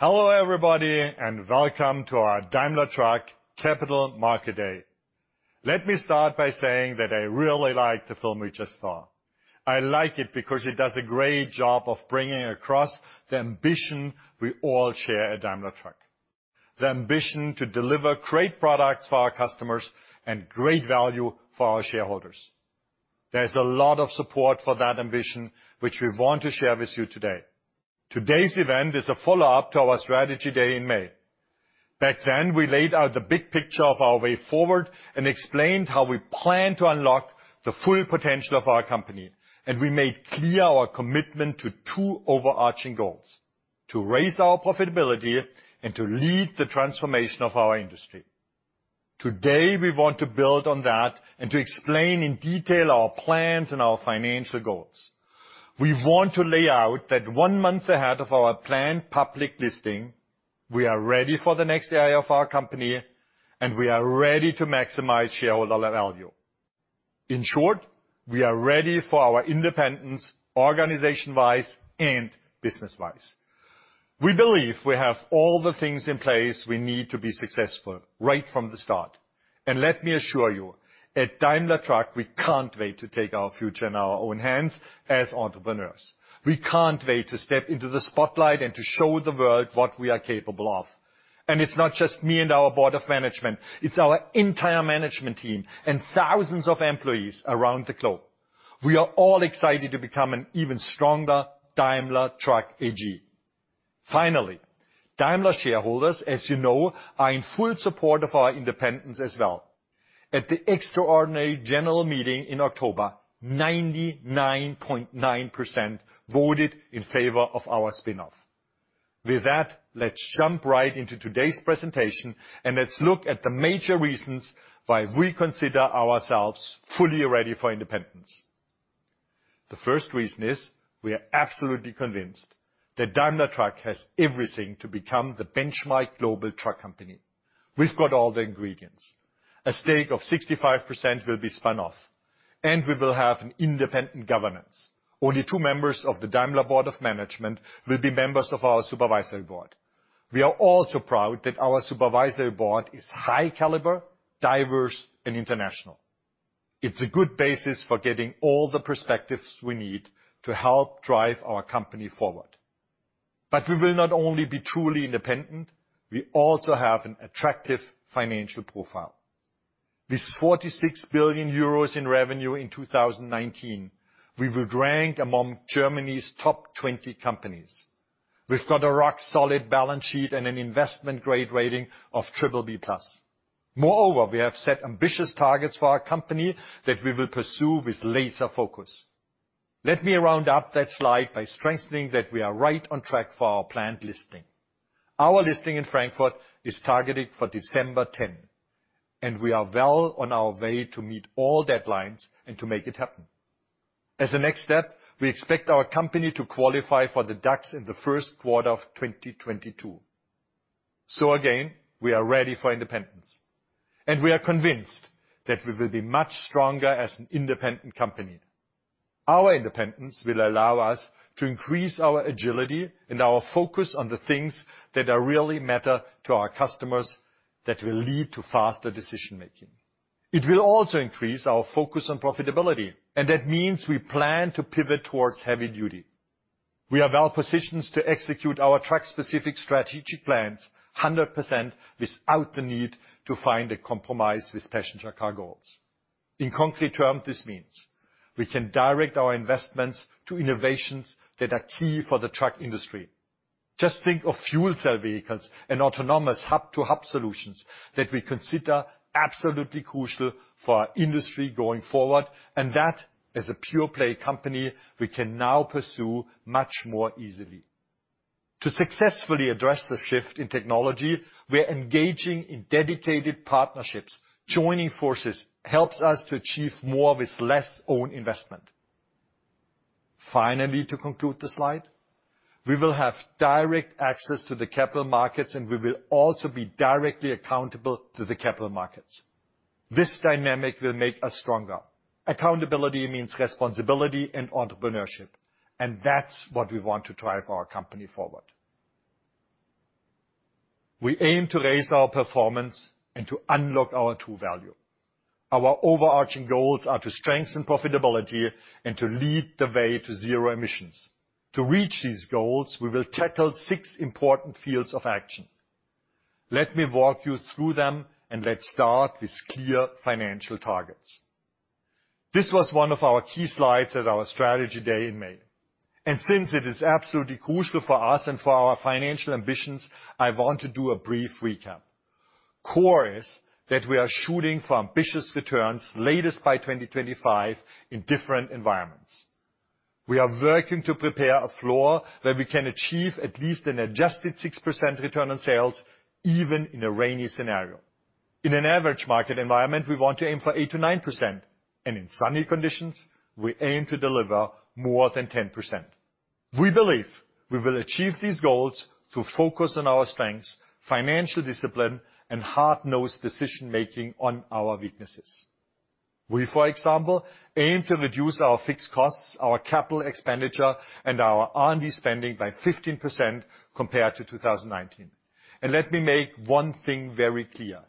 Hello everybody, and welcome to our Daimler Truck Capital Market Day. Let me start by saying that I really like the film we just saw. I like it because it does a great job of bringing across the ambition we all share at Daimler Truck, the ambition to deliver great products for our customers and great value for our shareholders. There's a lot of support for that ambition, which we want to share with you today. Today's event is a follow-up to our Strategy Day in May. Back then, we laid out the big picture of our way forward and explained how we plan to unlock the full potential of our company, and we made clear our commitment to two overarching goals, to raise our profitability and to lead the transformation of our industry. Today, we want to build on that and to explain in detail our plans and our financial goals. We want to lay out that one month ahead of our planned public listing, we are ready for the next era of our company, and we are ready to maximize shareholder value. In short, we are ready for our independence, organization-wise and business-wise. We believe we have all the things in place we need to be successful right from the start. Let me assure you, at Daimler Truck, we can't wait to take our future in our own hands as entrepreneurs. We can't wait to step into the spotlight and to show the world what we are capable of. It's not just me and our board of management, it's our entire management team and thousands of employees around the globe. We are all excited to become an even stronger Daimler Truck AG. Finally, Daimler shareholders, as you know, are in full support of our independence as well. At the extraordinary general meeting in October, 99.9% voted in favor of our spin-off. With that, let's jump right into today's presentation, and let's look at the major reasons why we consider ourselves fully ready for independence. The first reason is we are absolutely convinced that Daimler Truck has everything to become the benchmark global truck company. We've got all the ingredients. A stake of 65% will be spun off, and we will have an independent governance. Only two members of the Daimler Board of Management will be members of our Supervisory Board. We are all so proud that our Supervisory Board is high caliber, diverse, and international. It's a good basis for getting all the perspectives we need to help drive our company forward. We will not only be truly independent, we also have an attractive financial profile. With 46 billion euros in revenue in 2019, we will rank among Germany's top 20 companies. We've got a rock-solid balance sheet and an investment-grade rating of BBB+. Moreover, we have set ambitious targets for our company that we will pursue with laser focus. Let me round up that slide by strengthening that we are right on track for our planned listing. Our listing in Frankfurt is targeted for December 10, and we are well on our way to meet all deadlines and to make it happen. As a next step, we expect our company to qualify for the DAX in the Q1 of 2022. Again, we are ready for independence, and we are convinced that we will be much stronger as an independent company. Our independence will allow us to increase our agility and our focus on the things that really matter to our customers that will lead to faster decision-making. It will also increase our focus on profitability, and that means we plan to pivot towards heavy duty. We are well positioned to execute our truck-specific strategic plans 100% without the need to find a compromise with passenger car goals. In concrete terms, this means we can direct our investments to innovations that are key for the truck industry. Just think of fuel cell vehicles and autonomous hub-to-hub solutions that we consider absolutely crucial for our industry going forward, and that, as a pure play company, we can now pursue much more easily. To successfully address the shift in technology, we're engaging in dedicated partnerships. Joining forces helps us to achieve more with less own investment. Finally, to conclude the slide, we will have direct access to the capital markets, and we will also be directly accountable to the capital markets. This dynamic will make us stronger. Accountability means responsibility and entrepreneurship, and that's what we want to drive our company forward. We aim to raise our performance and to unlock our true value. Our overarching goals are to strengthen profitability and to lead the way to zero emissions. To reach these goals, we will tackle six important fields of action. Let me walk you through them and let's start with clear financial targets. This was one of our key slides at our Strategy Day in May, and since it is absolutely crucial for us and for our financial ambitions, I want to do a brief recap. Core is that we are shooting for ambitious returns latest by 2025 in different environments. We are working to prepare a floor where we can achieve at least an adjusted 6% return on sales, even in a rainy scenario. In an average market environment, we want to aim for 8%-9%, and in sunny conditions, we aim to deliver more than 10%. We believe we will achieve these goals through focus on our strengths, financial discipline, and hard-nosed decision-making on our weaknesses. We, for example, aim to reduce our fixed costs, our capital expenditure, and our R&D spending by 15% compared to 2019. Let me make one thing very clear,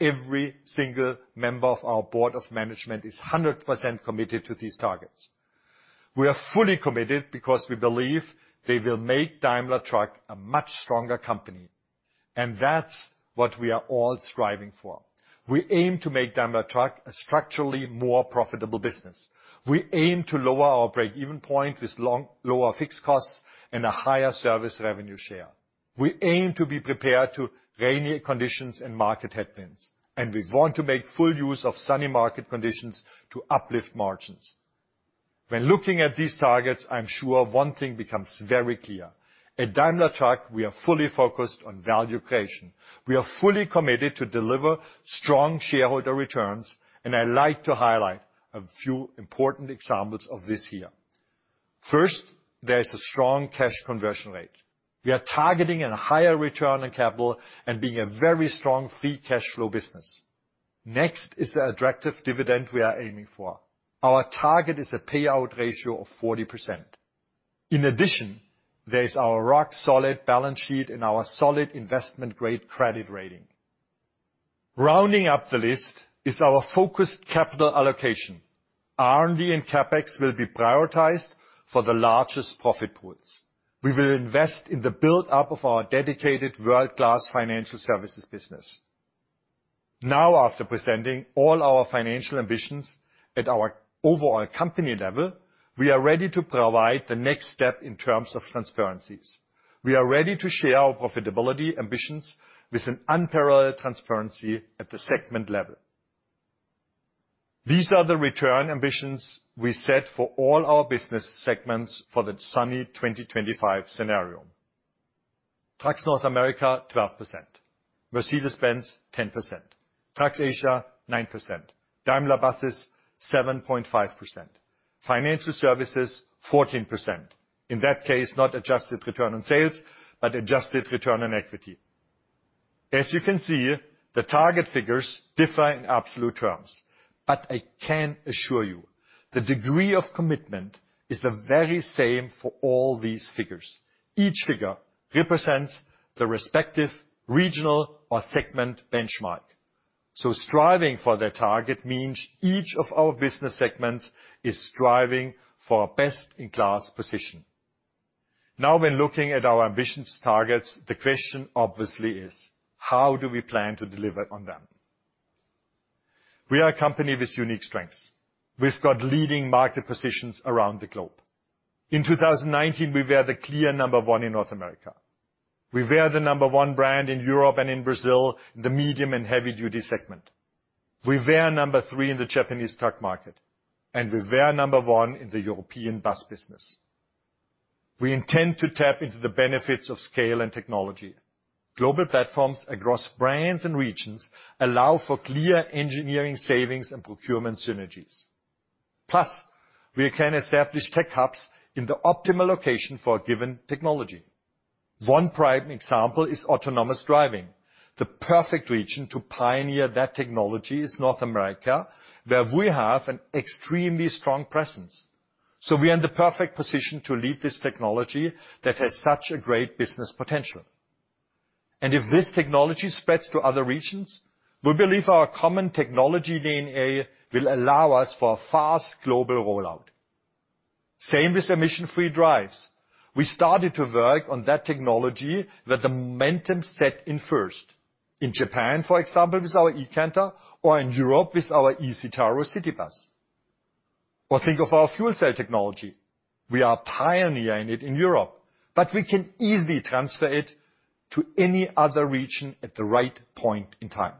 every single member of our board of management is 100% committed to these targets. We are fully committed because we believe they will make Daimler Truck a much stronger company, and that's what we are all striving for. We aim to make Daimler Truck a structurally more profitable business. We aim to lower our break-even point with lower fixed costs and a higher service revenue share. We aim to be prepared to rainier conditions and market headwinds, and we want to make full use of sunny market conditions to uplift margins. When looking at these targets, I'm sure one thing becomes very clear. At Daimler Truck, we are fully focused on value creation. We are fully committed to deliver strong shareholder returns, and I'd like to highlight a few important examples of this here. First, there is a strong cash conversion rate. We are targeting a higher return on capital and being a very strong free cash flow business. Next is the attractive dividend we are aiming for. Our target is a payout ratio of 40%. In addition, there is our rock-solid balance sheet and our solid investment-grade credit rating. Rounding out the list is our focused capital allocation. R&D and CapEx will be prioritized for the largest profit pools. We will invest in the build-up of our dedicated world-class financial services business. Now, after presenting all our financial ambitions at our overall company level, we are ready to provide the next step in terms of transparency. We are ready to share our profitability ambitions with an unparalleled transparency at the segment level. These are the return ambitions we set for all our business segments for the sunny 2025 scenario. Trucks North America, 12%. Mercedes-Benz, 10%. Trucks Asia, 9%. Daimler Buses, 7.5%. Financial services, 14%. In that case, not adjusted return on sales, but adjusted return on equity. As you can see, the target figures differ in absolute terms, but I can assure you the degree of commitment is the very same for all these figures. Each figure represents the respective regional or segment benchmark, so striving for their target means each of our business segments is striving for a best-in-class position. Now when looking at our ambitious targets, the question obviously is, how do we plan to deliver on them? We are a company with unique strengths. We've got leading market positions around the globe. In 2019, we were the clear number one in North America. We were the number one brand in Europe and in Brazil, in the medium and heavy-duty segment. We were number three in the Japanese truck market, and we were number one in the European bus business. We intend to tap into the benefits of scale and technology. Global platforms across brands and regions allow for clear engineering savings and procurement synergies. Plus, we can establish tech hubs in the optimal location for a given technology. One prime example is autonomous driving. The perfect region to pioneer that technology is North America, where we have an extremely strong presence. We are in the perfect position to lead this technology that has such a great business potential. If this technology spreads to other regions, we believe our common technology DNA will allow us for a fast global rollout. Same with emission-free drives. We started to work on that technology where the momentum set in first. In Japan, for example, with our eCanter or in Europe with our eCitaro city bus. Or think of our fuel cell technology. We are pioneering it in Europe, but we can easily transfer it to any other region at the right point in time.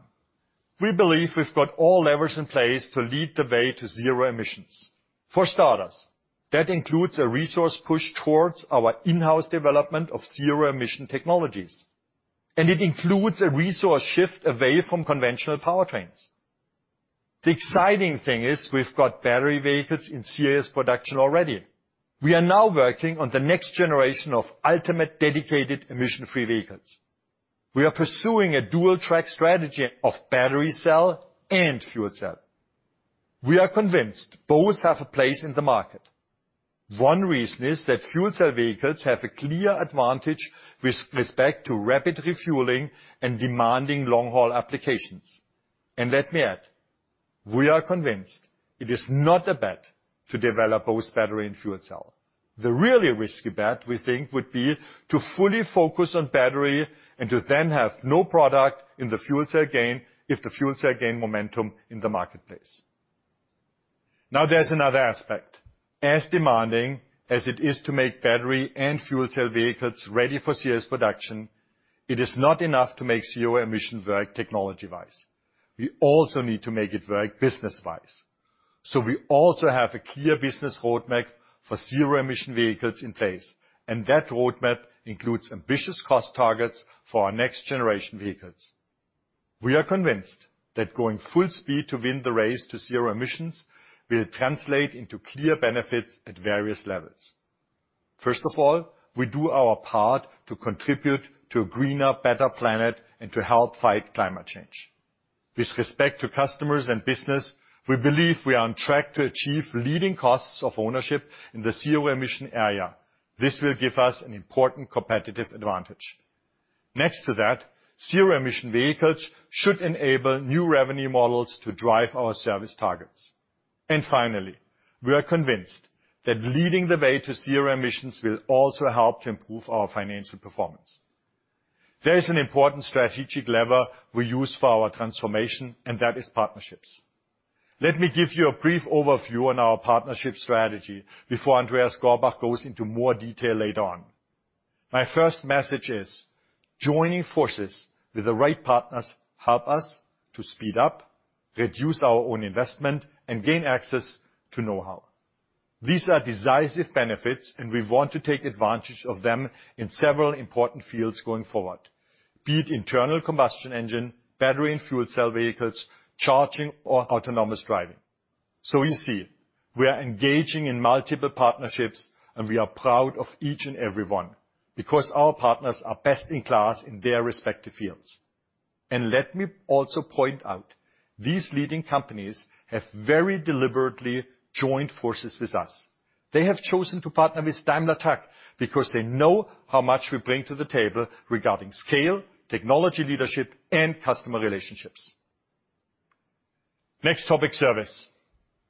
We believe we've got all levers in place to lead the way to zero emissions. For starters, that includes a resource push towards our in-house development of zero emission technologies, and it includes a resource shift away from conventional powertrains. The exciting thing is we've got battery vehicles in serious production already. We are now working on the next generation of ultimate dedicated emission free vehicles. We are pursuing a dual-track strategy of battery cell and fuel cell. We are convinced both have a place in the market. One reason is that fuel cell vehicles have a clear advantage with respect to rapid refueling and demanding long-haul applications. Let me add, we are convinced it is not a bet to develop both battery and fuel cell. The really risky bet, we think, would be to fully focus on battery and to then have no product in the fuel cell game if the fuel cell game gains momentum in the marketplace. Now there's another aspect. As demanding as it is to make battery and fuel cell vehicles ready for serious production, it is not enough to make zero emissions work technology-wise. We also need to make it work business-wise. We also have a clear business roadmap for zero-emission vehicles in place, and that roadmap includes ambitious cost targets for our next generation vehicles. We are convinced that going full speed to win the race to zero emissions will translate into clear benefits at various levels. First of all, we do our part to contribute to a greener, better planet and to help fight climate change. With respect to customers and business, we believe we are on track to achieve leading costs of ownership in the zero-emission area. This will give us an important competitive advantage. Next to that, zero-emission vehicles should enable new revenue models to drive our service targets. Finally, we are convinced that leading the way to zero emissions will also help to improve our financial performance. There is an important strategic lever we use for our transformation, and that is partnerships. Let me give you a brief overview on our partnership strategy before Andreas Gorbach goes into more detail later on. My first message is, joining forces with the right partners help us to speed up, reduce our own investment, and gain access to know-how. These are decisive benefits, and we want to take advantage of them in several important fields going forward, be it internal combustion engine, battery and fuel cell vehicles, charging or autonomous driving. You see, we are engaging in multiple partnerships, and we are proud of each and every one, because our partners are best in class in their respective fields. Let me also point out, these leading companies have very deliberately joined forces with us. They have chosen to partner with Daimler Truck because they know how much we bring to the table regarding scale, technology leadership, and customer relationships. Next topic, service.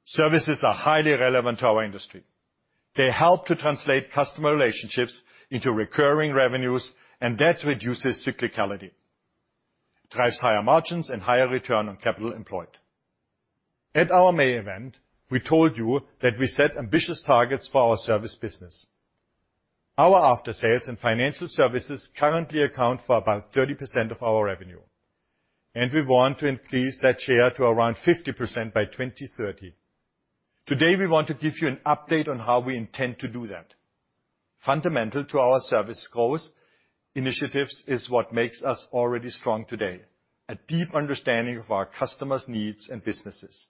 Services are highly relevant to our industry. They help to translate customer relationships into recurring revenues, and that reduces cyclicality, drives higher margins and higher return on capital employed. At our May event, we told you that we set ambitious targets for our service business. Our after-sales and financial services currently account for about 30% of our revenue, and we want to increase that share to around 50% by 2030. Today, we want to give you an update on how we intend to do that. Fundamental to our service growth initiatives is what makes us already strong today, a deep understanding of our customers' needs and businesses,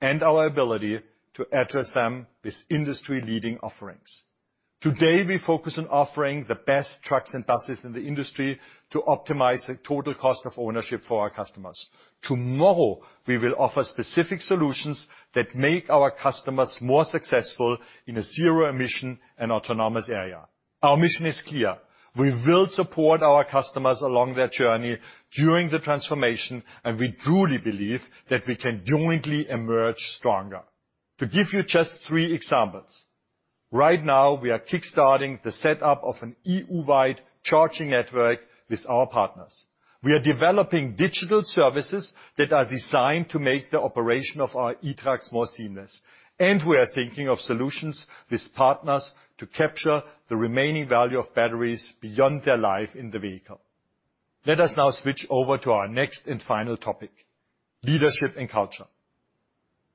and our ability to address them with industry-leading offerings. Today, we focus on offering the best trucks and buses in the industry to optimize the total cost of ownership for our customers. Tomorrow, we will offer specific solutions that make our customers more successful in a zero-emission and autonomous era. Our mission is clear. We will support our customers along their journey during the transformation, and we truly believe that we can jointly emerge stronger. To give you just three examples, right now, we are kickstarting the setup of an EU-wide charging network with our partners. We are developing digital services that are designed to make the operation of our e-trucks more seamless. We are thinking of solutions with partners to capture the remaining value of batteries beyond their life in the vehicle. Let us now switch over to our next and final topic, leadership and culture.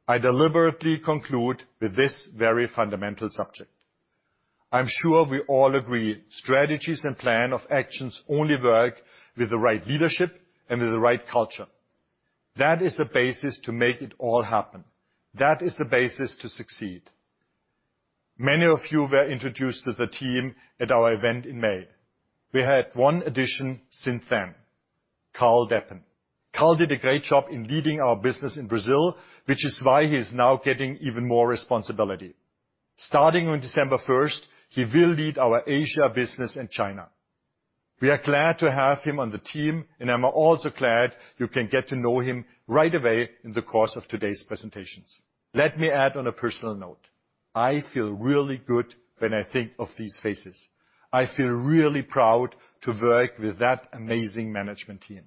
I deliberately conclude with this very fundamental subject. I'm sure we all agree, strategies and plan of actions only work with the right leadership and with the right culture. That is the basis to make it all happen. That is the basis to succeed. Many of you were introduced to the team at our event in May. We had one addition since then, Karl Deppen. Karl did a great job in leading our business in Brazil, which is why he is now getting even more responsibility. Starting on December 1, he will lead our Asia business in China. We are glad to have him on the team, and I'm also glad you can get to know him right away in the course of today's presentations. Let me add on a personal note, I feel really good when I think of these faces. I feel really proud to work with that amazing management team,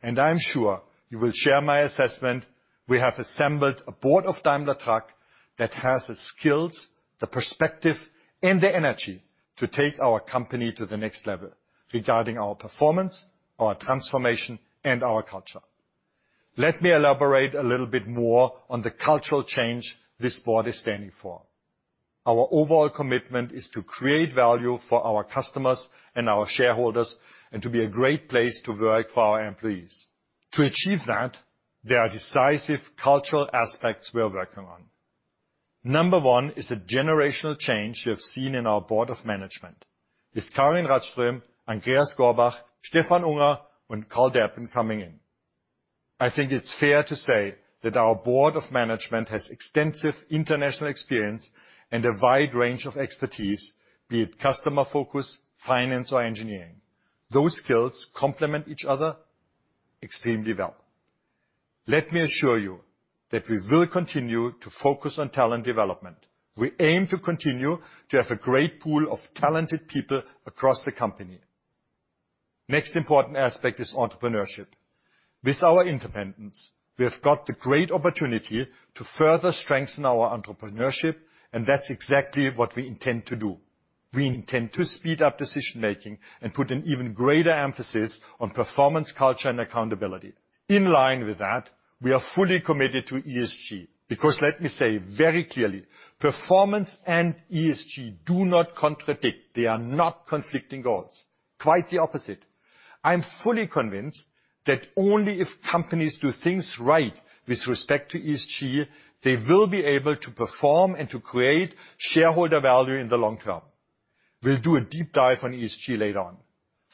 and I'm sure you will share my assessment. We have assembled a board of Daimler Truck that has the skills, the perspective, and the energy to take our company to the next level regarding our performance, our transformation, and our culture. Let me elaborate a little bit more on the cultural change this board is standing for. Our overall commitment is to create value for our customers and our shareholders and to be a great place to work for our employees. To achieve that, there are decisive cultural aspects we are working on. Number one is a generational change you have seen in our board of management with Karin Rådström, Andreas Gorbach, Stefan Buchner, and Karl Deppen coming in. I think it's fair to say that our board of management has extensive international experience and a wide range of expertise, be it customer focus, finance or engineering. Those skills complement each other extremely well. Let me assure you that we will continue to focus on talent development. We aim to continue to have a great pool of talented people across the company. Next important aspect is entrepreneurship. With our independence, we have got the great opportunity to further strengthen our entrepreneurship, and that's exactly what we intend to do. We intend to speed up decision-making and put an even greater emphasis on performance, culture, and accountability. In line with that, we are fully committed to ESG because let me say very clearly, performance and ESG do not contradict. They are not conflicting goals. Quite the opposite. I'm fully convinced that only if companies do things right with respect to ESG, they will be able to perform and to create shareholder value in the long term. We'll do a deep dive on ESG later on.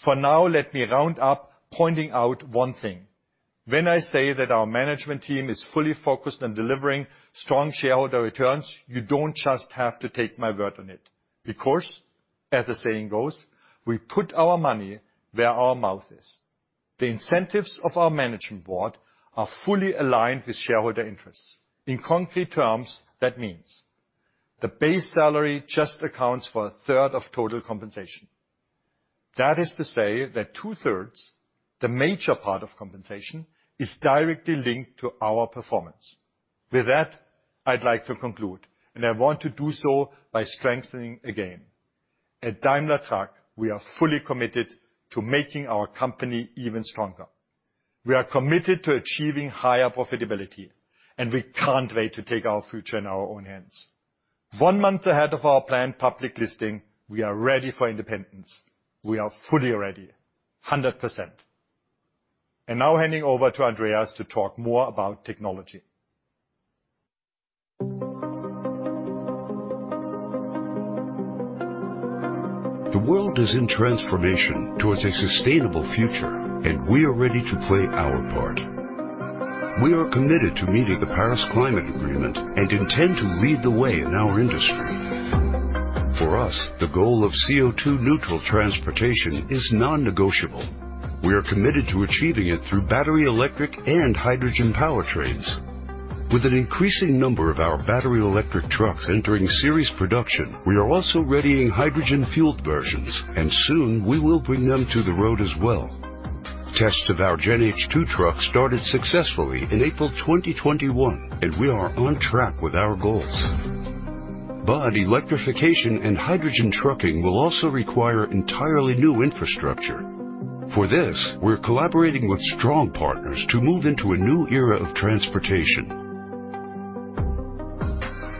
For now, let me round up pointing out one thing. When I say that our management team is fully focused on delivering strong shareholder returns, you don't just have to take my word on it. Because, as the saying goes, we put our money where our mouth is. The incentives of our management board are fully aligned with shareholder interests. In concrete terms, that means the base salary just accounts for a third of total compensation. That is to say that two-thirds, the major part of compensation, is directly linked to our performance. With that, I'd like to conclude, and I want to do so by strengthening again. At Daimler Truck, we are fully committed to making our company even stronger. We are committed to achieving higher profitability, and we can't wait to take our future in our own hands. One month ahead of our planned public listing, we are ready for independence. We are fully ready, 100%. Now handing over to Andreas to talk more about technology. The world is in transformation towards a sustainable future, and we are ready to play our part. We are committed to meeting the Paris Agreement and intend to lead the way in our industry. For us, the goal of CO2-neutral transportation is non-negotiable. We are committed to achieving it through battery, electric and hydrogen powertrains. With an increasing number of our battery electric trucks entering series production, we are also readying hydrogen-fueled versions, and soon we will bring them to the road as well. Tests of our GenH2 Truck started successfully in April 2021, and we are on track with our goals. Electrification and hydrogen trucking will also require entirely new infrastructure. For this, we're collaborating with strong partners to move into a new era of transportation.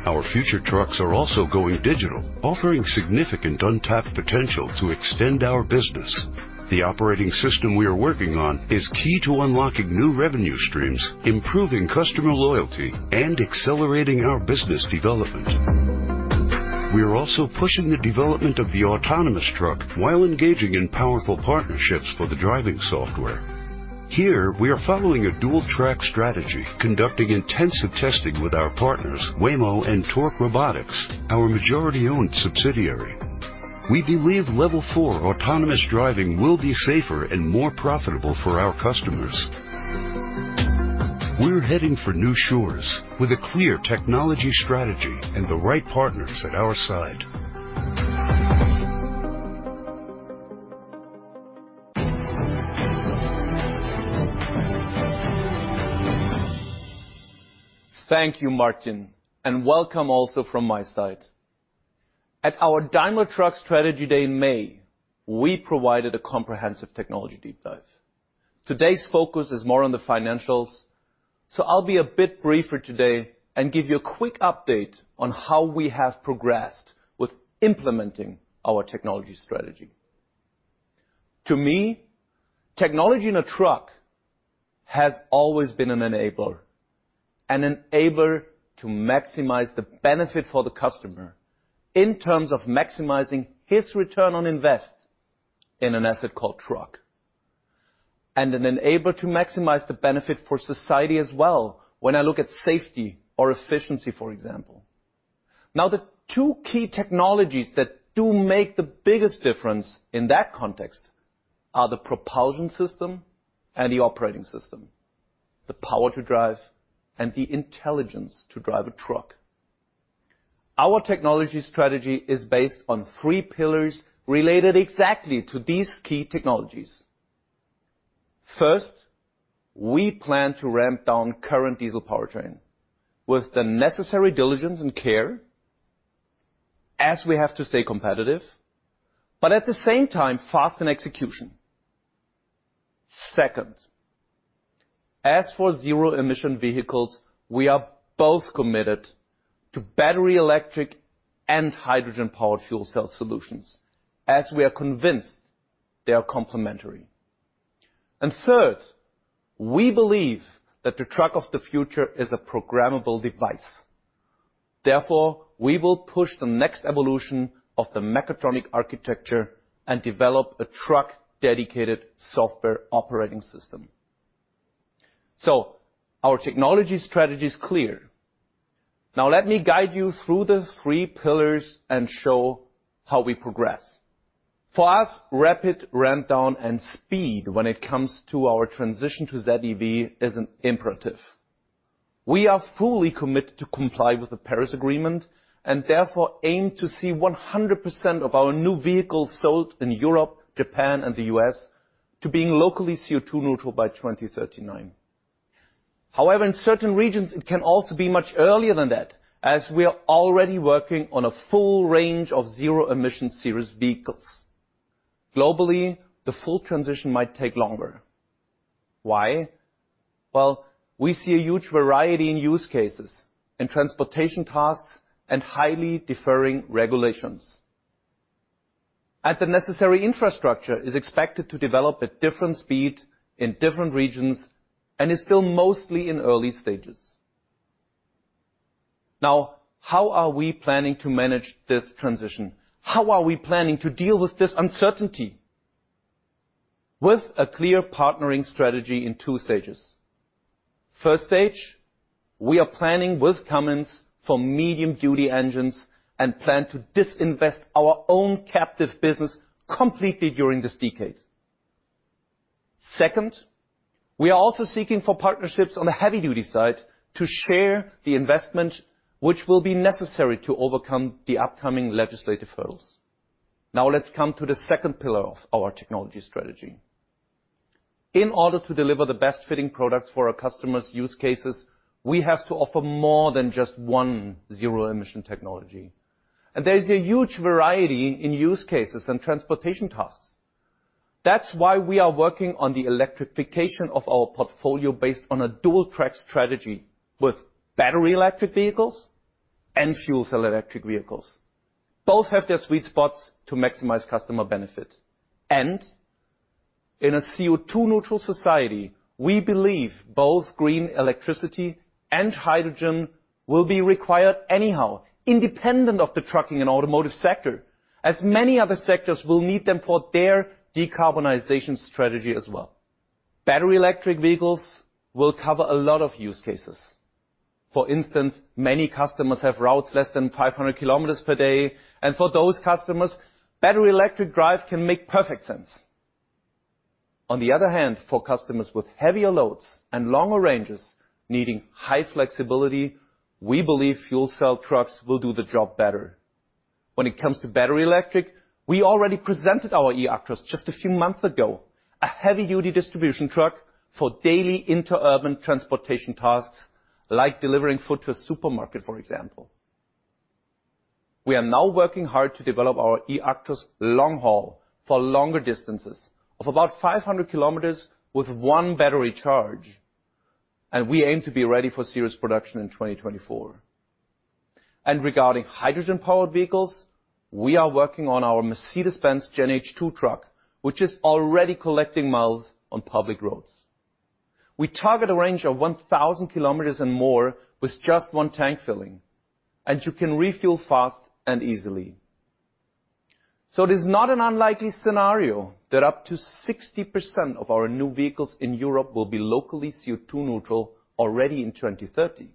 Our future trucks are also going digital, offering significant untapped potential to extend our business. The operating system we are working on is key to unlocking new revenue streams, improving customer loyalty, and accelerating our business development. We are also pushing the development of the autonomous truck while engaging in powerful partnerships for the driving software. Here, we are following a dual-track strategy, conducting intensive testing with our partners, Waymo and Torc Robotics, our majority-owned subsidiary. We believe level four autonomous driving will be safer and more profitable for our customers. We're heading for new shores with a clear technology strategy and the right partners at our side. Thank you, Martin, and welcome also from my side. At our Daimler Truck Strategy Day in May, we provided a comprehensive technology deep dive. Today's focus is more on the financials, so I'll be a bit briefer today and give you a quick update on how we have progressed with implementing our technology strategy. To me, technology in a truck has always been an enabler, an enabler to maximize the benefit for the customer in terms of maximizing his return on investment in an asset called a truck. An enabler to maximize the benefit for society as well, when I look at safety or efficiency, for example. The two key technologies that do make the biggest difference in that context are the propulsion system and the operating system, the power to drive and the intelligence to drive a truck. Our technology strategy is based on three pillars related exactly to these key technologies. First, we plan to ramp down current diesel powertrain with the necessary diligence and care as we have to stay competitive, but at the same time, fast in execution. Second, as for zero-emission vehicles, we are both committed to battery-electric and hydrogen-powered fuel cell solutions, as we are convinced they are complementary. Third, we believe that the truck of the future is a programmable device. Therefore, we will push the next evolution of the mechatronic architecture and develop a truck-dedicated software operating system. Our technology strategy is clear. Now let me guide you through the three pillars and show how we progress. For us, rapid ramp up and speed when it comes to our transition to ZEV is an imperative. We are fully committed to comply with the Paris Agreement and therefore aim to see 100% of our new vehicles sold in Europe, Japan and the U.S. to being locally CO2 neutral by 2039. However, in certain regions, it can also be much earlier than that, as we are already working on a full range of zero-emission series vehicles. Globally, the full transition might take longer. Why? Well, we see a huge variety in use cases and transportation tasks, and highly differing regulations. The necessary infrastructure is expected to develop at different speed in different regions, and is still mostly in early stages. Now, how are we planning to manage this transition? How are we planning to deal with this uncertainty? With a clear partnering strategy in two stages. First stage, we are planning with Cummins for medium-duty engines, and plan to disinvest our own captive business completely during this decade. Second, we are also seeking for partnerships on the heavy-duty side to share the investment which will be necessary to overcome the upcoming legislative hurdles. Now, let's come to the second pillar of our technology strategy. In order to deliver the best fitting products for our customers' use cases, we have to offer more than just one zero-emission technology. There is a huge variety in use cases and transportation tasks. That's why we are working on the electrification of our portfolio based on a dual-track strategy with battery electric vehicles and fuel cell electric vehicles. Both have their sweet spots to maximize customer benefit. In a CO2 neutral society, we believe both green electricity and hydrogen will be required anyhow, independent of the trucking and automotive sector, as many other sectors will need them for their decarbonization strategy as well. Battery electric vehicles will cover a lot of use cases. For instance, many customers have routes less than 500 km per day, and for those customers, battery electric drive can make perfect sense. On the other hand, for customers with heavier loads and longer ranges needing high flexibility, we believe fuel cell trucks will do the job better. When it comes to battery electric, we already presented our eActros just a few months ago, a heavy-duty distribution truck for daily interurban transportation tasks, like delivering food to a supermarket, for example. We are now working hard to develop our eActros LongHaul for longer distances of about 500 km with one battery charge, and we aim to be ready for serious production in 2024. Regarding hydrogen-powered vehicles, we are working on our Mercedes-Benz GenH2 Truck, which is already collecting miles on public roads. We target a range of 1,000 km and more with just one tank filling, and you can refuel fast and easily. It is not an unlikely scenario that up to 60% of our new vehicles in Europe will be locally CO2 neutral already in 2030.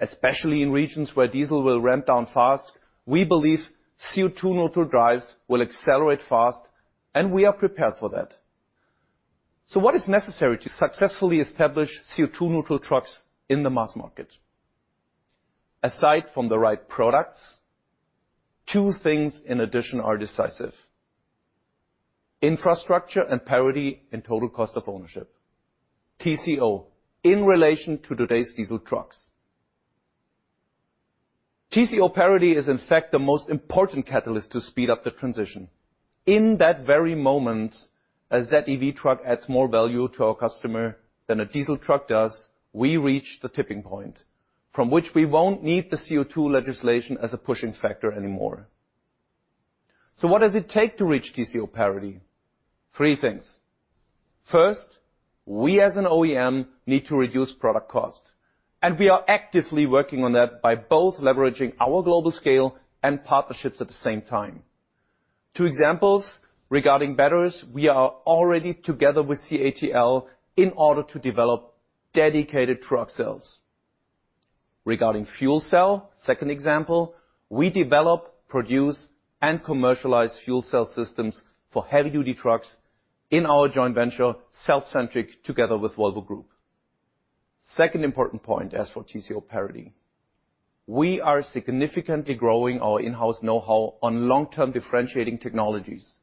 Especially in regions where diesel will ramp down fast, we believe CO2 neutral drives will accelerate fast, and we are prepared for that. What is necessary to successfully establish CO2 neutral trucks in the mass market? Aside from the right products, two things in addition are decisive, infrastructure and parity and total cost of ownership, TCO, in relation to today's diesel trucks. TCO parity is in fact the most important catalyst to speed up the transition. In that very moment, as that EV truck adds more value to our customer than a diesel truck does, we reach the tipping point from which we won't need the CO2 legislation as a pushing factor anymore. What does it take to reach TCO parity? Three things. First, we as an OEM need to reduce product cost, and we are actively working on that by both leveraging our global scale and partnerships at the same time. Two examples regarding batteries, we are already together with CATL in order to develop dedicated truck cells. Regarding fuel cell, second example, we develop, produce, and commercialize fuel cell systems for heavy-duty trucks in our joint venture, cellcentric, together with Volvo Group. Second important point as for TCO parity, we are significantly growing our in-house know-how on long-term differentiating technologies.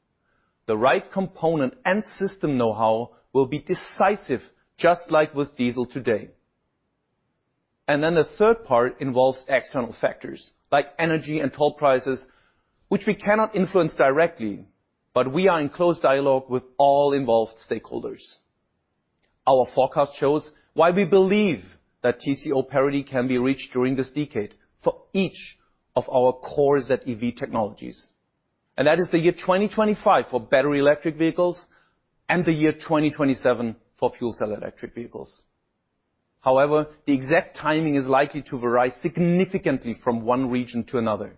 The right component and system know-how will be decisive, just like with diesel today. The third part involves external factors, like energy and toll prices, which we cannot influence directly, but we are in close dialogue with all involved stakeholders. Our forecast shows why we believe that TCO parity can be reached during this decade for each of our core ZEV technologies, and that is the year 2025 for battery electric vehicles and the year 2027 for fuel cell electric vehicles. However, the exact timing is likely to vary significantly from one region to another.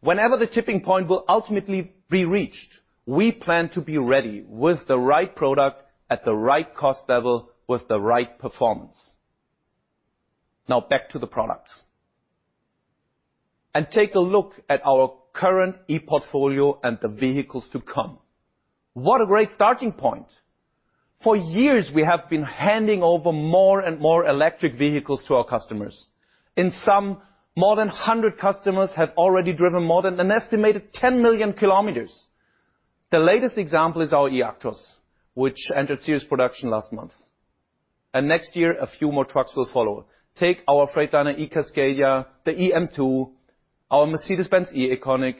Whenever the tipping point will ultimately be reached, we plan to be ready with the right product at the right cost level with the right performance. Now back to the products. Take a look at our current e-portfolio and the vehicles to come. What a great starting point. For years, we have been handing over more and more electric vehicles to our customers. In sum, more than 100 customers have already driven more than an estimated 10 million kilometers. The latest example is our eActros, which entered serious production last month. Next year, a few more trucks will follow. Take our Freightliner eCascadia, the eM2, our Mercedes-Benz eEconic,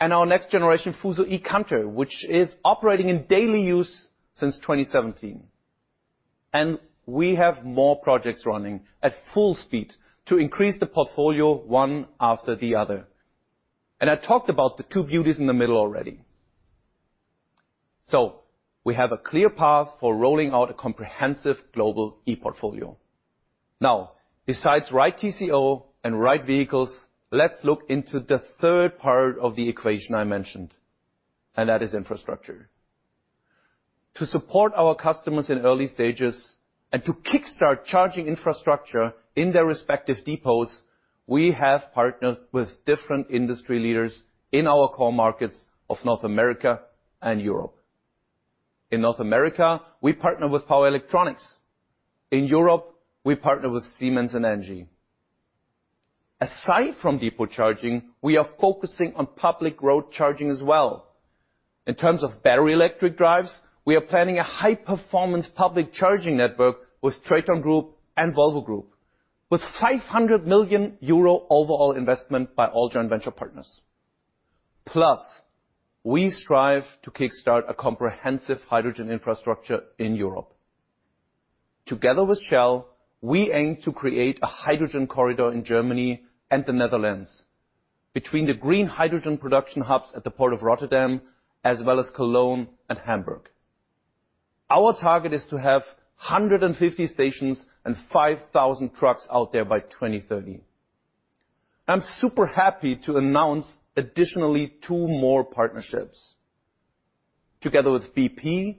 and our next generation FUSO eCanter, which is operating in daily use since 2017. We have more projects running at full speed to increase the portfolio one after the other. I talked about the two beauties in the middle already. We have a clear path for rolling out a comprehensive global ePortfolio. Now, besides right TCO and right vehicles, let's look into the third part of the equation I mentioned, and that is infrastructure. To support our customers in early stages and to kickstart charging infrastructure in their respective depots, we have partnered with different industry leaders in our core markets of North America and Europe. In North America, we partner with Power Electronics. In Europe, we partner with Siemens and ENGIE. Aside from depot charging, we are focusing on public road charging as well. In terms of battery electric drives, we are planning a high performance public charging network with TRATON GROUP and Volvo Group, with 500 million euro overall investment by all joint venture partners. Plus, we strive to kickstart a comprehensive hydrogen infrastructure in Europe. Together with Shell, we aim to create a hydrogen corridor in Germany and the Netherlands between the green hydrogen production hubs at the Port of Rotterdam as well as Cologne and Hamburg. Our target is to have 150 stations and 5,000 trucks out there by 2030. I'm super happy to announce additionally two more partnerships. Together with BP,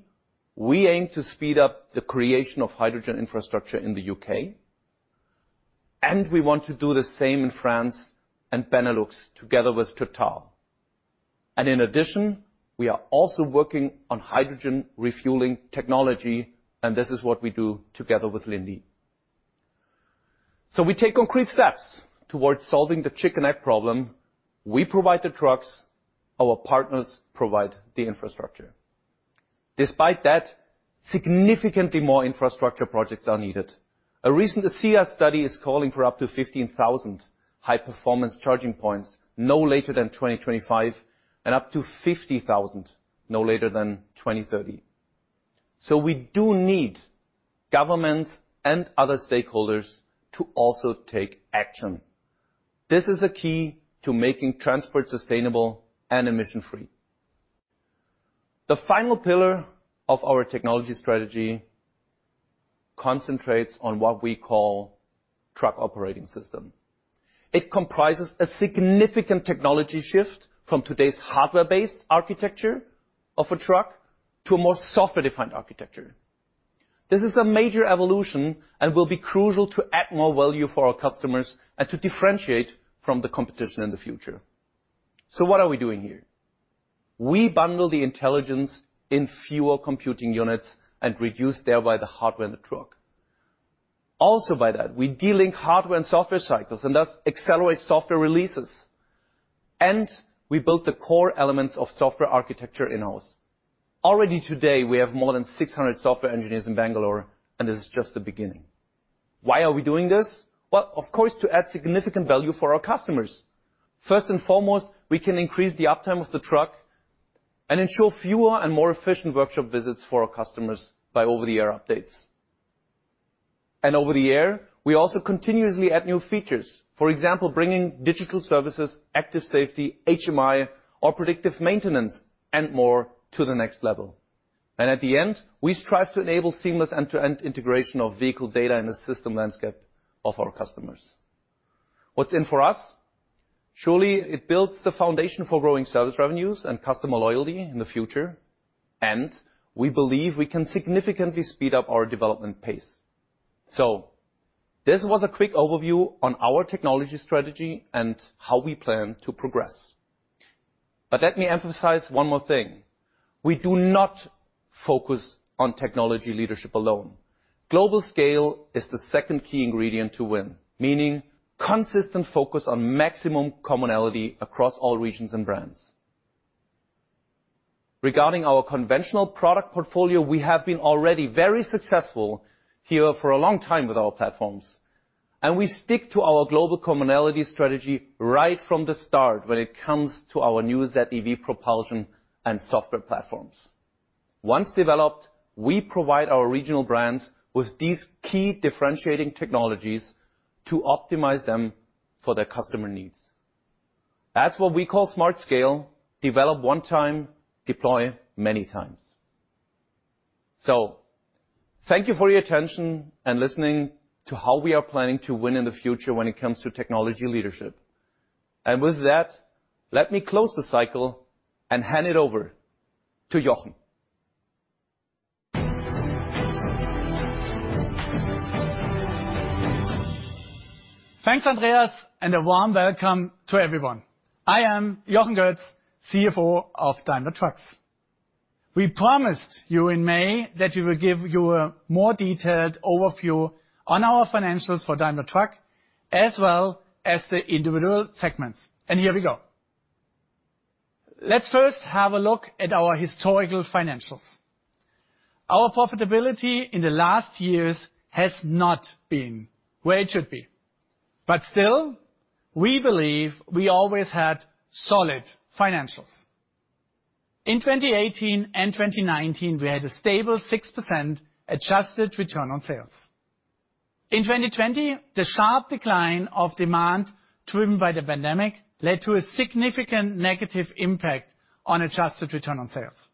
we aim to speed up the creation of hydrogen infrastructure in the U.K., and we want to do the same in France and Benelux together with Total. In addition, we are also working on hydrogen refueling technology and this is what we do together with Linde. We take concrete steps towards solving the chicken egg problem. We provide the trucks, our partners provide the infrastructure. Despite that, significantly more infrastructure projects are needed. A recent ACEA study is calling for up to 15,000 high-performance charging points no later than 2025 and up to 50,000 no later than 2030. We do need governments and other stakeholders to also take action. This is a key to making transport sustainable and emission-free. The final pillar of our technology strategy concentrates on what we call truck operating system. It comprises a significant technology shift from today's hardware-based architecture of a truck to a more software-defined architecture. This is a major evolution and will be crucial to add more value for our customers and to differentiate from the competition in the future. What are we doing here? We bundle the intelligence in fewer computing units and reduce thereby the hardware in the truck. Also by that, we delink hardware and software cycles and thus accelerate software releases. We build the core elements of software architecture in-house. Already today, we have more than 600 software engineers in Bangalore, and this is just the beginning. Why are we doing this? Well, of course, to add significant value for our customers. First and foremost, we can increase the uptime of the truck and ensure fewer and more efficient workshop visits for our customers by over-the-air updates. Over-the-air, we also continuously add new features. For example, bringing digital services, active safety, HMI or predictive maintenance and more to the next level. At the end, we strive to enable seamless end-to-end integration of vehicle data in the system landscape of our customers. What's in for us? Surely it builds the foundation for growing service revenues and customer loyalty in the future, and we believe we can significantly speed up our development pace. This was a quick overview on our technology strategy and how we plan to progress. Let me emphasize one more thing. We do not focus on technology leadership alone. Global scale is the second key ingredient to win, meaning consistent focus on maximum commonality across all regions and brands. Regarding our conventional product portfolio, we have been already very successful here for a long time with our platforms, and we stick to our global commonality strategy right from the start when it comes to our new ZEV propulsion and software platforms. Once developed, we provide our regional brands with these key differentiating technologies to optimize them for their customer needs. That's what we call smart scale, develop one time, deploy many times. Thank you for your attention and listening to how we are planning to win in the future when it comes to technology leadership. With that, let me close the cycle and hand it over to Jochen. Thanks, Andreas, and a warm welcome to everyone. I am Jochen Goetz, CFO of Daimler Truck. We promised you in May that we will give you a more detailed overview on our financials for Daimler Truck as well as the individual segments. Here we go. Let's first have a look at our historical financials. Our profitability in the last years has not been where it should be, but still, we believe we always had solid financials. In 2018 and 2019, we had a stable 6% adjusted return on sales. In 2020, the sharp decline of demand driven by the pandemic led to a significant negative impact on adjusted return on sales.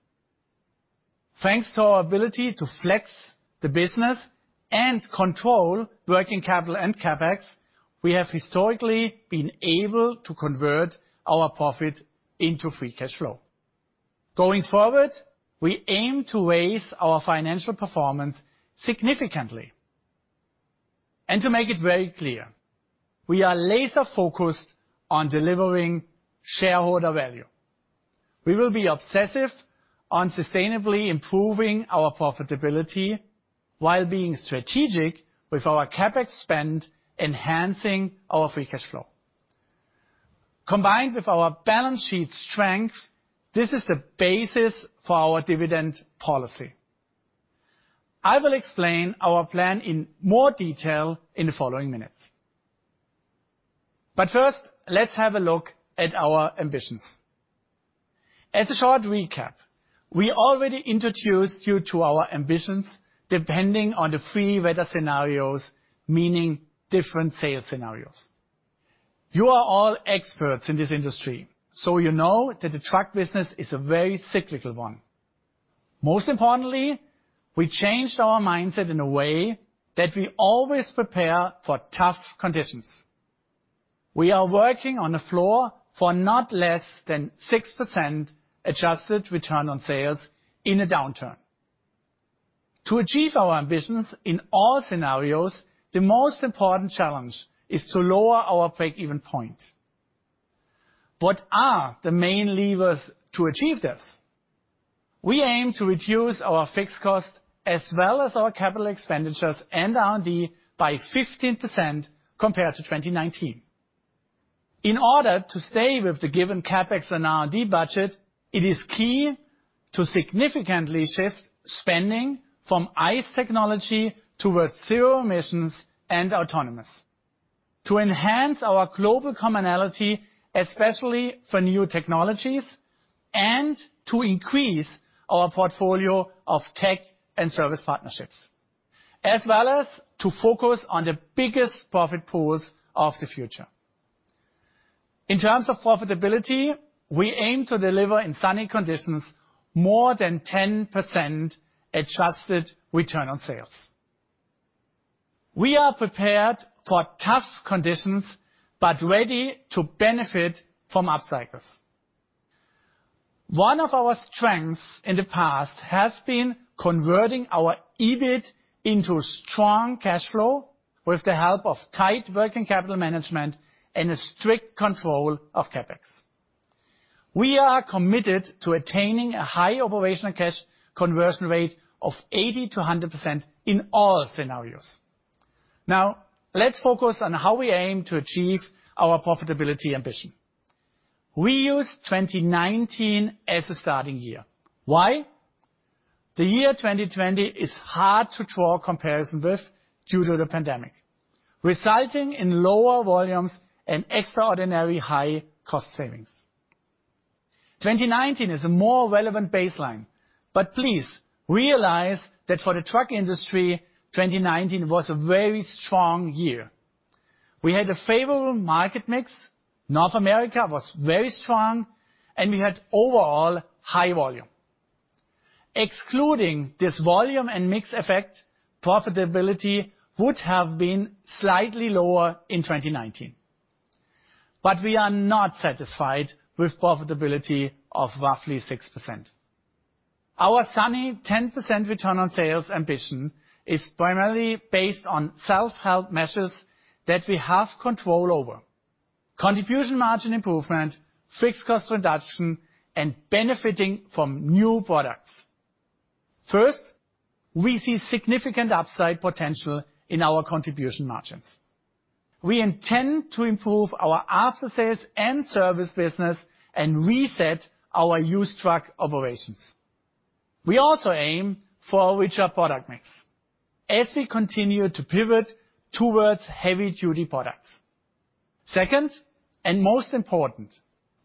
Thanks to our ability to flex the business and control working capital and CapEx, we have historically been able to convert our profit into free cash flow. Going forward, we aim to raise our financial performance significantly. To make it very clear, we are laser focused on delivering shareholder value. We will be obsessive on sustainably improving our profitability while being strategic with our CapEx spend, enhancing our free cash flow. Combined with our balance sheet strength, this is the basis for our dividend policy. I will explain our plan in more detail in the following minutes. First, let's have a look at our ambitions. As a short recap, we already introduced you to our ambitions, depending on the three weather scenarios, meaning different sales scenarios. You are all experts in this industry, so you know that the truck business is a very cyclical one. Most importantly, we changed our mindset in a way that we always prepare for tough conditions. We are working on a floor for not less than 6% adjusted return on sales in a downturn. To achieve our ambitions in all scenarios, the most important challenge is to lower our break-even point. What are the main levers to achieve this? We aim to reduce our fixed costs as well as our capital expenditures and R&D by 15% compared to 2019. In order to stay with the given CapEx and R&D budget, it is key to significantly shift spending from ICE technology towards zero emissions and autonomous. To enhance our global commonality, especially for new technologies, and to increase our portfolio of tech and service partnerships, as well as to focus on the biggest profit pools of the future. In terms of profitability, we aim to deliver in sunny conditions more than 10% adjusted return on sales. We are prepared for tough conditions, but ready to benefit from upcycles. One of our strengths in the past has been converting our EBIT into strong cash flow with the help of tight working capital management and a strict control of CapEx. We are committed to attaining a high operational cash conversion rate of 80%-100% in all scenarios. Now, let's focus on how we aim to achieve our profitability ambition. We use 2019 as a starting year. Why? The year 2020 is hard to draw comparison with due to the pandemic, resulting in lower volumes and extraordinary high cost savings. 2019 is a more relevant baseline, but please realize that for the truck industry, 2019 was a very strong year. We had a favorable market mix, North America was very strong, and we had overall high volume. Excluding this volume and mix effect, profitability would have been slightly lower in 2019, but we are not satisfied with profitability of roughly 6%. Our solid 10% return on sales ambition is primarily based on self-help measures that we have control over, contribution margin improvement, fixed cost reduction, and benefiting from new products. First, we see significant upside potential in our contribution margins. We intend to improve our after-sales and service business and reset our used truck operations. We also aim for a richer product mix as we continue to pivot towards heavy duty products. Second, and most important,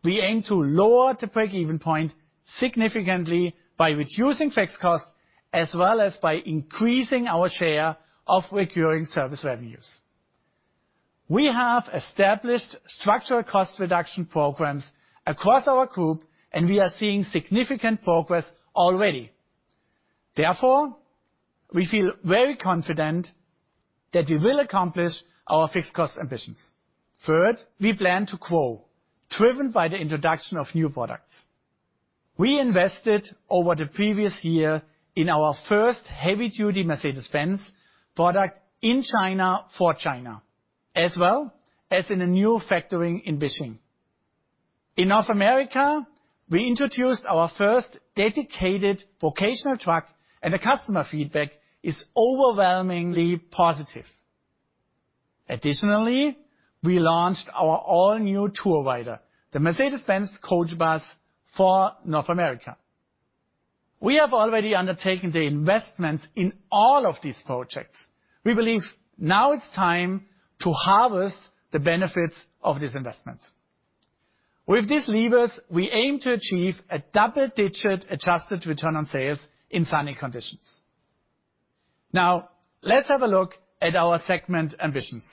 we aim to lower the break-even point significantly by reducing fixed costs, as well as by increasing our share of recurring service revenues. We have established structural cost reduction programs across our group, and we are seeing significant progress already. Therefore, we feel very confident that we will accomplish our fixed cost ambitions. Third, we plan to grow, driven by the introduction of new products. We invested over the previous year in our first heavy-duty Mercedes-Benz product in China for China, as well as in a new factory in Beijing. In North America, we introduced our first dedicated vocational truck, and the customer feedback is overwhelmingly positive. Additionally, we launched our all-new Tourrider, the Mercedes-Benz Coach Bus for North America. We have already undertaken the investments in all of these projects. We believe now it's time to harvest the benefits of these investments. With these levers, we aim to achieve a double-digit adjusted return on sales in sunny conditions. Now, let's have a look at our segment ambitions.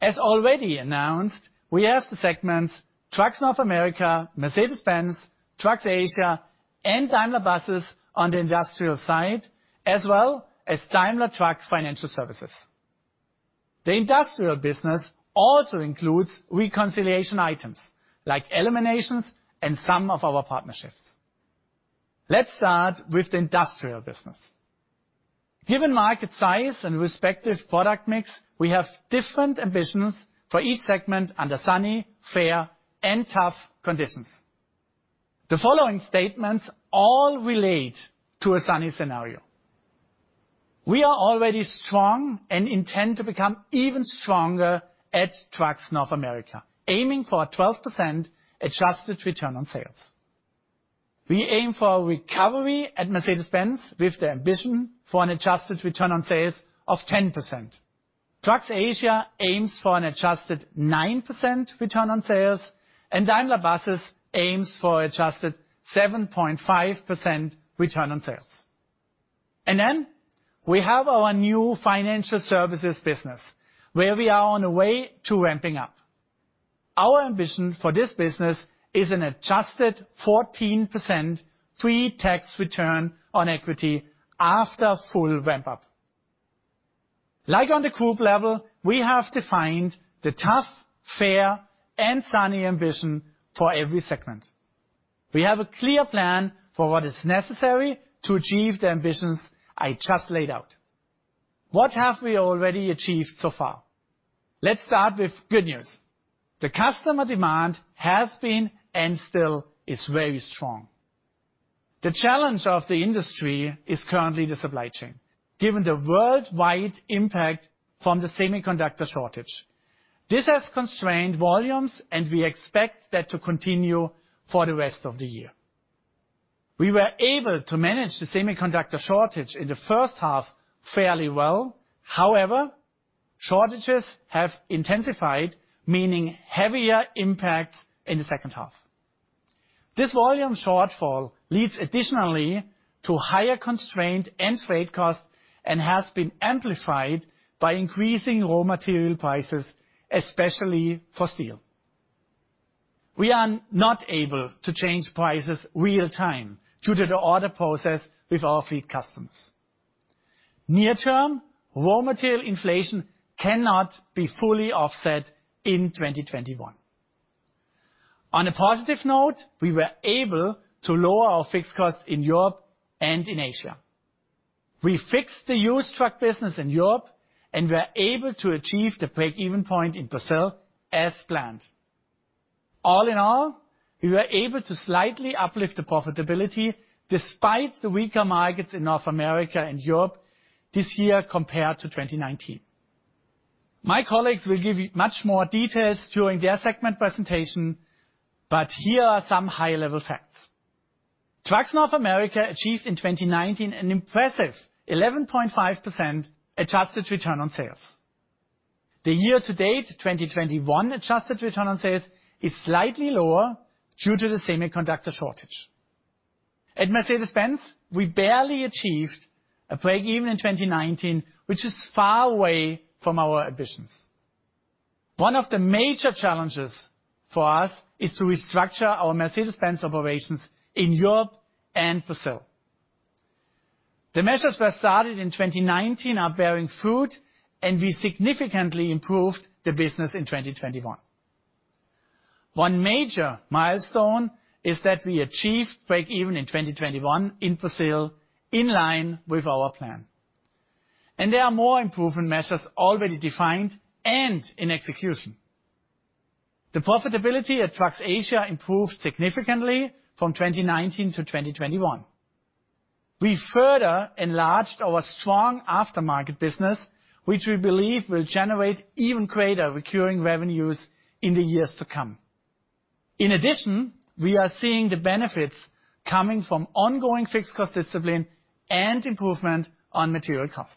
As already announced, we have the segments Trucks North America, Mercedes-Benz, Trucks Asia, and Daimler Buses on the industrial side, as well as Daimler Truck Financial Services. The industrial business also includes reconciliation items, like eliminations and some of our partnerships. Let's start with the industrial business. Given market size and respective product mix, we have different ambitions for each segment under sunny, fair, and tough conditions. The following statements all relate to a sunny scenario. We are already strong and intend to become even stronger at Trucks North America, aiming for a 12% adjusted return on sales. We aim for a recovery at Mercedes-Benz with the ambition for an adjusted return on sales of 10%. Trucks Asia aims for an adjusted 9% return on sales, and Daimler Buses aims for adjusted 7.5% return on sales. We have our new financial services business, where we are on the way to ramping up. Our ambition for this business is an adjusted 14% pre-tax return on equity after full ramp up. Like on the group level, we have defined the tough, fair, and sunny ambition for every segment. We have a clear plan for what is necessary to achieve the ambitions I just laid out. What have we already achieved so far? Let's start with good news. The customer demand has been, and still is very strong. The challenge of the industry is currently the supply chain, given the worldwide impact from the semiconductor shortage. This has constrained volumes, and we expect that to continue for the rest of the year. We were able to manage the semiconductor shortage in the first half fairly well. However, shortages have intensified, meaning heavier impact in the second half. This volume shortfall leads additionally to higher constraint and freight costs, and has been amplified by increasing raw material prices, especially for steel. We are not able to change prices real time due to the order process with our fleet customers. Near term, raw material inflation cannot be fully offset in 2021. On a positive note, we were able to lower our fixed costs in Europe and in Asia. We fixed the used truck business in Europe, and we are able to achieve the break-even point in Brazil as planned. All in all, we were able to slightly uplift the profitability despite the weaker markets in North America and Europe this year compared to 2019. My colleagues will give you much more details during their segment presentation, but here are some high-level facts. Trucks North America achieved in 2019 an impressive 11.5% adjusted return on sales. The year to date, 2021 adjusted return on sales is slightly lower due to the semiconductor shortage. At Mercedes-Benz, we barely achieved a break even in 2019, which is far away from our ambitions. One of the major challenges for us is to restructure our Mercedes-Benz operations in Europe and Brazil. The measures were started in 2019 are bearing fruit, and we significantly improved the business in 2021. One major milestone is that we achieved break even in 2021 in Brazil, in line with our plan. There are more improvement measures already defined and in execution. The profitability at Trucks Asia improved significantly from 2019 to 2021. We further enlarged our strong aftermarket business, which we believe will generate even greater recurring revenues in the years to come. In addition, we are seeing the benefits coming from ongoing fixed cost discipline and improvement on material cost.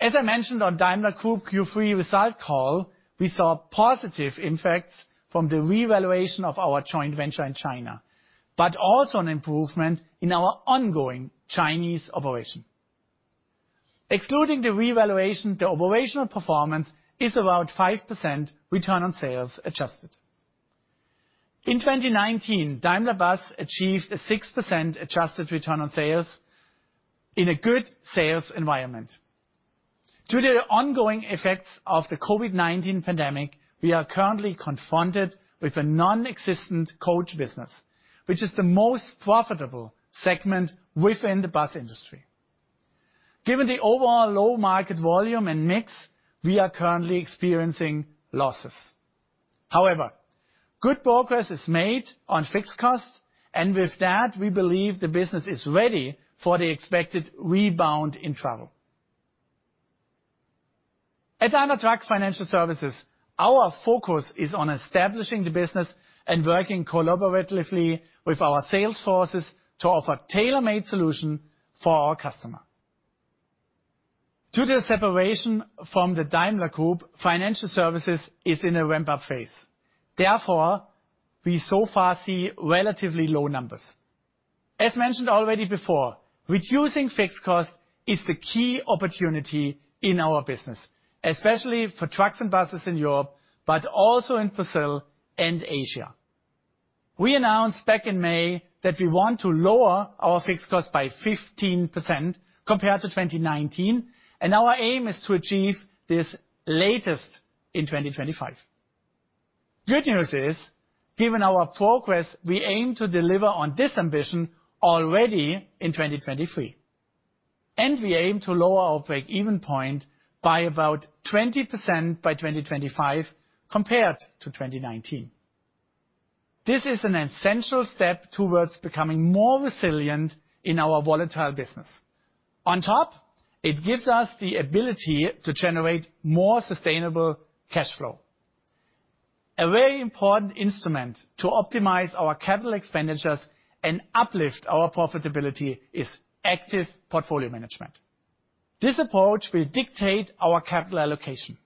As I mentioned on Daimler Group Q3 result call, we saw positive impacts from the revaluation of our joint venture in China, but also an improvement in our ongoing Chinese operation. Excluding the revaluation, the operational performance is about 5% return on sales adjusted. In 2019, Daimler Buses achieved a 6% adjusted return on sales in a good sales environment. Due to the ongoing effects of the COVID-19 pandemic, we are currently confronted with a nonexistent coach business, which is the most profitable segment within the bus industry. Given the overall low market volume and mix, we are currently experiencing losses. However, good progress is made on fixed costs, and with that, we believe the business is ready for the expected rebound in travel. At Daimler Truck Financial Services, our focus is on establishing the business and working collaboratively with our sales forces to offer tailor-made solution for our customer. Due to the separation from the Daimler Group, financial services is in a ramp-up phase, therefore we so far see relatively low numbers. As mentioned already before, reducing fixed cost is the key opportunity in our business, especially for trucks and buses in Europe, but also in Brazil and Asia. We announced back in May that we want to lower our fixed cost by 15% compared to 2019, and our aim is to achieve this latest in 2025. Good news is, given our progress, we aim to deliver on this ambition already in 2023. We aim to lower our break-even point by about 20% by 2025 compared to 2019. This is an essential step towards becoming more resilient in our volatile business. On top, it gives us the ability to generate more sustainable cash flow. A very important instrument to optimize our capital expenditures and uplift our profitability is active portfolio management. This approach will dictate our capital allocation.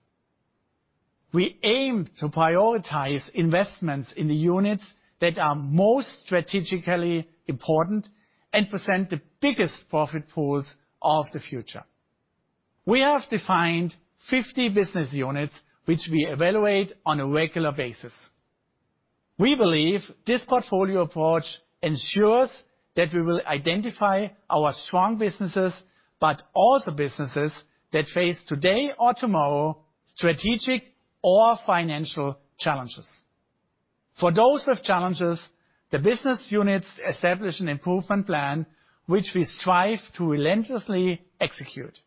We aim to prioritize investments in the units that are most strategically important and present the biggest profit pools of the future. We have defined 50 business units, which we evaluate on a regular basis. We believe this portfolio approach ensures that we will identify our strong businesses, but also businesses that face today or tomorrow strategic or financial challenges. For those with challenges, the business units establish an improvement plan which we strive to relentlessly execute.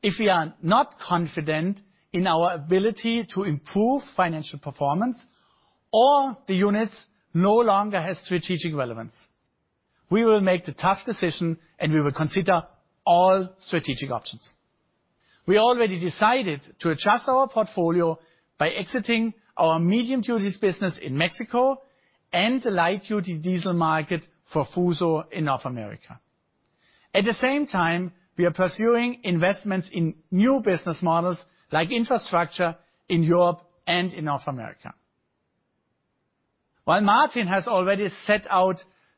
If we are not confident in our ability to improve financial performance or the units no longer has strategic relevance, we will make the tough decision and we will consider all strategic options. We already decided to adjust our portfolio by exiting our medium duties business in Mexico and the light duty diesel market for Fuso in North America. At the same time, we are pursuing investments in new business models like infrastructure in Europe and in North America. While Martin has already set out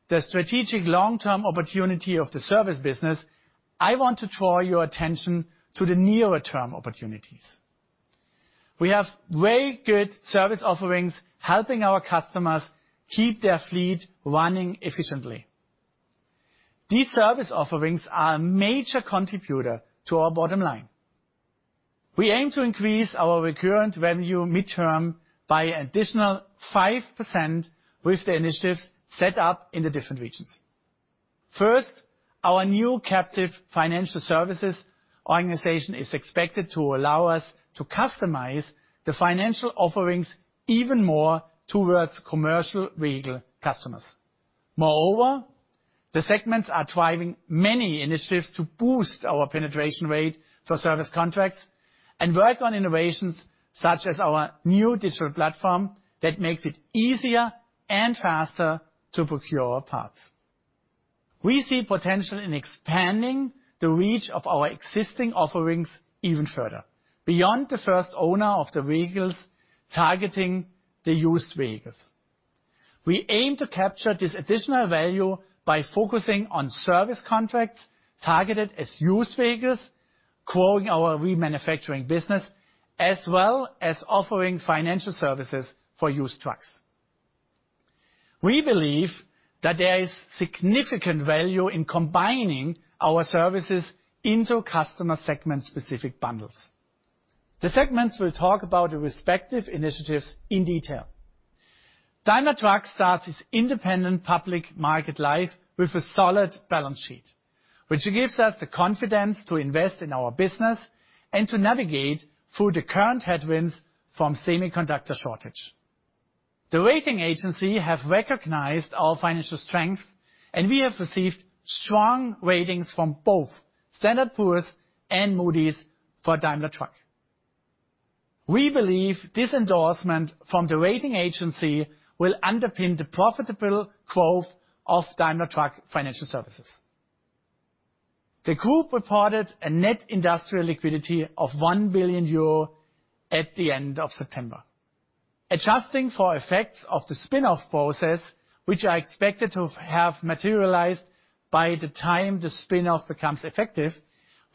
the strategic long-term opportunity of the service business, I want to draw your attention to the nearer term opportunities. We have very good service offerings helping our customers keep their fleet running efficiently. These service offerings are a major contributor to our bottom line. We aim to increase our recurrent revenue midterm by additional 5% with the initiatives set up in the different regions. First, our new captive financial services organization is expected to allow us to customize the financial offerings even more towards commercial vehicle customers. Moreover, the segments are driving many initiatives to boost our penetration rate for service contracts and work on innovations such as our new digital platform that makes it easier and faster to procure parts. We see potential in expanding the reach of our existing offerings even further beyond the first owner of the vehicles targeting the used vehicles. We aim to capture this additional value by focusing on service contracts targeted at used vehicles, growing our remanufacturing business, as well as offering financial services for used trucks. We believe that there is significant value in combining our services into customer segment specific bundles. The segments will talk about the respective initiatives in detail. Daimler Truck starts its independent public market life with a solid balance sheet, which gives us the confidence to invest in our business and to navigate through the current headwinds from semiconductor shortage. The rating agency have recognized our financial strength, and we have received strong ratings from both Standard & Poor's and Moody's for Daimler Truck. We believe this endorsement from the rating agency will underpin the profitable growth of Daimler Truck Financial Services. The group reported a net industrial liquidity of 1 billion euro at the end of September. Adjusting for effects of the spin-off process, which are expected to have materialized by the time the spin-off becomes effective,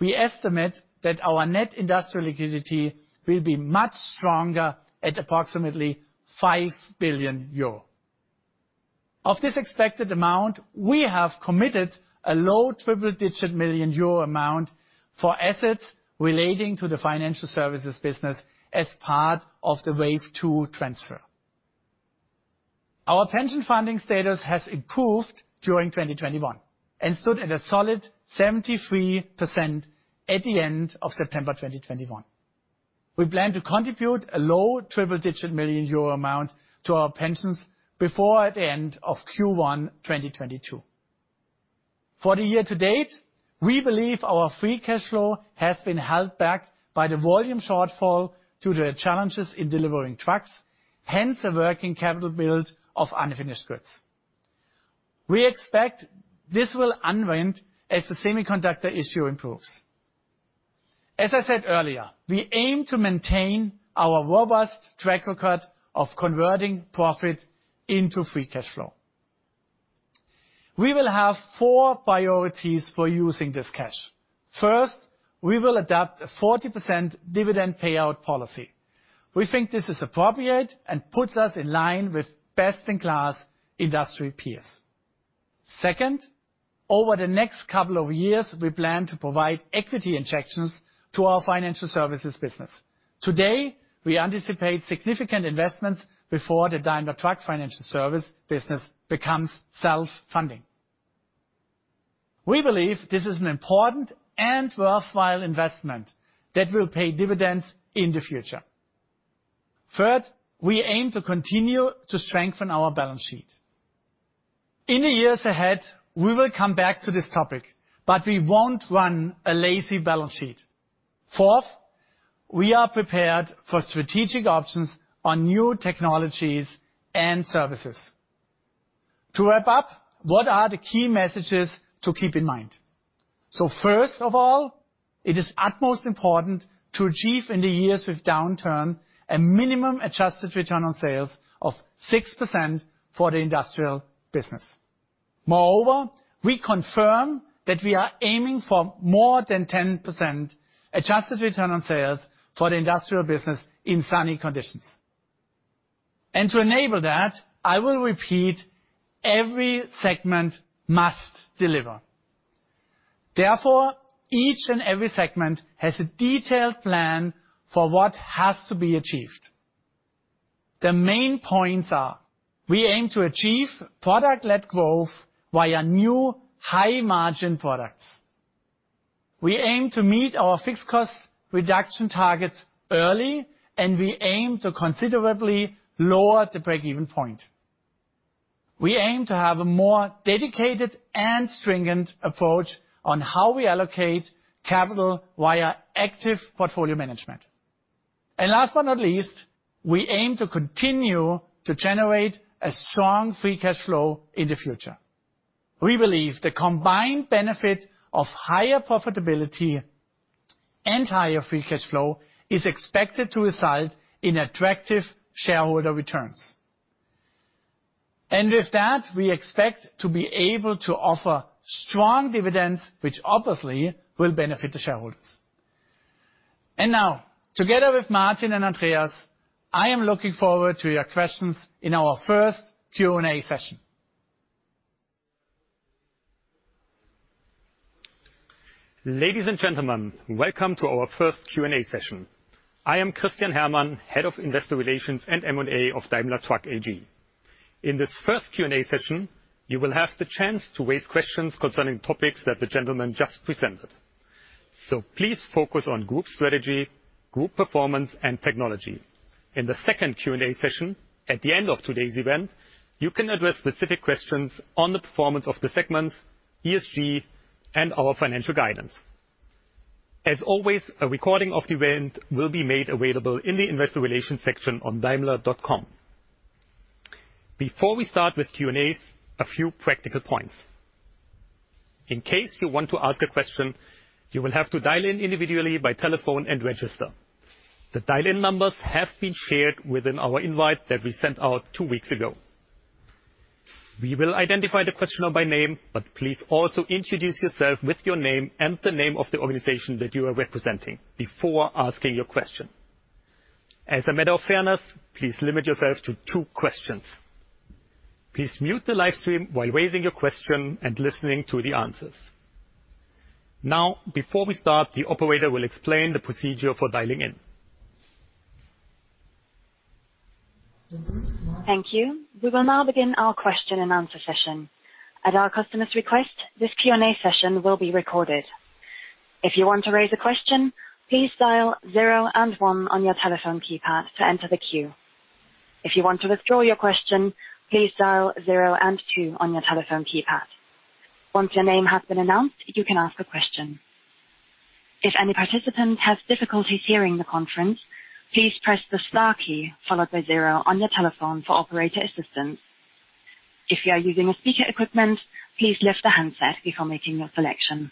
we estimate that our net industrial liquidity will be much stronger at approximately 5 billion euro. Of this expected amount, we have committed a low triple-digit million EUR amount for assets relating to the financial services business as part of the wave two transfer. Our pension funding status has improved during 2021 and stood at a solid 73% at the end of September 2021. We plan to contribute a low triple-digit million EUR amount to our pensions before the end of Q1 2022. For the year to date, we believe our free cash flow has been held back by the volume shortfall due to the challenges in delivering trucks, hence the working capital build of unfinished goods. We expect this will unwind as the semiconductor issue improves. As I said earlier, we aim to maintain our robust track record of converting profit into free cash flow. We will have four priorities for using this cash. First, we will adopt a 40% dividend payout policy. We think this is appropriate and puts us in line with best in class industry peers. Second, over the next couple of years, we plan to provide equity injections to our financial services business. Today, we anticipate significant investments before the Daimler Truck Financial Services business becomes self-funding. We believe this is an important and worthwhile investment that will pay dividends in the future. Third, we aim to continue to strengthen our balance sheet. In the years ahead, we will come back to this topic, but we won't run a lazy balance sheet. Fourth, we are prepared for strategic options on new technologies and services. To wrap up, what are the key messages to keep in mind? First of all, it is utmost important to achieve in the years with downturn a minimum adjusted return on sales of 6% for the industrial business. Moreover, we confirm that we are aiming for more than 10% adjusted return on sales for the industrial business in sunny conditions. To enable that, I will repeat, every segment must deliver. Therefore, each and every segment has a detailed plan for what has to be achieved. The main points are. We aim to achieve product-led growth via new high margin products. We aim to meet our fixed cost reduction targets early, and we aim to considerably lower the break-even point. We aim to have a more dedicated and stringent approach on how we allocate capital via active portfolio management. Last but not least, we aim to continue to generate a strong free cash flow in the future. We believe the combined benefit of higher profitability and higher free cash flow is expected to result in attractive shareholder returns. With that, we expect to be able to offer strong dividends, which obviously will benefit the shareholders. Now, together with Martin and Andreas, I am looking forward to your questions in our first Q&A session. Ladies and gentlemen, welcome to our first Q&A session. I am Christian Herrmann, Head of Investor Relations and M&A of Daimler Truck AG. In this first Q&A session, you will have the chance to raise questions concerning topics that the gentlemen just presented. Please focus on group strategy, group performance, and technology. In the second Q&A session, at the end of today's event, you can address specific questions on the performance of the segments, ESG, and our financial guidance. As always, a recording of the event will be made available in the investor relations section on daimler.com. Before we start with Q&As, a few practical points. In case you want to ask a question, you will have to dial in individually by telephone and register. The dial-in numbers have been shared within our invite that we sent out two weeks ago. We will identify the questioner by name, but please also introduce yourself with your name and the name of the organization that you are representing before asking your question. As a matter of fairness, please limit yourself to two questions. Please mute the live stream while raising your question and listening to the answers. Now, before we start, the operator will explain the procedure for dialing in. Thank you. We will now begin our question and answer session. At our customer's request, this Q&A session will be recorded. If you want to raise a question, please dial zero and one on your telephone keypad to enter the queue. If you want to withdraw your question, please dial zero and two on your telephone keypad. Once your name has been announced, you can ask a question. If any participant has difficulties hearing the conference, please press the star key followed by zero on your telephone for operator assistance. If you are using speaker equipment, please lift the handset before making your selection.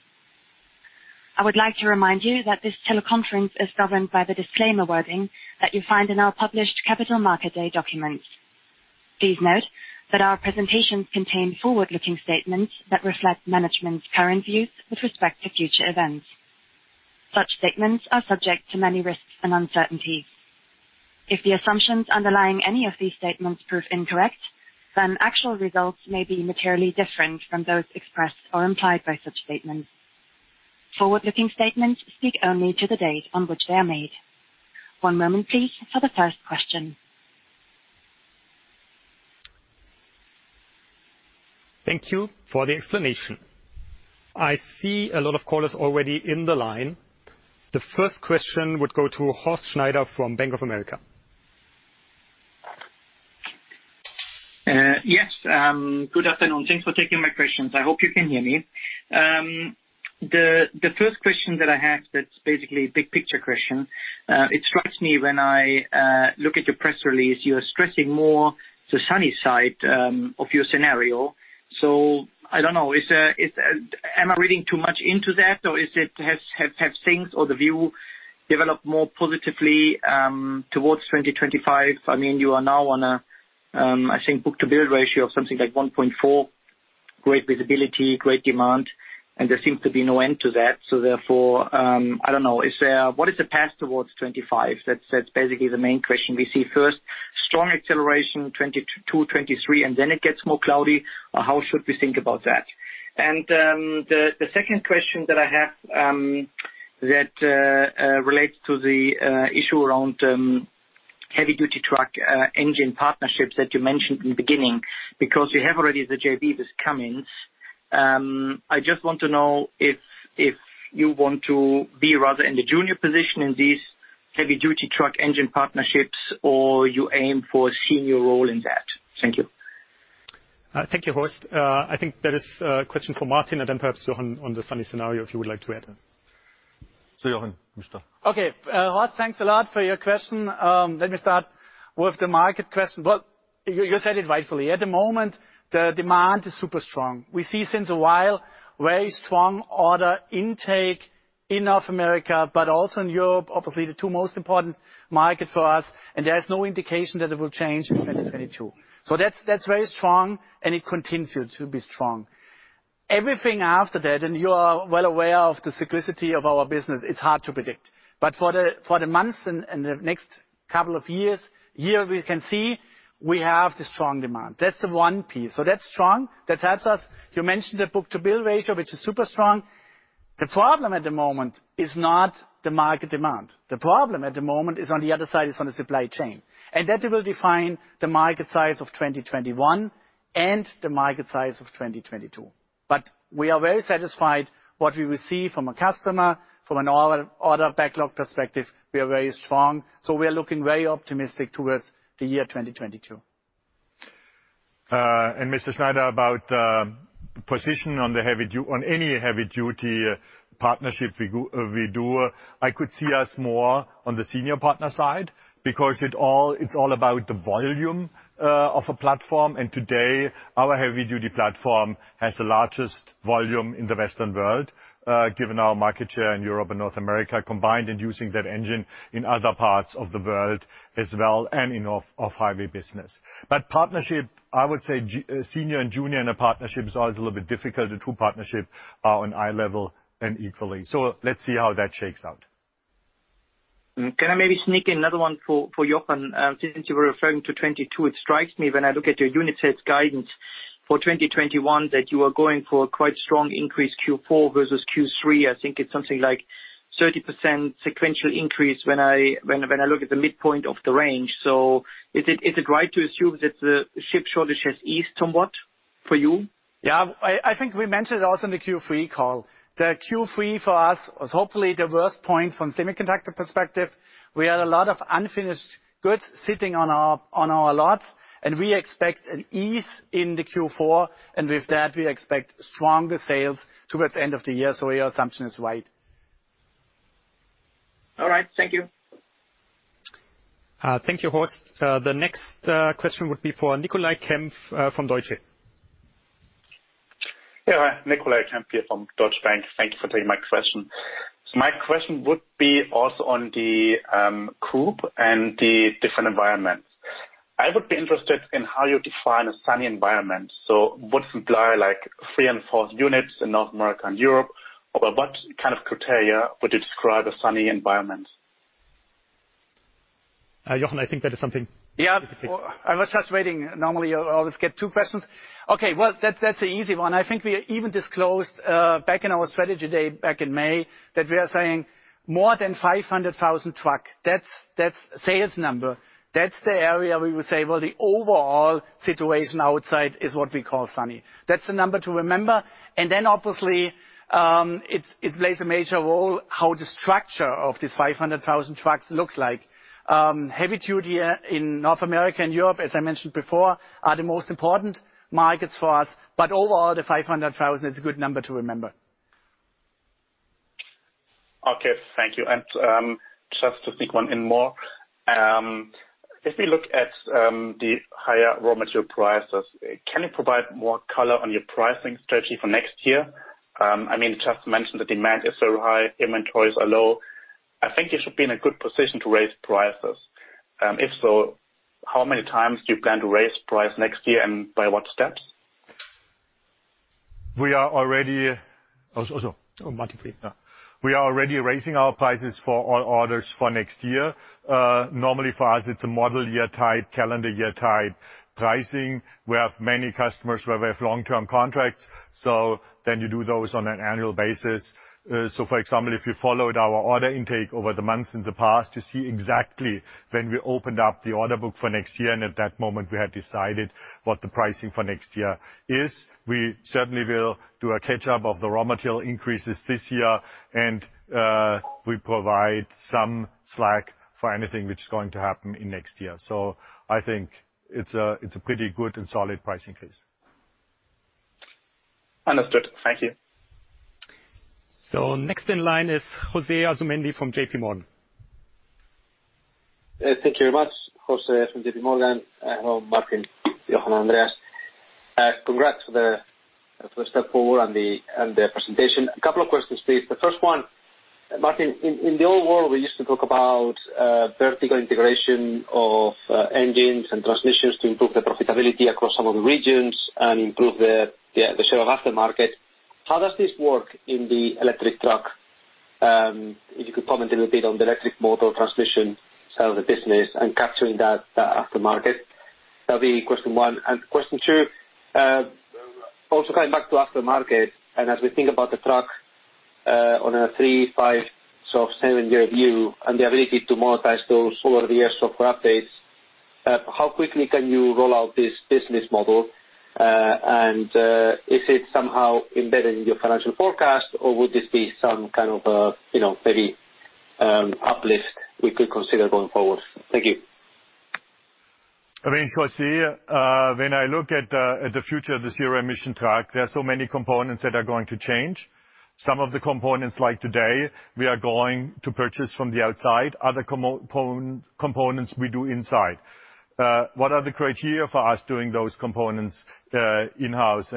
I would like to remind you that this teleconference is governed by the disclaimer wording that you find in our published Capital Market Day documents. Please note that our presentations contain forward-looking statements that reflect management's current views with respect to future events. Such statements are subject to many risks and uncertainty. If the assumptions underlying any of these statements prove incorrect, then actual results may be materially different from those expressed or implied by such statements. Forward-looking statements speak only to the date on which they are made. One moment please for the first question. Thank you for the explanation. I see a lot of callers already in the line. The first question would go to Horst Schneider from Bank of America. Yes, good afternoon. Thanks for taking my questions. I hope you can hear me. The first question that I have that's basically a big picture question. It strikes me when I look at your press release, you are stressing more the sunny side of your scenario. I don't know. Am I reading too much into that, or has the view developed more positively towards 2025? I mean, you are now on a book-to-bill ratio of something like 1.4. Great visibility, great demand, and there seems to be no end to that. Therefore, I don't know what is the path towards 2025? That's basically the main question. We see first strong acceleration, 2022, 2023, and then it gets more cloudy. How should we think about that? The second question that I have relates to the issue around heavy-duty truck engine partnerships that you mentioned in the beginning. Because you have already the JV with Cummins, I just want to know if you want to be rather in the junior position in these heavy-duty truck engine partnerships or you aim for a senior role in that. Thank you. Thank you, Horst. I think that is a question for Martin and then perhaps Jochen on the sunny scenario, if you would like to add. Jochen, please start. Okay. Horst, thanks a lot for your question. Let me start with the market question. Well, you said it rightfully. At the moment, the demand is super strong. We see for a while very strong order intake in North America but also in Europe, obviously the two most important markets for us, and there is no indication that it will change in 2022. That's very strong and it continues to be strong. Everything after that, and you are well aware of the cyclicity of our business, it's hard to predict. But for the months and the next couple of years we can see we have the strong demand. That's the one piece. That's strong. That helps us. You mentioned the book-to-bill ratio, which is super strong. The problem at the moment is not the market demand. The problem at the moment is on the supply chain. That will define the market size of 2021 and the market size of 2022. We are very satisfied with what we receive from a customer. From an order backlog perspective, we are very strong. We are looking very optimistic towards the year 2022. Mr. Schneider, about position on the heavy duty. On any heavy-duty partnership we do, I could see us more on the senior partner side because it all, it's all about the volume of a platform. Today, our heavy-duty platform has the largest volume in the Western world, given our market share in Europe and North America combined, and using that engine in other parts of the world as well and in off-highway business. Partnership, I would say senior and junior in a partnership is always a little bit difficult. The two partnerships are on eye level and equally. Let's see how that shakes out. Can I maybe sneak in another one for Jochen? Since you were referring to 2022, it strikes me when I look at your unit sales guidance for 2021 that you are going for a quite strong increase Q4 versus Q3. I think it's something like 30% sequential increase when I look at the midpoint of the range. Is it right to assume that the chip shortage has eased somewhat for you? Yeah. I think we mentioned it also in the Q3 call. The Q3 for us was hopefully the worst point from semiconductor perspective. We had a lot of unfinished goods sitting on our lots, and we expect an ease in the Q4. With that, we expect stronger sales towards the end of the year. Your assumption is right. All right. Thank you. Thank you, Horst. The next question would be for Nicolai Kempf from Deutsche Bank. Yeah. Nicolai Kempf from Deutsche Bank. Thank you for taking my question. My question would be also on the CapEx and the different environments. I would be interested in how you define a sunny environment. Would supply like three and four units in North America and Europe. By what kind of criteria would you describe a sunny environment? Jochen, I think that is something. Yeah. for you to take. I was just waiting. Normally, I always get two questions. Okay, well, that's an easy one. I think we even disclosed back in our strategy day back in May that we are saying more than 500,000 trucks. That's sales number. That's the area we would say the overall situation outside is what we call sunny. That's the number to remember. Then obviously, it plays a major role how the structure of these 500,000 trucks looks like. Heavy-duty in North America and Europe, as I mentioned before, are the most important markets for us. Overall, the 500,000 is a good number to remember. Okay. Thank you. Just to sneak one in more. If we look at the higher raw material prices, can you provide more color on your pricing strategy for next year? I mean, just mentioned the demand is so high, inventories are low. I think you should be in a good position to raise prices. If so, how many times do you plan to raise price next year, and by what steps? Oh, so Martin, please. Yeah. We are already raising our prices for all orders for next year. Normally for us, it's a model year type, calendar year type pricing. We have many customers where we have long-term contracts, so then you do those on an annual basis. For example, if you followed our order intake over the months in the past, you see exactly when we opened up the order book for next year, and at that moment, we had decided what the pricing for next year is. We certainly will do a catch-up of the raw material increases this year, and we provide some slack for anything which is going to happen in next year. I think it's a pretty good and solid price increase. Understood. Thank you. Next in line is José Asumendi from JPMorgan. Thank you very much. José Asumendi from JPMorgan. Hello, Martin, Jochen, Andreas. Congrats to the first step forward and the presentation. A couple of questions, please. The first one, Martin, in the old world, we used to talk about vertical integration of engines and transmissions to improve the profitability across some of the regions and improve the share of aftermarket. How does this work in the electric truck? If you could comment a little bit on the electric motor transmission side of the business and capturing that the aftermarket. That'll be question one. And question two, also coming back to aftermarket and as we think about the truck on a three, five sort of seven-year view and the ability to monetize those over-the-air software updates, how quickly can you roll out this business model? Is it somehow embedded in your financial forecast or would this be some kind of a, you know, very uplift we could consider going forward? Thank you. I mean, Jose, when I look at the future of the zero-emission truck, there are so many components that are going to change. Some of the components like today, we are going to purchase from the outside, other components we do inside. What are the criteria for us doing those components in-house?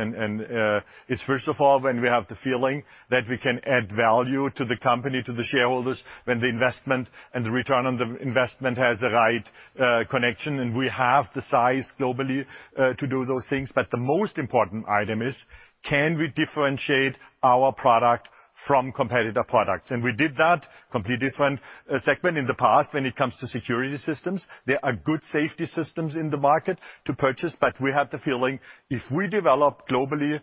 It's first of all, when we have the feeling that we can add value to the company, to the shareholders, when the investment and the return on the investment has the right connection, and we have the size globally to do those things. The most important item is, can we differentiate our product from competitor products? We did that, completely different segment in the past when it comes to security systems. There are good safety systems in the market to purchase, but we have the feeling if we develop globally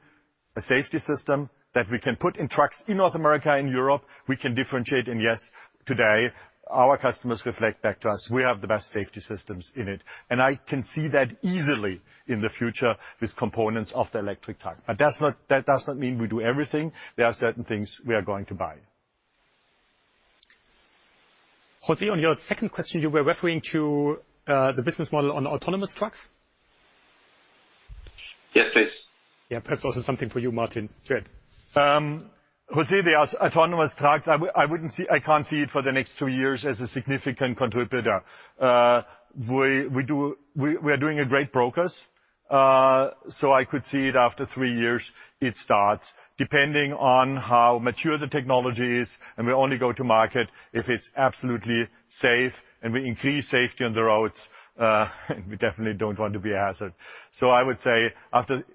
a safety system that we can put in trucks in North America and Europe, we can differentiate. Yes, today our customers reflect back to us, we have the best safety systems in it. I can see that easily in the future, these components of the electric truck. That's not, that does not mean we do everything. There are certain things we are going to buy. Jose, on your second question, you were referring to the business model on autonomous trucks? Yes, please. Yeah. Perhaps also something for you, Martin. Go ahead. Jose, the autonomous trucks, I can't see it for the next two years as a significant contributor. We are doing great progress. I could see it after three years, it starts, depending on how mature the technology is, and we only go to market if it's absolutely safe, and we increase safety on the roads. We definitely don't want to be a hazard. I would say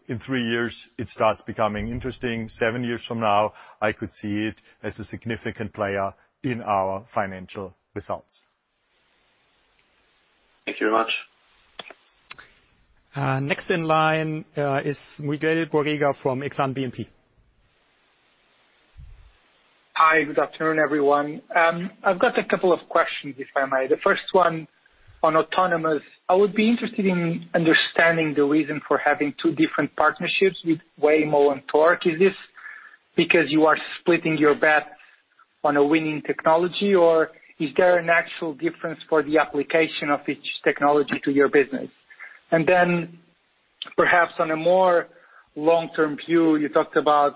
in three years, it starts becoming interesting. Seven years from now, I could see it as a significant player in our financial results. Thank you very much. Next in line is Miguel Borrega from Exane BNP. Hi. Good afternoon, everyone. I've got a couple of questions, if I may. The first one on autonomous. I would be interested in understanding the reason for having two different partnerships with Waymo and Torc. Is this because you are splitting your bet on a winning technology, or is there an actual difference for the application of each technology to your business? And then perhaps on a more long-term view, you talked about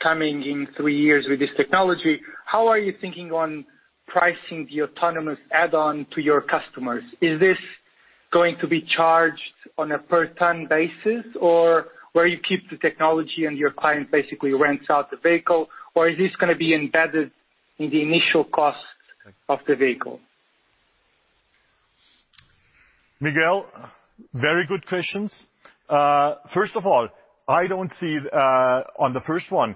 coming in three years with this technology. How are you thinking on pricing the autonomous add-on to your customers? Is this going to be charged on a per ton basis or where you keep the technology and your client basically rents out the vehicle? Or is this gonna be embedded in the initial cost of the vehicle? Miguel, very good questions. First of all, I don't see, on the first one,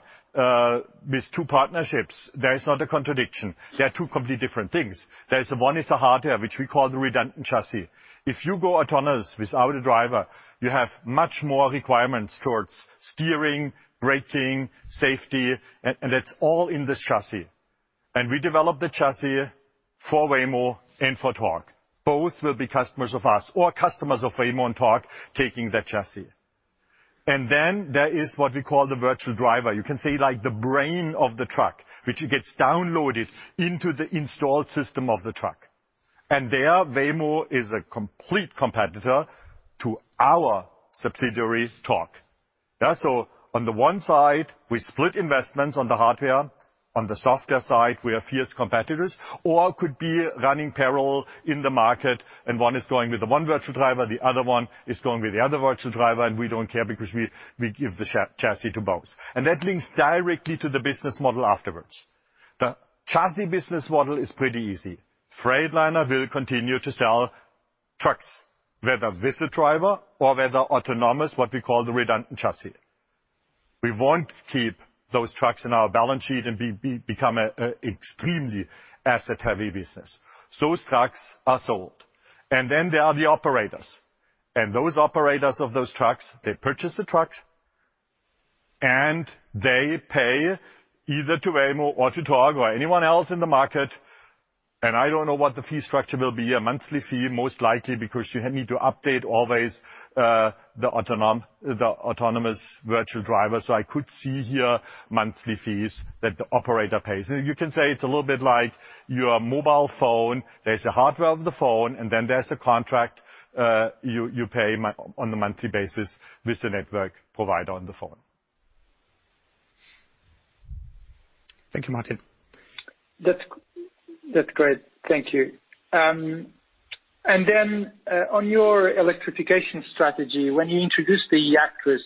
with two partnerships, there is not a contradiction. They are two completely different things. There's one is the hardware, which we call the redundant chassis. If you go autonomous without a driver, you have much more requirements towards steering, braking, safety, and it's all in this chassis. We develop the chassis for Waymo and for Torc. Both will be customers of us or customers of Waymo and Torc taking that chassis. Then there is what we call the virtual driver. You can say like the brain of the truck, which gets downloaded into the installed system of the truck. There, Waymo is a complete competitor to our subsidiary Torc. On the one side, we split investments on the hardware. On the software side, we are fierce competitors or could be running parallel in the market, and one is going with the one virtual driver, the other one is going with the other virtual driver, and we don't care because we give the chassis to both. That links directly to the business model afterwards. The chassis business model is pretty easy. Freightliner will continue to sell Trucks, whether with a driver or whether autonomous, what we call the redundant chassis. We won't keep those trucks in our balance sheet and become an extremely asset-heavy business. Those trucks are sold. Then there are the operators. Those operators of those trucks, they purchase the trucks and they pay, either to Aim or to Torc or anyone else in the market. I don't know what the fee structure will be, a monthly fee most likely, because you need to update always the autonomous virtual driver. I could see here monthly fees that the operator pays. You can say it's a little bit like your mobile phone. There's the hardware of the phone, and then there's the contract, you pay on a monthly basis with the network provider on the phone. Thank you, Martin. That's great. Thank you. On your electrification strategy, when you introduced the eActros,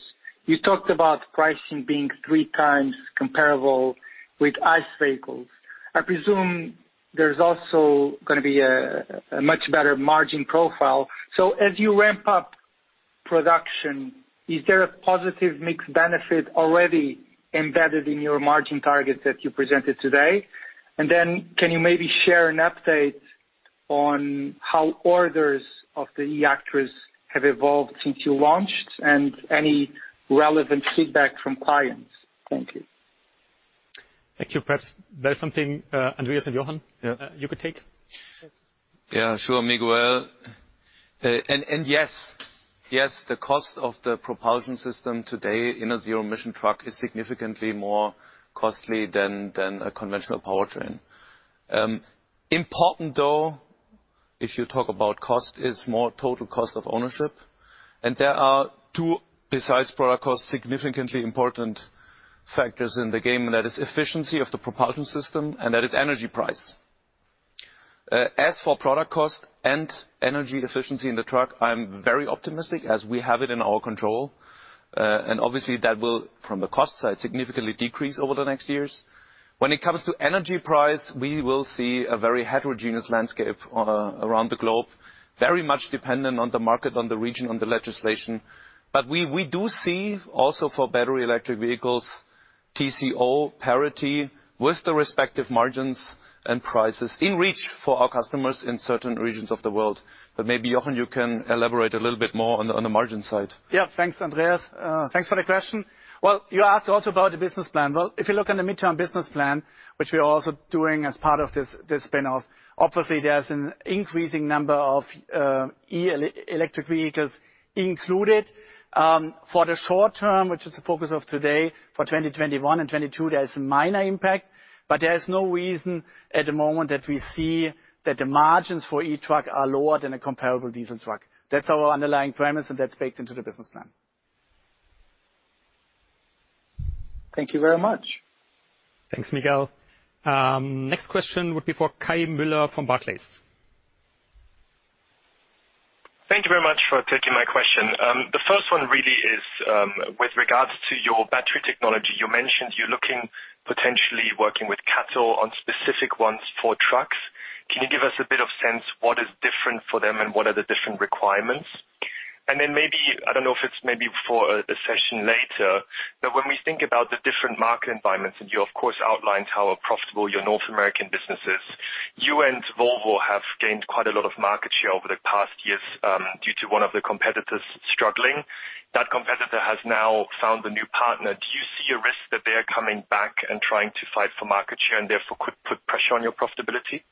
you talked about pricing being three times comparable with ICE vehicles. I presume there's also gonna be a much better margin profile. As you ramp up production, is there a positive mix benefit already embedded in your margin targets that you presented today? Can you maybe share an update on how orders of the eActros have evolved since you launched and any relevant feedback from clients? Thank you. Thank you. Perhaps that's something, Andreas and Jochen. Yeah. You could take. Yeah. Sure, Miguel. Yes, the cost of the propulsion system today in a zero emission truck is significantly more costly than a conventional powertrain. Important though, if you talk about cost, is more total cost of ownership. There are two, besides product cost, significantly important factors in the game, and that is efficiency of the propulsion system, and that is energy price. As for product cost and energy efficiency in the truck, I am very optimistic as we have it in our control. Obviously that will, from the cost side, significantly decrease over the next years. When it comes to energy price, we will see a very heterogeneous landscape on around the globe. Very much dependent on the market, on the region, on the legislation. We do see also for battery electric vehicles, TCO parity with the respective margins and prices in reach for our customers in certain regions of the world. Maybe, Jochen, you can elaborate a little bit more on the margin side. Yeah. Thanks, Andreas. Thanks for the question. Well, you asked also about the business plan. Well, if you look in the midterm business plan, which we're also doing as part of this spin-off, obviously there's an increasing number of electric vehicles included. For the short term, which is the focus of today, for 2021 and 2022, there is minor impact. There is no reason at the moment that we see that the margins for e-truck are lower than a comparable diesel truck. That's our underlying premise, and that's baked into the business plan. Thank you very much. Thanks, Miguel. Next question would be for Kai Müller from Barclays. Thank you very much for taking my question. The first one really is, with regards to your battery technology. You mentioned you're looking potentially working with CATL on specific ones for trucks. Can you give us a bit of sense what is different for them and what are the different requirements? Then maybe, I don't know if it's maybe for a session later, but when we think about the different market environments, and you of course outlined how profitable your North American business is, you and Volvo have gained quite a lot of market share over the past years, due to one of the competitors struggling. That competitor has now found a new partner. Do you see a risk that they are coming back and trying to fight for market share and therefore could put pressure on your profitability?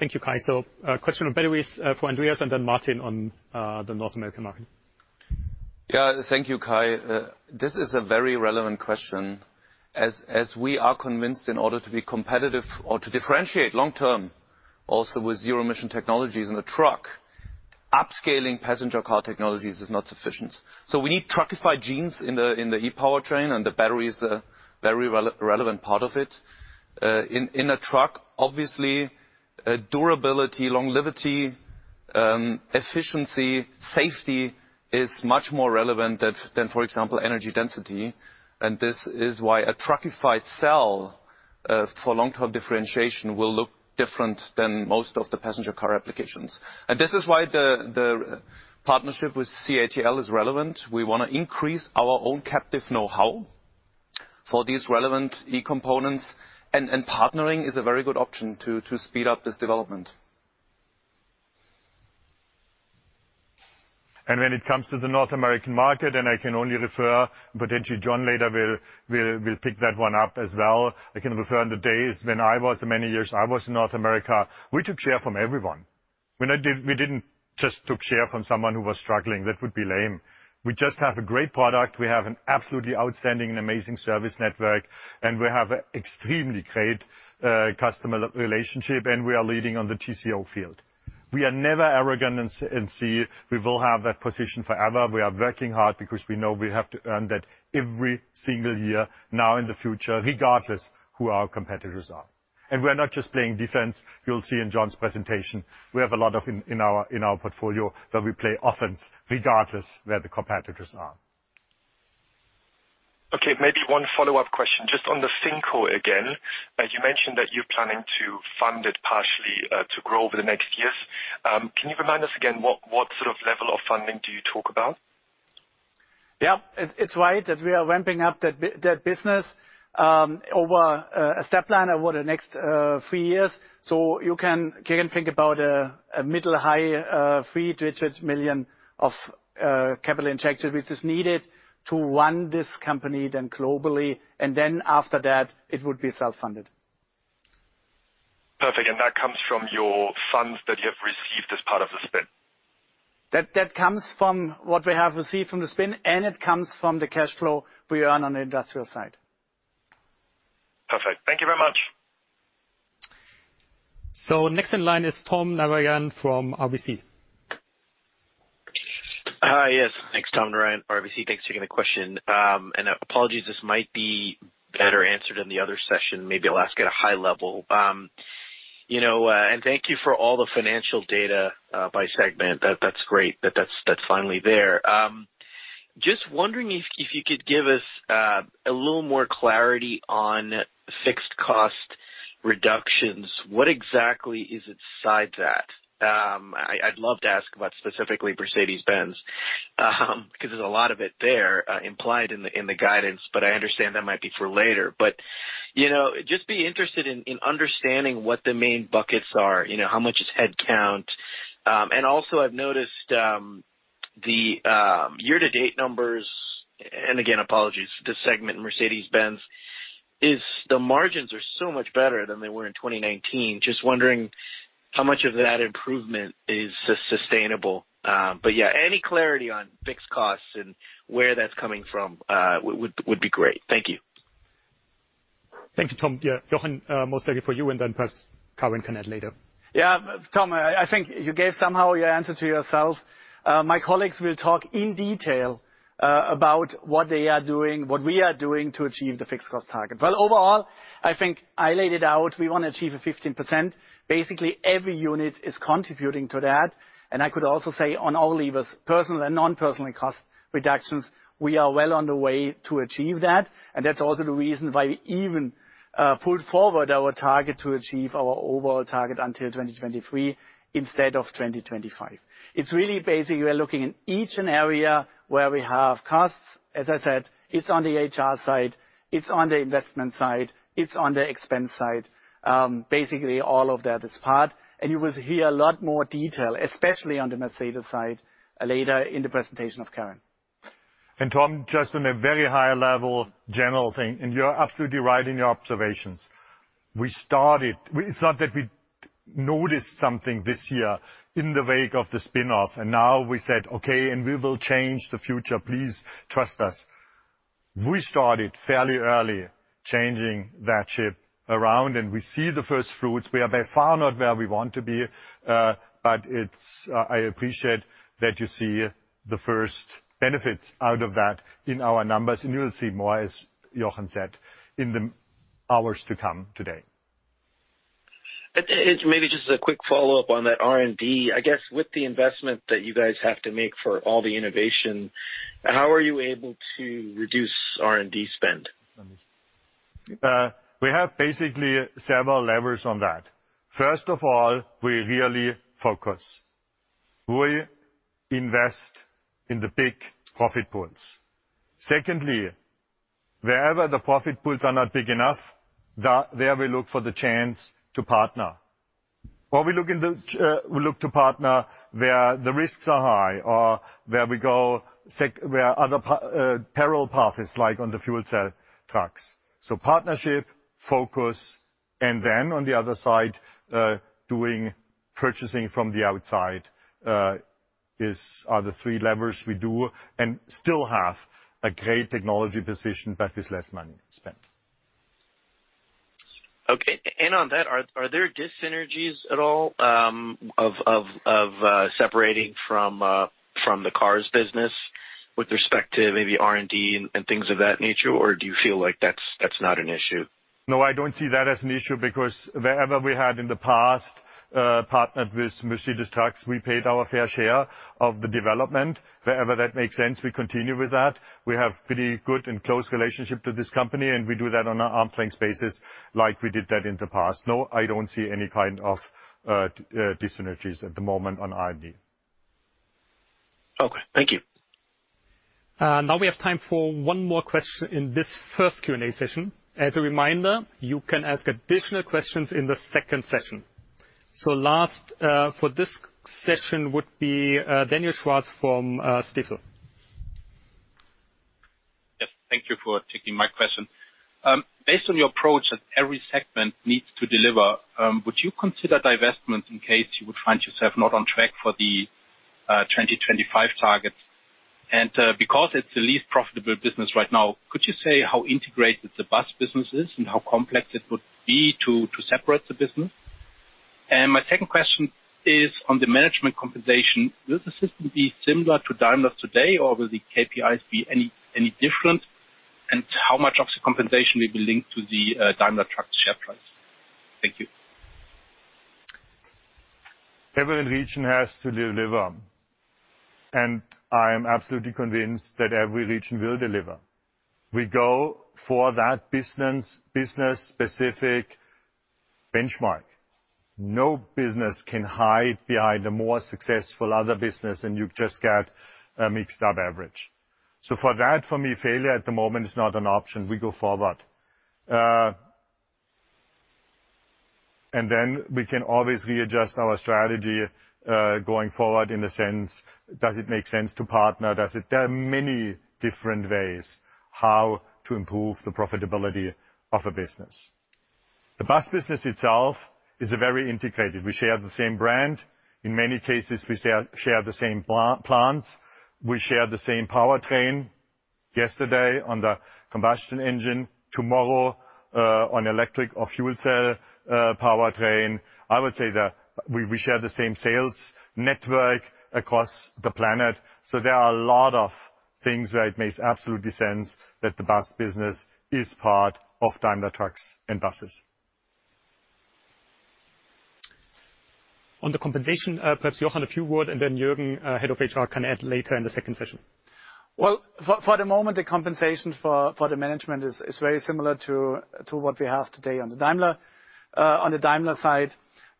Thank you, Kai. Question on batteries for Andreas, and then Martin on the North American market. Yeah. Thank you, Kai. This is a very relevant question. We are convinced, in order to be competitive or to differentiate long term also with zero-emission technologies in the truck, upscaling passenger car technologies is not sufficient. We need truckified genes in the e-powertrain, and the battery is a very relevant part of it. In a truck, obviously, durability, longevity, efficiency, safety is much more relevant than, for example, energy density. This is why a truckified cell for long-term differentiation will look different than most of the passenger car applications. This is why the partnership with CATL is relevant. We wanna increase our own captive know-how for these relevant e-components, and partnering is a very good option to speed up this development. When it comes to the North American market, I can only refer, potentially John later will pick that one up as well. I can refer in the days when I was, the many years I was in North America, we took share from everyone. We didn't just took share from someone who was struggling. That would be lame. We just have a great product. We have an absolutely outstanding and amazing service network, and we have an extremely great customer relationship, and we are leading on the TCO field. We are never arrogant and say we will have that position forever. We are working hard because we know we have to earn that every single year, now in the future, regardless who our competitors are. We're not just playing defense. You'll see in John's presentation, we have a lot of in our portfolio that we play offense regardless where the competitors are. Okay, maybe one follow-up question. Just on the FinCO again, as you mentioned that you're planning to fund it partially to grow over the next years. Can you remind us again what sort of level of funding do you talk about? It's right that we are ramping up that business over a step plan over the next three years. You can think about a mid- to high three-digit million EUR of capital injection, which is needed to run this company then globally. Then after that, it would be self-funded. Perfect. That comes from your funds that you have received as part of the spin. That comes from what we have received from the spin, and it comes from the cash flow we earn on the industrial side. Perfect. Thank you very much. Next in line is Tom Narayan from RBC. Hi. Yes. Thanks. Tom Narayan, RBC. Thanks for taking the question. Apologies, this might be better answered in the other session. Maybe I'll ask at a high level. You know, thank you for all the financial data by segment. That's great that that's finally there. Just wondering if you could give us a little more clarity on fixed cost reductions. What exactly is inside that? I'd love to ask about specifically Mercedes-Benz, 'cause there's a lot of it there implied in the guidance, but I understand that might be for later. You know, just be interested in understanding what the main buckets are. You know, how much is head count. I've noticed the year-to-date numbers, and again, apologies for the segment in Mercedes-Benz. The margins are so much better than they were in 2019. Just wondering how much of that improvement is sustainable. Yeah, any clarity on fixed costs and where that's coming from would be great. Thank you. Thank you, Tom. Yeah. Jochen, most likely for you, and then perhaps Karin can add later. Yeah. Tom, I think you gave somehow your answer to yourself. My colleagues will talk in detail about what they are doing, what we are doing to achieve the fixed cost target. Overall, I think I laid it out, we wanna achieve a 15%. Basically, every unit is contributing to that. I could also say on all levers, personnel and non-personnel cost reductions, we are well on the way to achieve that. That's also the reason why we even pulled forward our target to achieve our overall target until 2023 instead of 2025. It's really basically we're looking in each and every area where we have costs. As I said, it's on the HR side, it's on the investment side, it's on the expense side. Basically all of that is part. You will hear a lot more detail, especially on the Mercedes side, later in the presentation of Karin Rådström. Tom, just on a very high level general thing, and you're absolutely right in your observations. We started. It's not that we noticed something this year in the wake of the spin-off, and now we said, "Okay, and we will change the future. Please trust us." We started fairly early changing that ship around, and we see the first fruits. We are by far not where we want to be, but it's, I appreciate that you see the first benefits out of that in our numbers, and you will see more, as Jochen said, in the hours to come today. It's maybe just a quick follow-up on that R&D. I guess with the investment that you guys have to make for all the innovation, how are you able to reduce R&D spend? We have basically several levers on that. First of all, we really focus. We invest in the big profit pools. Secondly, wherever the profit pools are not big enough, we look for the chance to partner. Or we look to partner where the risks are high or where other parallel path is like on the fuel cell trucks. Partnership, focus, and then on the other side, doing purchasing from the outside, are the three levers we do and still have a great technology position, but with less money spent. Okay. On that, are there dis-synergies at all of separating from the cars business with respect to maybe R&D and things of that nature, or do you feel like that's not an issue? No, I don't see that as an issue because wherever we had in the past partnered with Mercedes-Benz Trucks, we paid our fair share of the development. Wherever that makes sense, we continue with that. We have pretty good and close relationship to this company, and we do that on an arm's length basis like we did that in the past. No, I don't see any kind of dis-synergies at the moment on R&D. Okay. Thank you. Now we have time for one more question in this first Q&A session. As a reminder, you can ask additional questions in the second session. Last, for this session would be Daniel Schwarz from Stifel. Yes. Thank you for taking my question. Based on your approach that every segment needs to deliver, would you consider divestments in case you would find yourself not on track for the 2025 targets? Because it's the least profitable business right now, could you say how integrated the bus business is and how complex it would be to separate the business? My second question is on the management compensation. Will the system be similar to Daimler today, or will the KPIs be any different? How much of the compensation will be linked to the Daimler Truck's share price? Thank you. Every region has to deliver. I am absolutely convinced that every region will deliver. We go for that business-specific benchmark. No business can hide behind a more successful other business, and you just get a mixed up average. For that, for me, failure at the moment is not an option. We go forward. Then we can always readjust our strategy going forward in the sense, does it make sense to partner? There are many different ways how to improve the profitability of a business. The bus business itself is very integrated. We share the same brand. In many cases, we share the same plants. We share the same powertrain yesterday on the combustion engine, tomorrow on electric or fuel cell powertrain. I would say that we share the same sales network across the planet. There are a lot of things that it makes absolute sense that the bus business is part of Daimler Trucks and Buses. On the compensation, perhaps, Jochen, a few words, and then Jürgen, head of HR, can add later in the second session. Well, for the moment, the compensation for the management is very similar to what we have today on the Daimler side.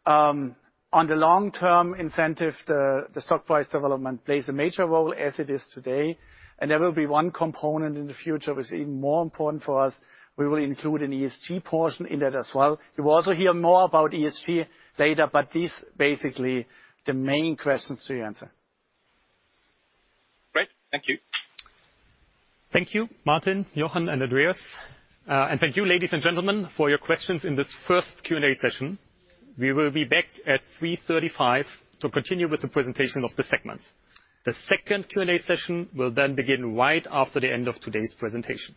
On the long-term incentive, the stock price development plays a major role as it is today. There will be one component in the future which is even more important for us. We will include an ESG portion in that as well. You will also hear more about ESG later, but these basically the main questions to answer. Great. Thank you. Thank you, Martin, Jochen, and Andreas. Thank you, ladies and gentlemen, for your questions in this first Q&A session. We will be back at 3:35 P.M. to continue with the presentation of the segments. The second Q&A session will then begin right after the end of today's presentation.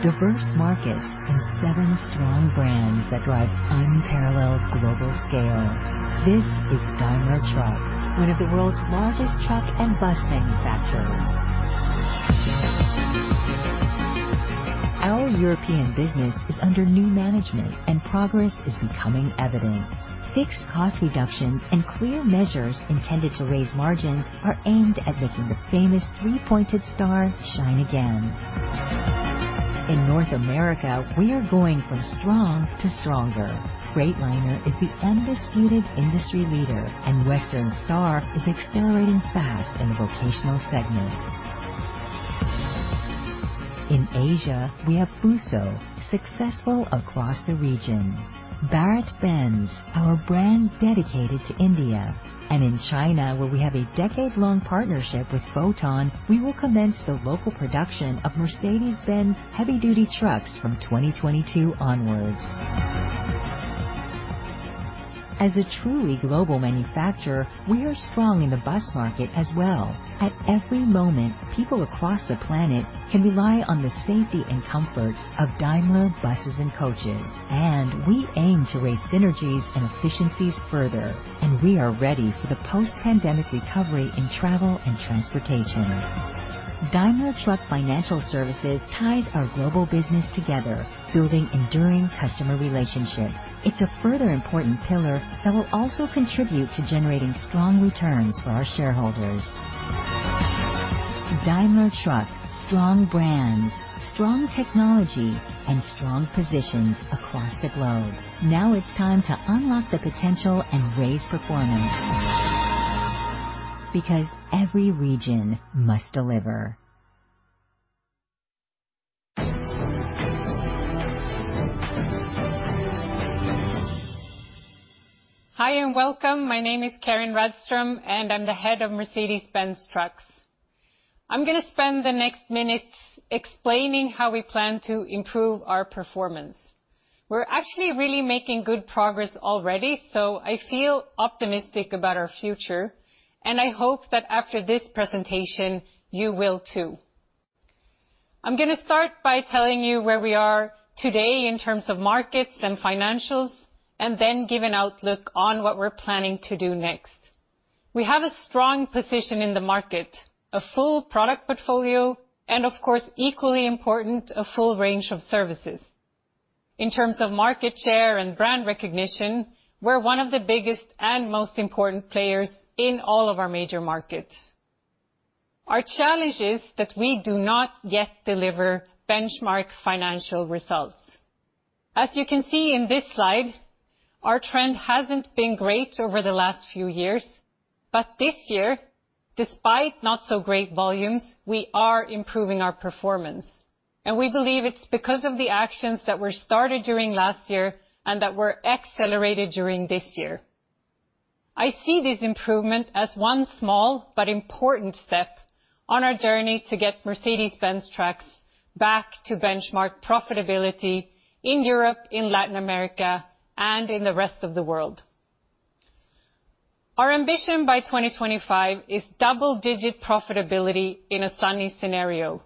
One world, diverse markets, and seven strong brands that drive unparalleled global scale. This is Daimler Truck, one of the world's largest truck and bus manufacturers. Our European business is under new management and progress is becoming evident. Fixed cost reductions and clear measures intended to raise margins are aimed at making the famous three-pointed star shine again. In North America, we are going from strong to stronger. Freightliner is the undisputed industry leader, and Western Star is accelerating fast in the vocational segment. In Asia, we have Fuso, successful across the region, BharatBenz, our brand dedicated to India. In China, where we have a decade-long partnership with Foton, we will commence the local production of Mercedes-Benz heavy-duty trucks from 2022 onwards. As a truly global manufacturer, we are strong in the bus market as well. At every moment, people across the planet can rely on the safety and comfort of Daimler Buses and coaches, and we aim to raise synergies and efficiencies further, and we are ready for the post-pandemic recovery in travel and transportation. Daimler Truck Financial Services ties our global business together, building enduring customer relationships. It's a further important pillar that will also contribute to generating strong returns for our shareholders. Daimler Truck. Strong brands, strong technology, and strong positions across the globe. Now it's time to unlock the potential and raise performance. Because every region must deliver. Hi, and welcome. My name is Karin Rådström, and I'm the Head of Mercedes-Benz Trucks. I'm gonna spend the next minutes explaining how we plan to improve our performance. We're actually really making good progress already, so I feel optimistic about our future. I hope that after this presentation, you will, too. I'm gonna start by telling you where we are today in terms of markets and financials, and then give an outlook on what we're planning to do next. We have a strong position in the market, a full product portfolio, and of course, equally important, a full range of services. In terms of market share and brand recognition, we're one of the biggest and most important players in all of our major markets. Our challenge is that we do not yet deliver benchmark financial results. As you can see in this slide, our trend hasn't been great over the last few years, but this year, despite not so great volumes, we are improving our performance. We believe it's because of the actions that were started during last year and that were accelerated during this year. I see this improvement as one small but important step on our journey to get Mercedes-Benz Trucks back to benchmark profitability in Europe, in Latin America, and in the rest of the world. Our ambition by 2025 is double-digit profitability in a sunny scenario.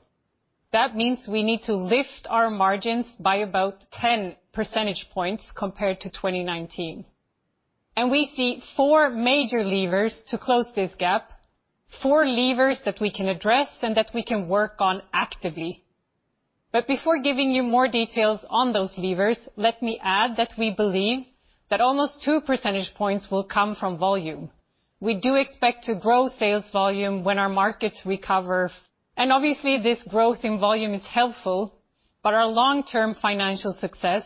That means we need to lift our margins by about 10 percentage points compared to 2019. We see four major levers to close this gap, four levers that we can address and that we can work on actively. Before giving you more details on those levers, let me add that we believe that almost two percentage points will come from volume. We do expect to grow sales volume when our markets recover, and obviously, this growth in volume is helpful, but our long-term financial success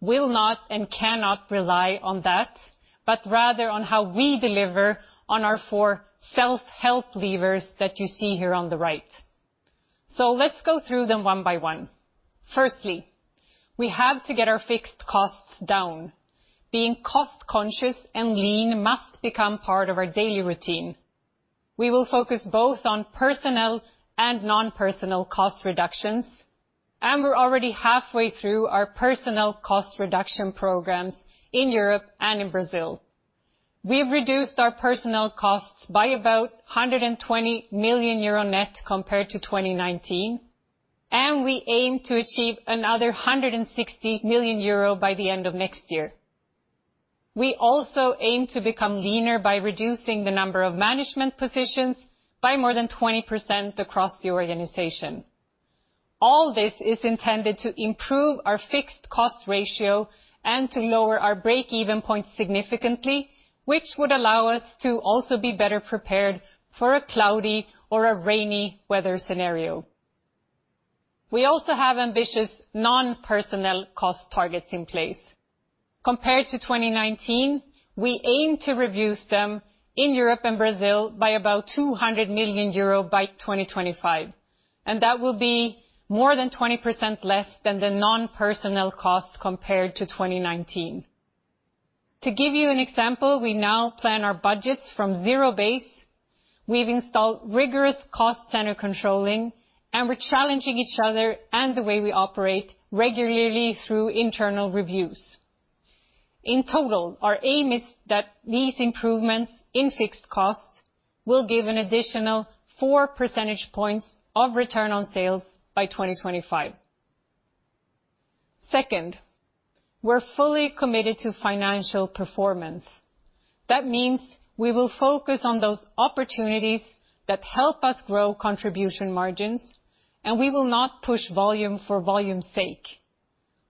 will not and cannot rely on that, but rather on how we deliver on our four self-help levers that you see here on the right. Let's go through them one by one. Firstly, we have to get our fixed costs down. Being cost conscious and lean must become part of our daily routine. We will focus both on personnel and non-personnel cost reductions, and we're already halfway through our personnel cost reduction programs in Europe and in Brazil. We've reduced our personnel costs by about 120 million euro net compared to 2019, and we aim to achieve another 160 million euro by the end of next year. We also aim to become leaner by reducing the number of management positions by more than 20% across the organization. All this is intended to improve our fixed cost ratio and to lower our break-even point significantly, which would allow us to also be better prepared for a cloudy or a rainy weather scenario. We also have ambitious non-personnel cost targets in place. Compared to 2019, we aim to reduce them in Europe and Brazil by about 200 million euro by 2025, and that will be more than 20% less than the non-personnel costs compared to 2019. To give you an example, we now plan our budgets from zero base, we've installed rigorous cost center controlling, and we're challenging each other and the way we operate regularly through internal reviews. In total, our aim is that these improvements in fixed costs will give an additional four percentage points of return on sales by 2025. Second, we're fully committed to financial performance. That means we will focus on those opportunities that help us grow contribution margins, and we will not push volume for volume's sake.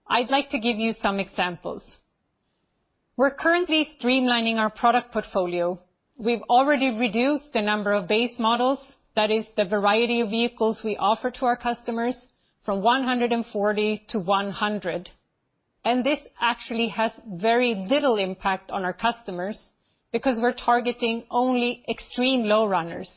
I'd like to give you some examples. We're currently streamlining our product portfolio. We've already reduced the number of base models, that is the variety of vehicles we offer to our customers, from 140 to 100. This actually has very little impact on our customers because we're targeting only extreme low runners.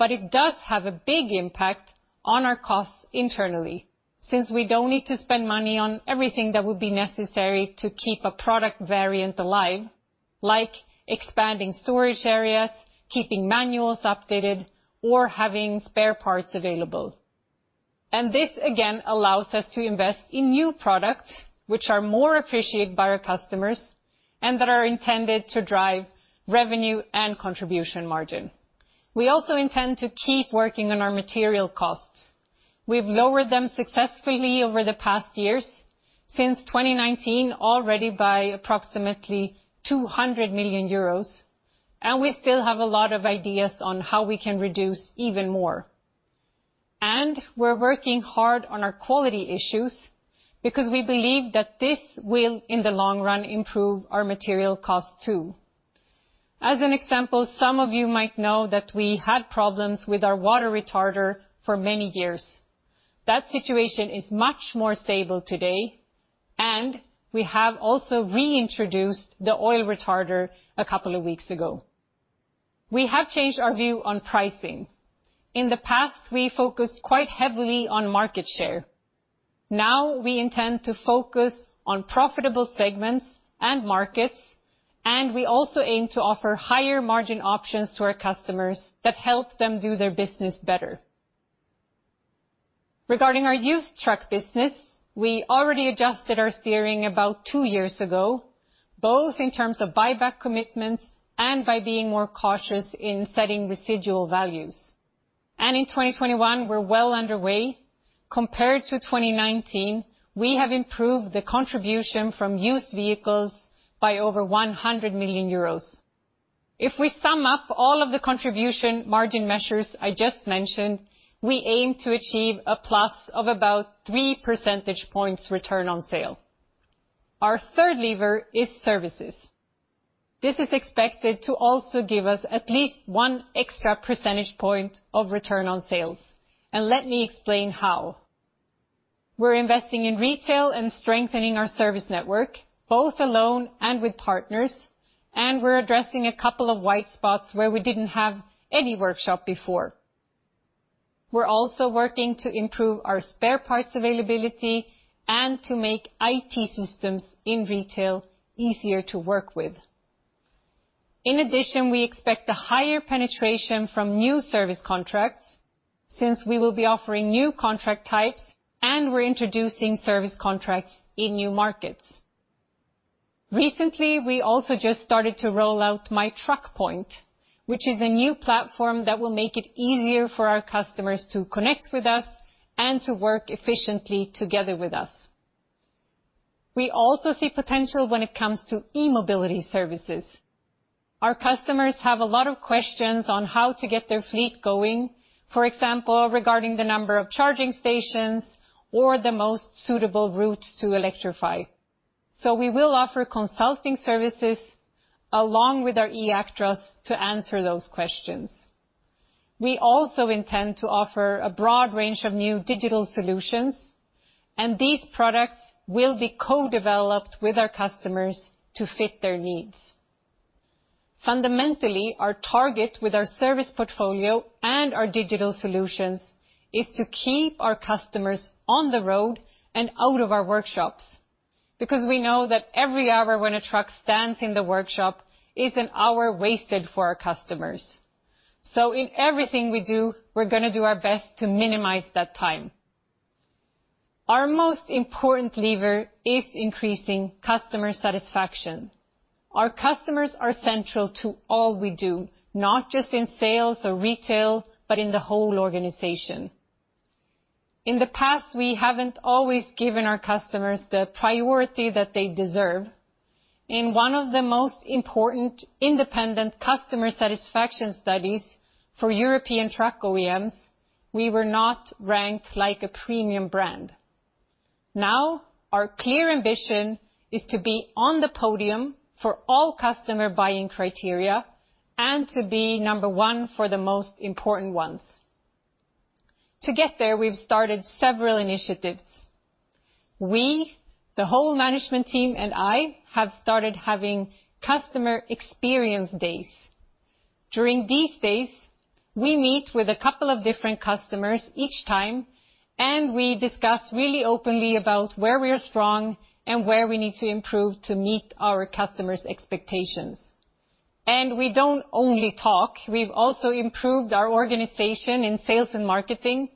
It does have a big impact on our costs internally since we don't need to spend money on everything that would be necessary to keep a product variant alive, like expanding storage areas, keeping manuals updated, or having spare parts available. This again allows us to invest in new products which are more appreciated by our customers and that are intended to drive revenue and contribution margin. We also intend to keep working on our material costs. We've lowered them successfully over the past years since 2019 already by approximately 200 million euros, and we still have a lot of ideas on how we can reduce even more. We're working hard on our quality issues because we believe that this will in the long run improve our material costs too. As an example, some of you might know that we had problems with our water retarder for many years. That situation is much more stable today, and we have also reintroduced the oil retarder a couple of weeks ago. We have changed our view on pricing. In the past, we focused quite heavily on market share. Now we intend to focus on profitable segments and markets, and we also aim to offer higher margin options to our customers that help them do their business better. Regarding our used truck business, we already adjusted our steering about two years ago, both in terms of buyback commitments and by being more cautious in setting residual values. In 2021, we're well underway. Compared to 2019, we have improved the contribution from used vehicles by over 100 million euros. If we sum up all of the contribution margin measures I just mentioned, we aim to achieve a plus of about three percentage points return on sale. Our third lever is services. This is expected to also give us at least one extra percentage point of return on sales. Let me explain how. We're investing in retail and strengthening our service network, both alone and with partners, and we're addressing a couple of white spots where we didn't have any workshop before. We're also working to improve our spare parts availability and to make IT systems in retail easier to work with. In addition, we expect a higher penetration from new service contracts since we will be offering new contract types, and we're introducing service contracts in new markets. Recently, we also just started to roll out My TruckPoint, which is a new platform that will make it easier for our customers to connect with us and to work efficiently together with us. We also see potential when it comes to e-mobility services. Our customers have a lot of questions on how to get their fleet going, for example, regarding the number of charging stations or the most suitable route to electrify. We will offer consulting services along with our eActros to answer those questions. We also intend to offer a broad range of new digital solutions, and these products will be co-developed with our customers to fit their needs. Fundamentally, our target with our service portfolio and our digital solutions is to keep our customers on the road and out of our workshops because we know that every hour when a truck stands in the workshop is an hour wasted for our customers. In everything we do, we're gonna do our best to minimize that time. Our most important lever is increasing customer satisfaction. Our customers are central to all we do, not just in sales or retail, but in the whole organization. In the past, we haven't always given our customers the priority that they deserve. In one of the most important independent customer satisfaction studies for European truck OEMs, we were not ranked like a premium brand. Now, our clear ambition is to be on the podium for all customer buying criteria and to be number one for the most important ones. To get there, we've started several initiatives. We, the whole management team and I, have started having customer experience days. During these days, we meet with a couple of different customers each time, and we discuss really openly about where we are strong and where we need to improve to meet our customers' expectations. We don't only talk, we've also improved our organization in sales and marketing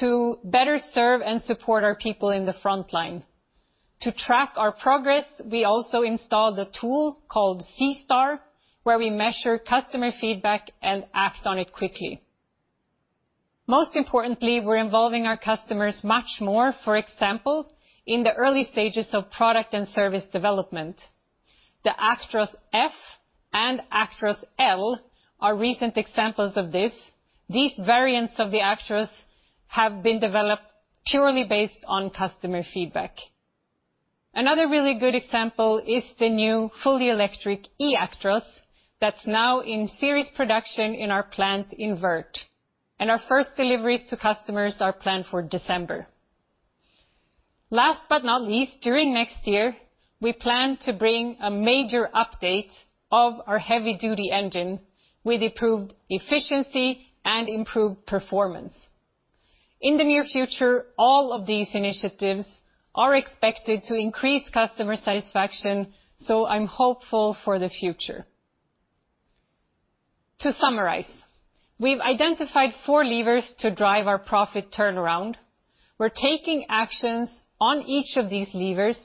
to better serve and support our people in the frontline. To track our progress, we also installed a tool called C-Star, where we measure customer feedback and act on it quickly. Most importantly, we're involving our customers much more, for example, in the early stages of product and service development. The Actros F and Actros L are recent examples of this. These variants of the Actros have been developed purely based on customer feedback. Another really good example is the new fully electric eActros that's now in serious production in our plant in Wörth, and our first deliveries to customers are planned for December. Last but not least, during next year, we plan to bring a major update of our heavy-duty engine with improved efficiency and improved performance. In the near future, all of these initiatives are expected to increase customer satisfaction, so I'm hopeful for the future. To summarize, we've identified four levers to drive our profit turnaround. We're taking actions on each of these levers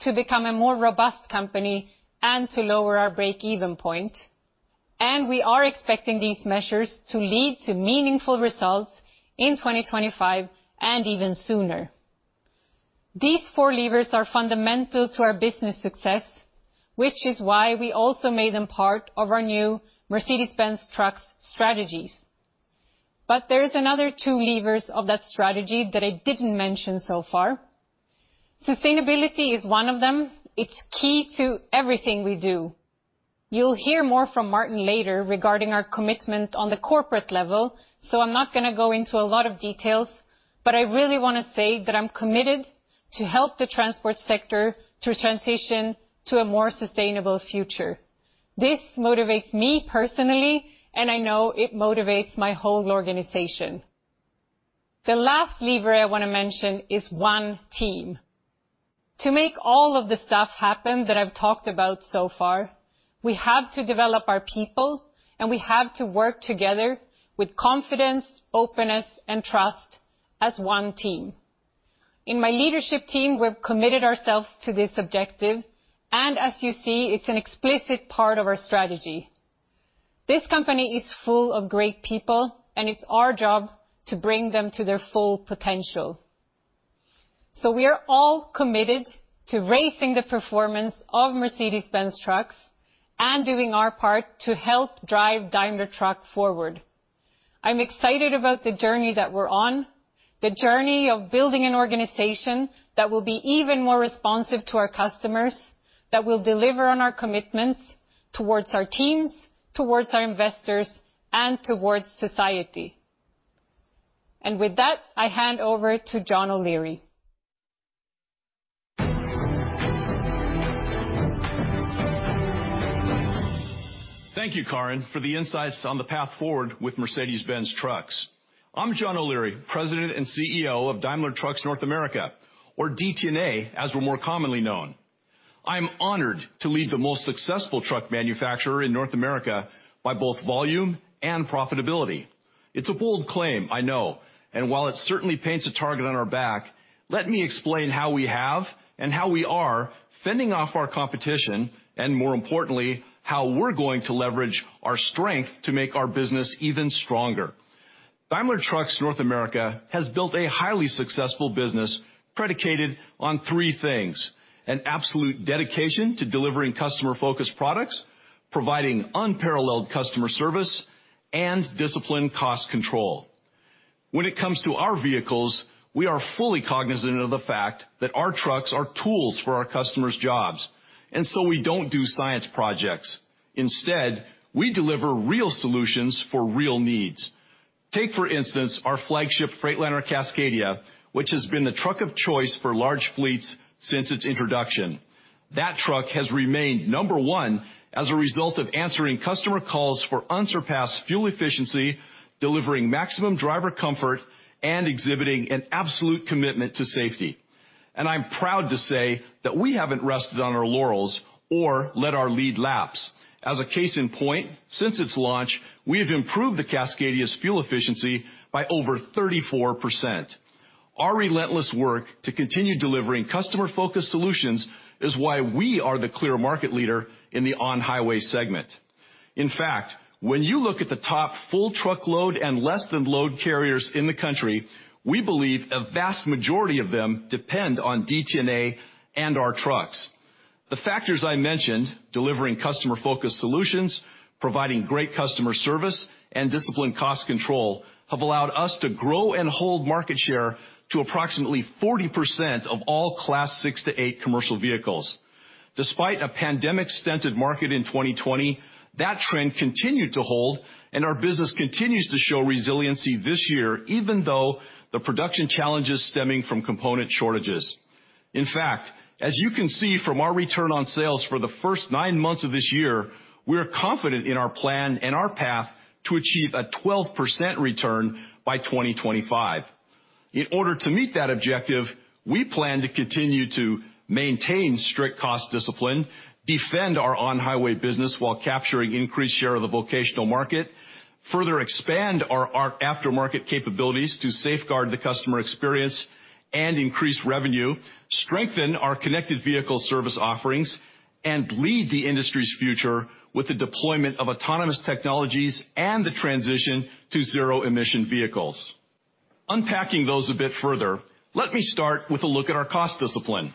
to become a more robust company and to lower our break-even point, and we are expecting these measures to lead to meaningful results in 2025 and even sooner. These four levers are fundamental to our business success, which is why we also made them part of our new Mercedes-Benz Trucks strategies. There is another two levers of that strategy that I didn't mention so far. Sustainability is one of them. It's key to everything we do. You'll hear more from Martin later regarding our commitment on the corporate level, so I'm not gonna go into a lot of details, but I really wanna say that I'm committed to help the transport sector to transition to a more sustainable future. This motivates me personally, and I know it motivates my whole organization. The last lever I wanna mention is one team. To make all of the stuff happen that I've talked about so far, we have to develop our people, and we have to work together with confidence, openness, and trust as one team. In my leadership team, we've committed ourselves to this objective, and as you see, it's an explicit part of our strategy. This company is full of great people, and it's our job to bring them to their full potential. We are all committed to raising the performance of Mercedes-Benz Trucks and doing our part to help drive Daimler Truck forward. I'm excited about the journey that we're on, the journey of building an organization that will be even more responsive to our customers, that will deliver on our commitments towards our teams, towards our investors, and towards society. With that, I hand over to John O'Leary. Thank you, Karin, for the insights on the path forward with Mercedes-Benz Trucks. I'm John O'Leary, President and CEO of Daimler Truck North America, or DTNA, as we're more commonly known. I'm honored to lead the most successful truck manufacturer in North America by both volume and profitability. It's a bold claim, I know, and while it certainly paints a target on our back, let me explain how we have and how we are fending off our competition, and more importantly, how we're going to leverage our strength to make our business even stronger. Daimler Truck North America has built a highly successful business predicated on three things, an absolute dedication to delivering customer-focused products, providing unparalleled customer service, and disciplined cost control. When it comes to our vehicles, we are fully cognizant of the fact that our trucks are tools for our customers' jobs, and so we don't do science projects. Instead, we deliver real solutions for real needs. Take, for instance, our flagship Freightliner Cascadia, which has been the truck of choice for large fleets since its introduction. That truck has remained number one as a result of answering customer calls for unsurpassed fuel efficiency, delivering maximum driver comfort, and exhibiting an absolute commitment to safety. I'm proud to say that we haven't rested on our laurels or let our lead lapse. As a case in point, since its launch, we have improved the Cascadia's fuel efficiency by over 34%. Our relentless work to continue delivering customer-focused solutions is why we are the clear market leader in the on-highway segment. In fact, when you look at the top full truckload and less-than-truckload carriers in the country, we believe a vast majority of them depend on DTNA and our trucks. The factors I mentioned, delivering customer-focused solutions, providing great customer service, and disciplined cost control, have allowed us to grow and hold market share to approximately 40% of all Class six to eight commercial vehicles. Despite a pandemic-stunted market in 2020, that trend continued to hold, and our business continues to show resiliency this year, even though the production challenges stemming from component shortages. In fact, as you can see from our return on sales for the first nine months of this year, we're confident in our plan and our path to achieve a 12% return by 2025. In order to meet that objective, we plan to continue to maintain strict cost discipline, defend our on-highway business while capturing increased share of the vocational market, further expand our aftermarket capabilities to safeguard the customer experience and increase revenue, strengthen our connected vehicle service offerings, and lead the industry's future with the deployment of autonomous technologies and the transition to zero-emission vehicles. Unpacking those a bit further, let me start with a look at our cost discipline.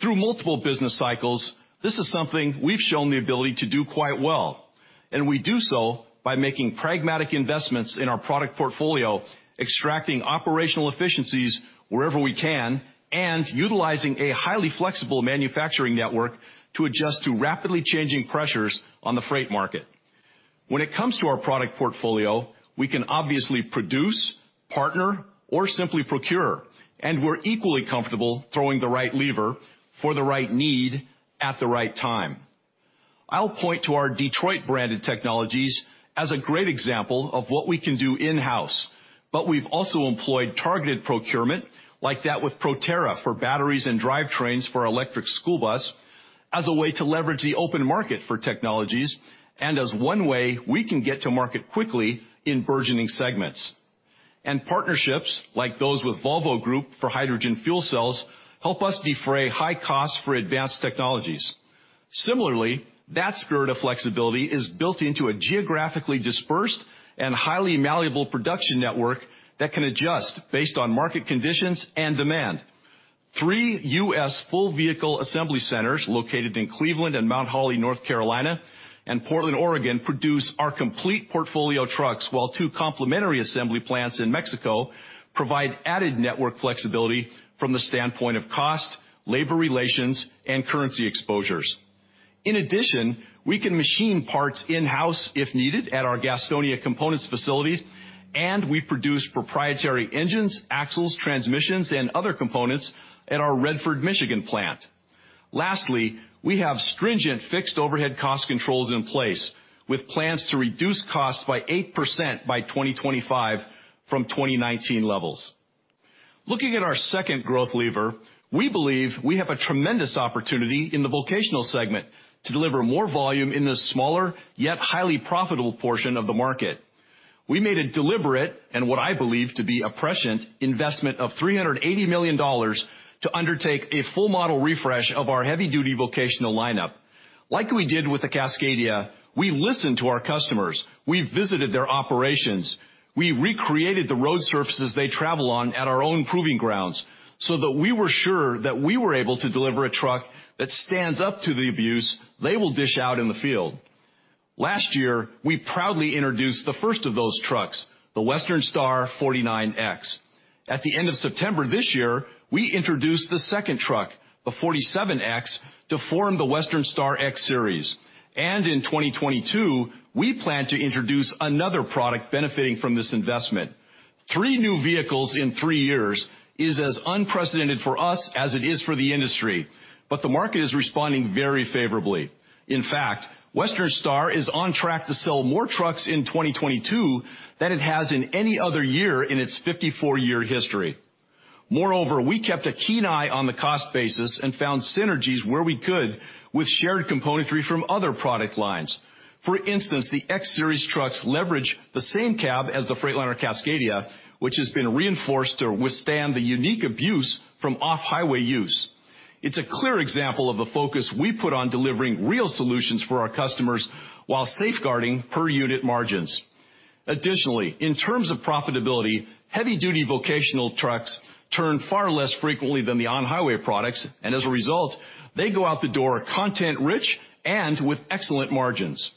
Through multiple business cycles, this is something we've shown the ability to do quite well, and we do so by making pragmatic investments in our product portfolio, extracting operational efficiencies wherever we can, and utilizing a highly flexible manufacturing network to adjust to rapidly changing pressures on the freight market. When it comes to our product portfolio, we can obviously produce, partner, or simply procure, and we're equally comfortable throwing the right lever for the right need at the right time. I'll point to our Detroit-branded technologies as a great example of what we can do in-house, but we've also employed targeted procurement like that with Proterra for batteries and drivetrains for electric school bus as a way to leverage the open market for technologies and as one way we can get to market quickly in burgeoning segments. Partnerships, like those with Volvo Group for hydrogen fuel cells, help us defray high costs for advanced technologies. Similarly, that spirit of flexibility is built into a geographically dispersed and highly malleable production network that can adjust based on market conditions and demand. Three U.S. full vehicle assembly centers located in Cleveland and Mount Holly, North Carolina, and Portland, Oregon, produce our complete portfolio of trucks, while two complementary assembly plants in Mexico provide added network flexibility from the standpoint of cost, labor relations, and currency exposures. In addition, we can machine parts in-house if needed at our Gastonia components facilities, and we produce proprietary engines, axles, transmissions, and other components at our Redford, Michigan, plant. Lastly, we have stringent fixed overhead cost controls in place, with plans to reduce costs by 8% by 2025 from 2019 levels. Looking at our second growth lever, we believe we have a tremendous opportunity in the vocational segment to deliver more volume in the smaller yet highly profitable portion of the market. We made a deliberate, and what I believe to be a prescient, investment of $380 million to undertake a full model refresh of our heavy-duty vocational lineup. Like we did with the Cascadia, we listened to our customers. We visited their operations. We recreated the road surfaces they travel on at our own proving grounds so that we were sure that we were able to deliver a truck that stands up to the abuse they will dish out in the field. Last year, we proudly introduced the first of those trucks, the Western Star 49X. At the end of September this year, we introduced the second truck, the 47X, to form the Western Star X-Series. In 2022, we plan to introduce another product benefiting from this investment. Three new vehicles in three years is as unprecedented for us as it is for the industry, but the market is responding very favorably. In fact, Western Star is on track to sell more trucks in 2022 than it has in any other year in its 54-year history. Moreover, we kept a keen eye on the cost basis and found synergies where we could with shared componentry from other product lines. For instance, the X-Series trucks leverage the same cab as the Freightliner Cascadia, which has been reinforced to withstand the unique abuse from off-highway use. It's a clear example of the focus we put on delivering real solutions for our customers while safeguarding per-unit margins. Additionally, in terms of profitability, heavy-duty vocational trucks turn far less frequently than the on-highway products, and as a result, they go out the door content rich and with excellent margins.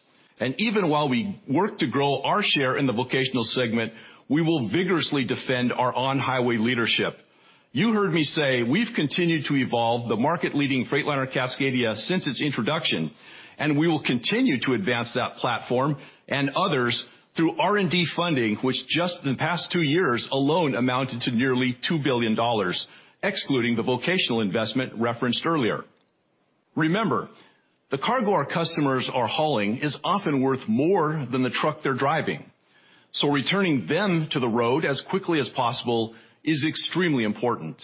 Even while we work to grow our share in the vocational segment, we will vigorously defend our on-highway leadership. You heard me say we've continued to evolve the market-leading Freightliner Cascadia since its introduction, and we will continue to advance that platform and others through R&D funding, which just in the past two years alone amounted to nearly $2 billion, excluding the vocational investment referenced earlier. Remember, the cargo our customers are hauling is often worth more than the truck they're driving, so returning them to the road as quickly as possible is extremely important.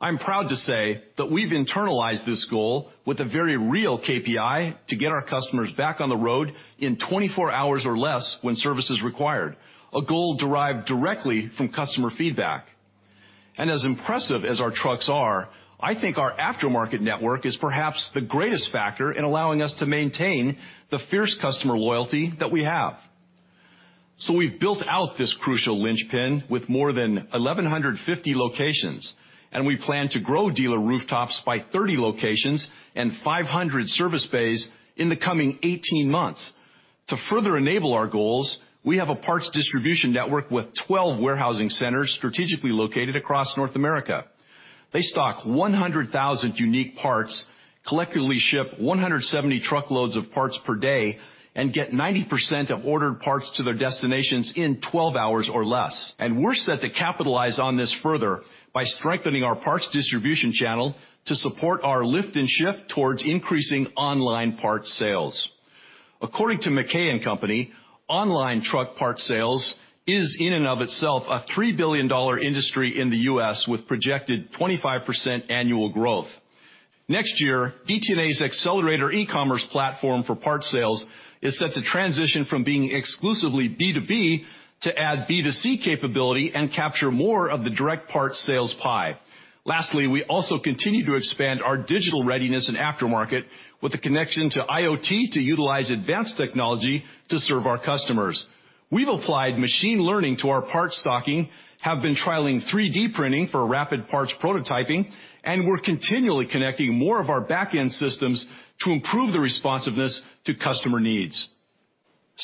I'm proud to say that we've internalized this goal with a very real KPI to get our customers back on the road in 24 hours or less when service is required, a goal derived directly from customer feedback. As impressive as our trucks are, I think our aftermarket network is perhaps the greatest factor in allowing us to maintain the fierce customer loyalty that we have. We've built out this crucial linchpin with more than 1,150 locations, and we plan to grow dealer rooftops by 30 locations and 500 service bays in the coming 18 months. To further enable our goals, we have a parts distribution network with 12 warehousing centers strategically located across North America. They stock 100,000 unique parts, collectively ship 170 truckloads of parts per day, and get 90% of ordered parts to their destinations in 12 hours or less. We're set to capitalize on this further by strengthening our parts distribution channel to support our lift and shift towards increasing online parts sales. According to McKinsey & Company, online truck part sales is in and of itself a $3 billion industry in the U.S., with projected 25% annual growth. Next year, DTNA's Excelerator eCommerce platform for parts sales is set to transition from being exclusively B2B to add B2C capability and capture more of the direct parts sales pie. Lastly, we also continue to expand our digital readiness and aftermarket with a connection to IoT to utilize advanced technology to serve our customers. We've applied machine learning to our parts stocking, have been trialing 3D printing for rapid parts prototyping, and we're continually connecting more of our back-end systems to improve the responsiveness to customer needs.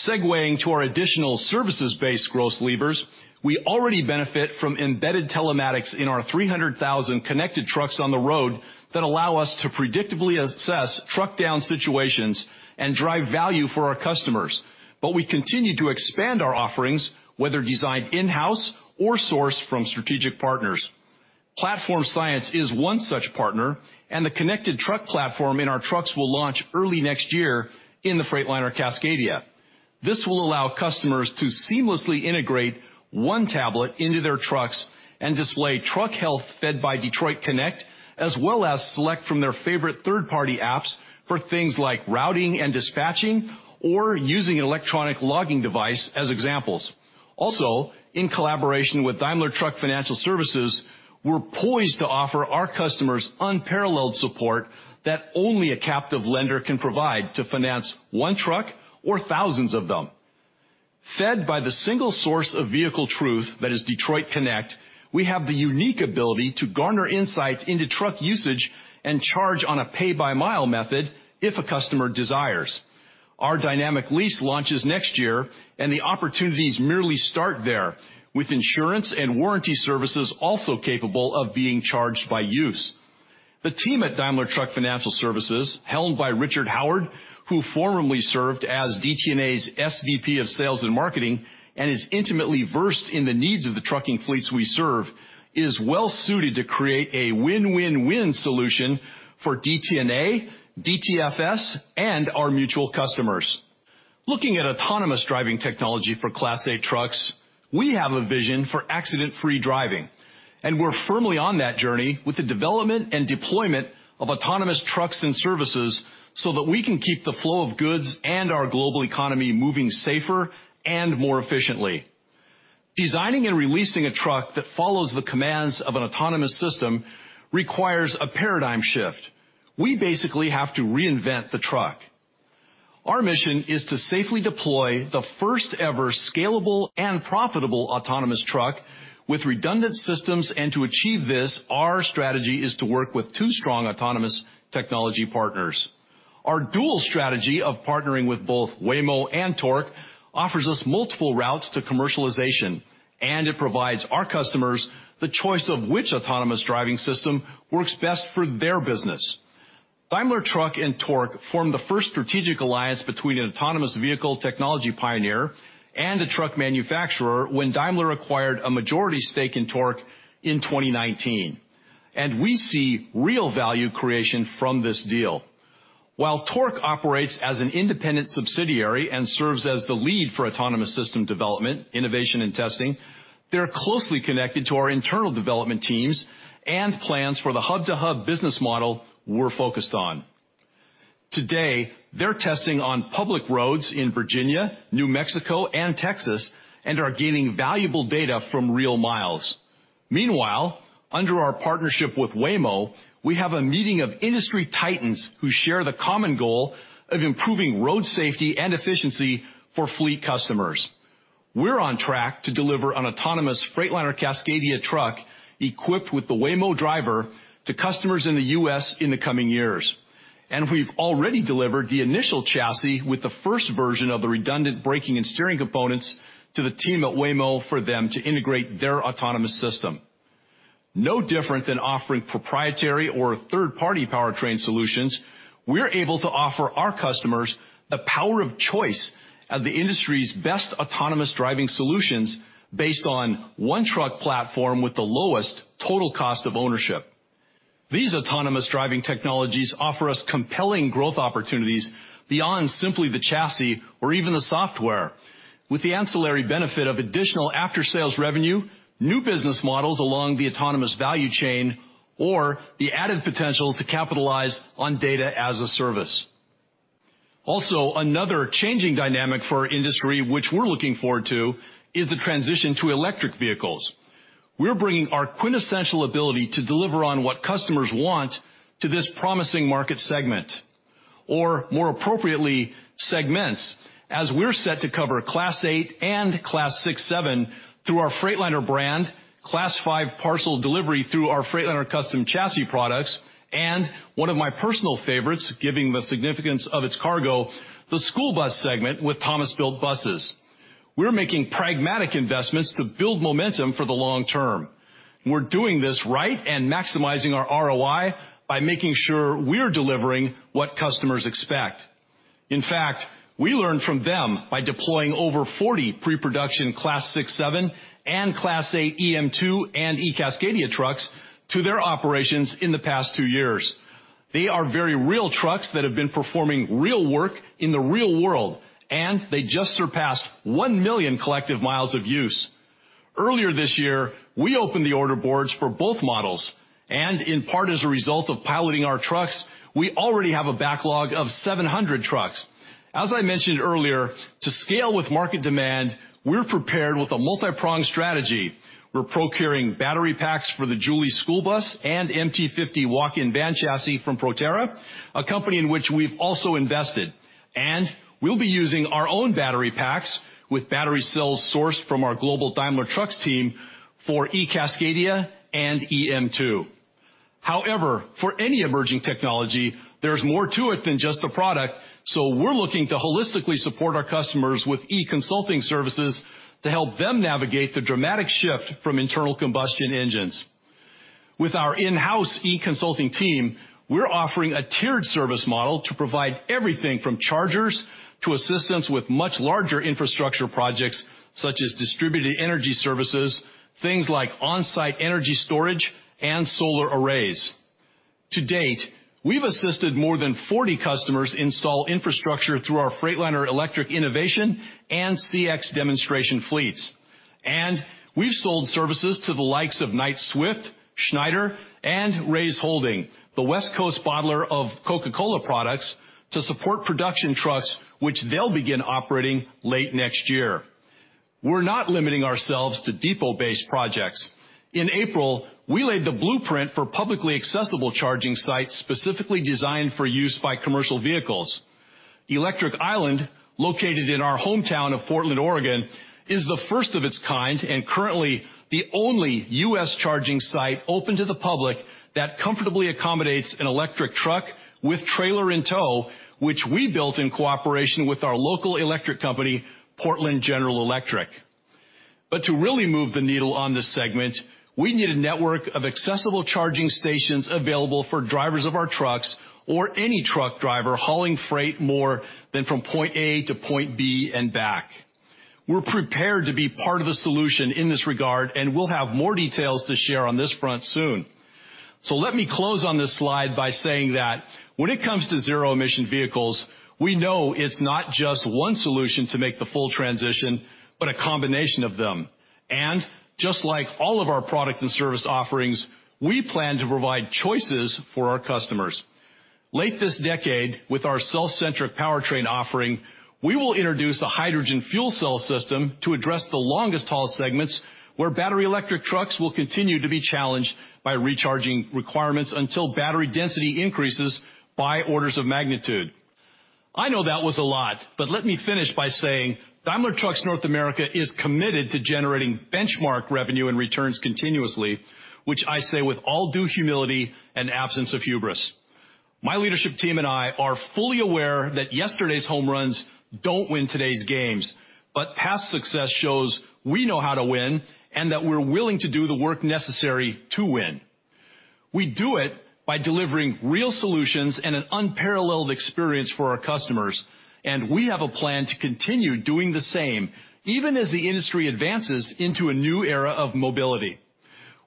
Segueing to our additional services-based growth levers, we already benefit from embedded telematics in our 300,000 connected trucks on the road that allow us to predictably assess truck down situations and drive value for our customers. We continue to expand our offerings, whether designed in-house or sourced from strategic partners. Platform Science is one such partner, and the connected truck platform in our trucks will launch early next year in the Freightliner Cascadia. This will allow customers to seamlessly integrate one tablet into their trucks and display truck health fed by Detroit Connect, as well as select from their favorite third-party apps for things like routing and dispatching or using an electronic logging device, as examples. Also, in collaboration with Daimler Truck Financial Services, we're poised to offer our customers unparalleled support that only a captive lender can provide to finance one truck or thousands of them. Fed by the single source of vehicle truth that is Detroit Connect, we have the unique ability to garner insights into truck usage and charge on a pay-by-mile method if a customer desires. Our dynamic lease launches next year, and the opportunities merely start there, with insurance and warranty services also capable of being charged by use. The team at Daimler Truck Financial Services, helmed by Richard Howard, who formerly served as DTNA's SVP of sales and marketing and is intimately versed in the needs of the trucking fleets we serve, is well suited to create a win-win-win solution for DTNA, DTFS, and our mutual customers. Looking at autonomous driving technology for Class A trucks, we have a vision for accident-free driving, and we're firmly on that journey with the development and deployment of autonomous trucks and services so that we can keep the flow of goods and our global economy moving safer and more efficiently. Designing and releasing a truck that follows the commands of an autonomous system requires a paradigm shift. We basically have to reinvent the truck. Our mission is to safely deploy the first-ever scalable and profitable autonomous truck with redundant systems. To achieve this, our strategy is to work with two strong autonomous technology partners. Our dual strategy of partnering with both Waymo and Torc offers us multiple routes to commercialization, and it provides our customers the choice of which autonomous driving system works best for their business. Daimler Truck and Torc formed the first strategic alliance between an autonomous vehicle technology pioneer and a truck manufacturer when Daimler acquired a majority stake in Torc in 2019, and we see real value creation from this deal. While Torc operates as an independent subsidiary and serves as the lead for autonomous system development, innovation, and testing, they're closely connected to our internal development teams and plans for the hub-to-hub business model we're focused on. Today, they're testing on public roads in Virginia, New Mexico, and Texas and are gaining valuable data from real miles. Meanwhile, under our partnership with Waymo, we have a meeting of industry titans who share the common goal of improving road safety and efficiency for fleet customers. We're on track to deliver an autonomous Freightliner Cascadia truck equipped with the Waymo Driver to customers in the U.S. in the coming years. We've already delivered the initial chassis with the first version of the redundant braking and steering components to the team at Waymo for them to integrate their autonomous system. No different than offering proprietary or third-party powertrain solutions, we're able to offer our customers the power of choice of the industry's best autonomous driving solutions based on one truck platform with the lowest total cost of ownership. These autonomous driving technologies offer us compelling growth opportunities beyond simply the chassis or even the software, with the ancillary benefit of additional after-sales revenue, new business models along the autonomous value chain, or the added potential to capitalize on data as a service. Also, another changing dynamic for our industry which we're looking forward to is the transition to electric vehicles. We're bringing our quintessential ability to deliver on what customers want to this promising market segment. Or more appropriately, segments, as we're set to cover Class eight and Class six, seven through our Freightliner brand, Class five parcel delivery through our Freightliner Custom Chassis products, and one of my personal favorites, given the significance of its cargo, the school bus segment with Thomas Built Buses. We're making pragmatic investments to build momentum for the long term. We're doing this right and maximizing our ROI by making sure we're delivering what customers expect. In fact, we learned from them by deploying over 40 pre-production Class six, seven and Class eight eM2 and eCascadia trucks to their operations in the past two years. They are very real trucks that have been performing real work in the real world, and they just surpassed one million collective miles of use. Earlier this year, we opened the order boards for both models, and in part as a result of piloting our trucks, we already have a backlog of 700 trucks. As I mentioned earlier, to scale with market demand, we're prepared with a multipronged strategy. We're procuring battery packs for the Jouley school bus and MT50e walk-in van chassis from Proterra, a company in which we've also invested. We'll be using our own battery packs with battery cells sourced from our global Daimler Truck team for eCascadia and eM2. However, for any emerging technology, there's more to it than just the product, so we're looking to holistically support our customers with eConsulting services to help them navigate the dramatic shift from internal combustion engines. With our in-house eConsulting team, we're offering a tiered service model to provide everything from chargers to assistance with much larger infrastructure projects, such as distributed energy services, things like on-site energy storage and solar arrays. To date, we've assisted more than 40 customers install infrastructure through our Freightliner electric innovation and CX demonstration fleets. We've sold services to the likes of Knight-Swift, Schneider, and Reyes Holdings, the West Coast bottler of Coca-Cola products, to support production trucks which they'll begin operating late next year. We're not limiting ourselves to depot-based projects. In April, we laid the blueprint for publicly accessible charging sites specifically designed for use by commercial vehicles. Electric Island, located in our hometown of Portland, Oregon, is the first of its kind and currently the only U.S. charging site open to the public that comfortably accommodates an electric truck with trailer in tow, which we built in cooperation with our local electric company, Portland General Electric. To really move the needle on this segment, we need a network of accessible charging stations available for drivers of our trucks or any truck driver hauling freight more than from point A to point B and back. We're prepared to be part of the solution in this regard, and we'll have more details to share on this front soon. Let me close on this slide by saying that when it comes to zero-emission vehicles, we know it's not just one solution to make the full transition, but a combination of them. Just like all of our product and service offerings, we plan to provide choices for our customers. Late this decade, with our cellcentric powertrain offering, we will introduce a hydrogen fuel cell system to address the longest haul segments where battery electric trucks will continue to be challenged by recharging requirements until battery density increases by orders of magnitude. I know that was a lot, but let me finish by saying Daimler Truck North America is committed to generating benchmark revenue and returns continuously, which I say with all due humility and absence of hubris. My leadership team and I are fully aware that yesterday's home runs don't win today's games, but past success shows we know how to win and that we're willing to do the work necessary to win. We do it by delivering real solutions and an unparalleled experience for our customers, and we have a plan to continue doing the same, even as the industry advances into a new era of mobility.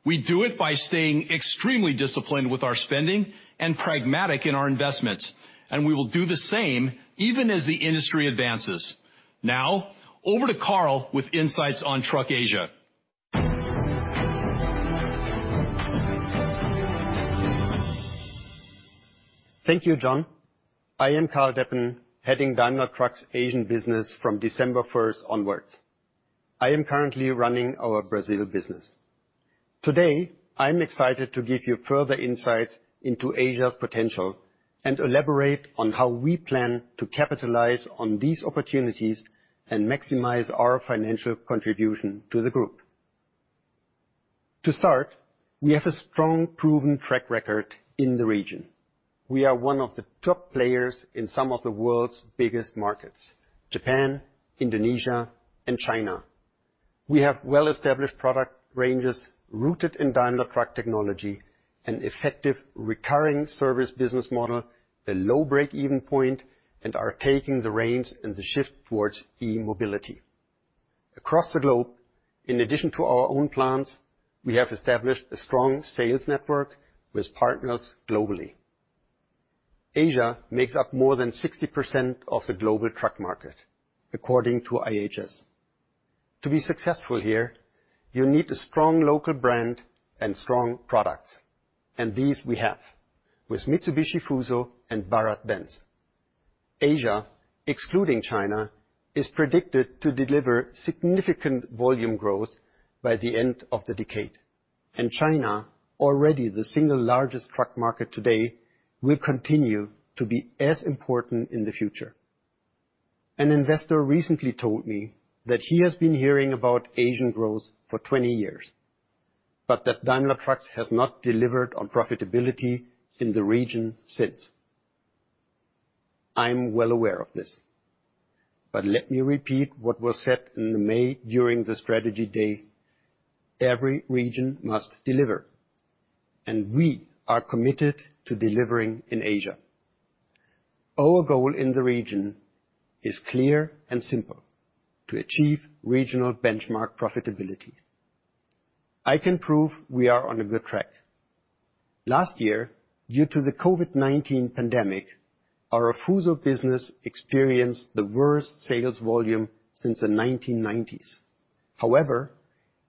We do it by staying extremely disciplined with our spending and pragmatic in our investments, and we will do the same even as the industry advances. Now, over to Karl Deppen with insights on Trucks Asia. Thank you, John. I am Karl Deppen, heading Daimler Truck's Asia business from December 1 onwards. I am currently running our Brazil business. Today, I'm excited to give you further insights into Asia's potential and elaborate on how we plan to capitalize on these opportunities and maximize our financial contribution to the group. To start, we have a strong, proven track record in the region. We are one of the top players in some of the world's biggest markets, Japan, Indonesia, and China. We have well-established product ranges rooted in Daimler Truck technology, an effective recurring service business model, a low breakeven point, and are taking the reins in the shift towards e-mobility. Across the globe, in addition to our own plans, we have established a strong sales network with partners globally. Asia makes up more than 60% of the global truck market, according to IHS. To be successful here, you need a strong local brand and strong products, and these we have, with Mitsubishi Fuso and BharatBenz. Asia, excluding China, is predicted to deliver significant volume growth by the end of the decade. China, already the single largest truck market today, will continue to be as important in the future. An investor recently told me that he has been hearing about Asian growth for 20 years, but that Daimler Trucks has not delivered on profitability in the region since. I'm well aware of this, but let me repeat what was said in May during the strategy day: every region must deliver, and we are committed to delivering in Asia. Our goal in the region is clear and simple: to achieve regional benchmark profitability. I can prove we are on a good track. Last year, due to the COVID-19 pandemic, our FUSO business experienced the worst sales volume since the 1990s. However,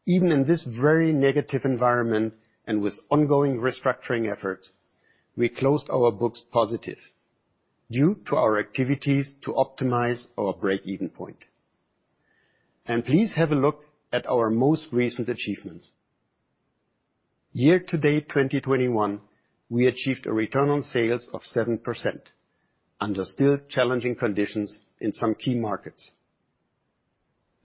even in this very negative environment, and with ongoing restructuring efforts, we closed our books positive due to our activities to optimize our break-even point. Please have a look at our most recent achievements. Year to date, 2021, we achieved a return on sales of 7% under still challenging conditions in some key markets.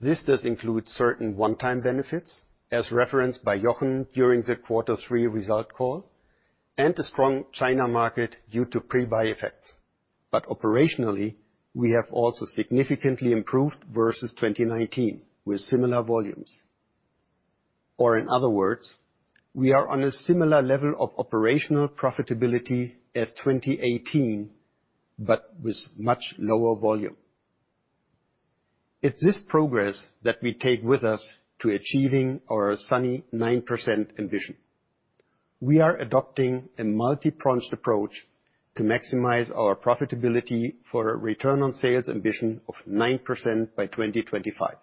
This does include certain one-time benefits, as referenced by Jochen during the Q3 result call, and a strong China market due to pre-buy effects. Operationally, we have also significantly improved versus 2019, with similar volumes. In other words, we are on a similar level of operational profitability as 2018, but with much lower volume. It's this progress that we take with us to achieving our sunny 9% ambition. We are adopting a multi-pronged approach to maximize our profitability for a return on sales ambition of 9% by 2025.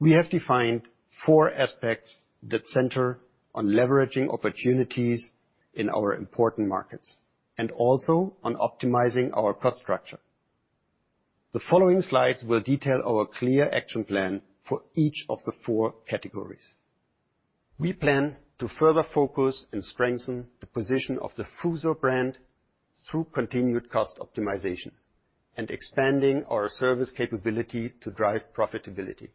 We have defined four aspects that center on leveraging opportunities in our important markets and also on optimizing our cost structure. The following slides will detail our clear action plan for each of the four categories. We plan to further focus and strengthen the position of the FUSO brand through continued cost optimization and expanding our service capability to drive profitability.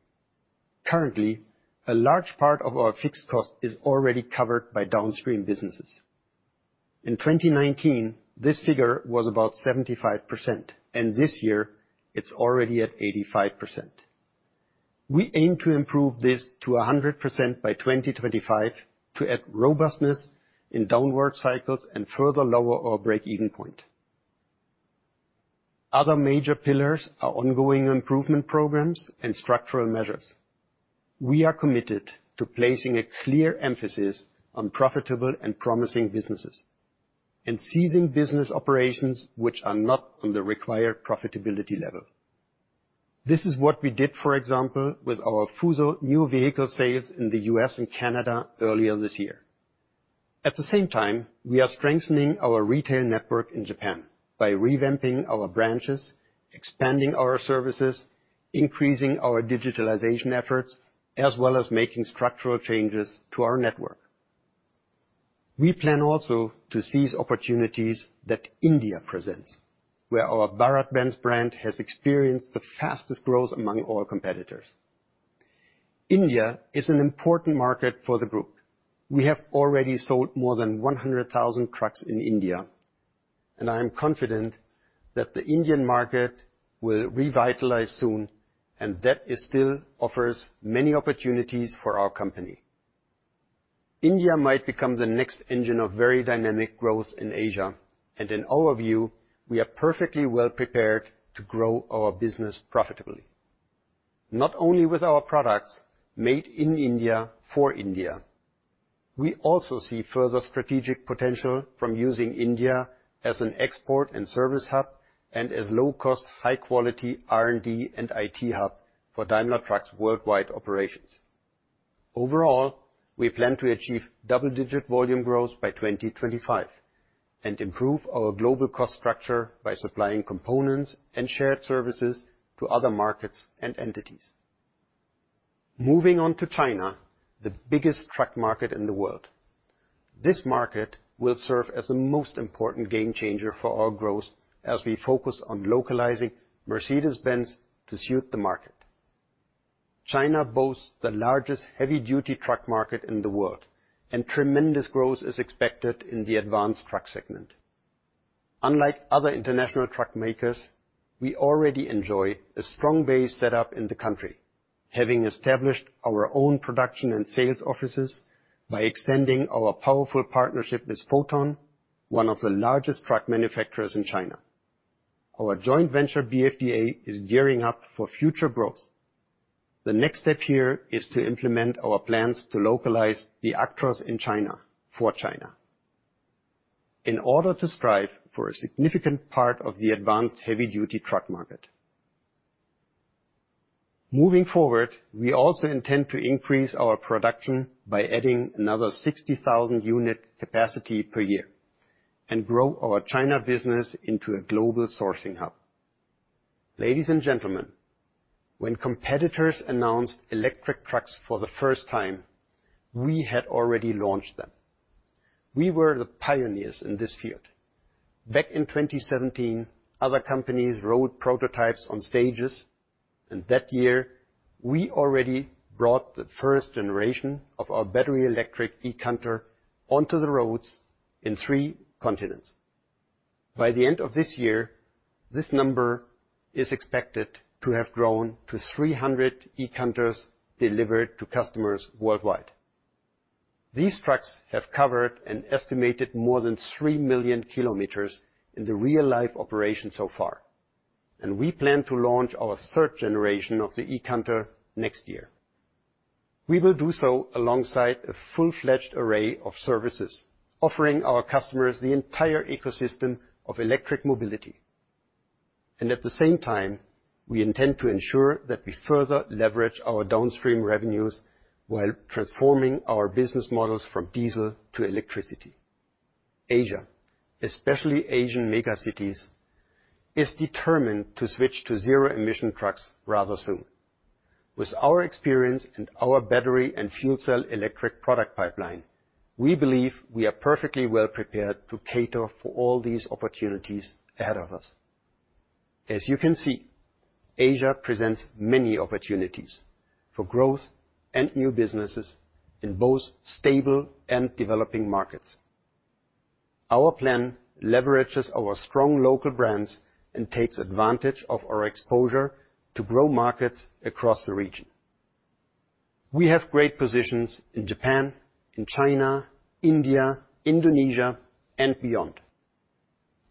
Currently, a large part of our fixed cost is already covered by downstream businesses. In 2019, this figure was about 75%, and this year it's already at 85%. We aim to improve this to 100% by 2025 to add robustness in downward cycles and further lower our break-even point. Other major pillars are ongoing improvement programs and structural measures. We are committed to placing a clear emphasis on profitable and promising businesses and ceasing business operations which are not on the required profitability level. This is what we did, for example, with our FUSO new vehicle sales in the U.S. and Canada earlier this year. At the same time, we are strengthening our retail network in Japan by revamping our branches, expanding our services, increasing our digitalization efforts, as well as making structural changes to our network. We plan also to seize opportunities that India presents, where our BharatBenz brand has experienced the fastest growth among all competitors. India is an important market for the group. We have already sold more than 100,000 trucks in India, and I am confident that the Indian market will revitalize soon, and that it still offers many opportunities for our company. India might become the next engine of very dynamic growth in Asia, and in our view, we are perfectly well prepared to grow our business profitably, not only with our products made in India for India. We also see further strategic potential from using India as an export and service hub and as low-cost, high-quality R&D and IT hub for Daimler Truck's worldwide operations. Overall, we plan to achieve double-digit volume growth by 2025 and improve our global cost structure by supplying components and shared services to other markets and entities. Moving on to China, the biggest truck market in the world. This market will serve as the most important game changer for our growth as we focus on localizing Mercedes-Benz to suit the market. China boasts the largest heavy-duty truck market in the world, and tremendous growth is expected in the advanced truck segment. Unlike other international truck makers, we already enjoy a strong base set up in the country, having established our own production and sales offices by extending our powerful partnership with Foton, one of the largest truck manufacturers in China. Our joint venture, BFDA, is gearing up for future growth. The next step here is to implement our plans to localize the Actros in China for China in order to strive for a significant part of the advanced heavy-duty truck market. Moving forward, we also intend to increase our production by adding another 60,000 unit capacity per year and grow our China business into a global sourcing hub. Ladies and gentlemen, when competitors announced electric trucks for the first time, we had already launched them. We were the pioneers in this field. Back in 2017, other companies rode prototypes on stages, and that year, we already brought the first generation of our battery electric eCanter onto the roads in three continents. By the end of this year, this number is expected to have grown to 300 eCanters delivered to customers worldwide. These trucks have covered an estimated more than three million kilometers in the real-life operation so far, and we plan to launch our third generation of the eCanter next year. We will do so alongside a full-fledged array of services, offering our customers the entire ecosystem of electric mobility. At the same time, we intend to ensure that we further leverage our downstream revenues while transforming our business models from diesel to electricity. Asia, especially Asian mega cities, is determined to switch to zero-emission trucks rather soon. With our experience and our battery and fuel cell electric product pipeline, we believe we are perfectly well prepared to cater for all these opportunities ahead of us. As you can see, Asia presents many opportunities for growth and new businesses in both stable and developing markets. Our plan leverages our strong local brands and takes advantage of our exposure to grow markets across the region. We have great positions in Japan, in China, India, Indonesia, and beyond.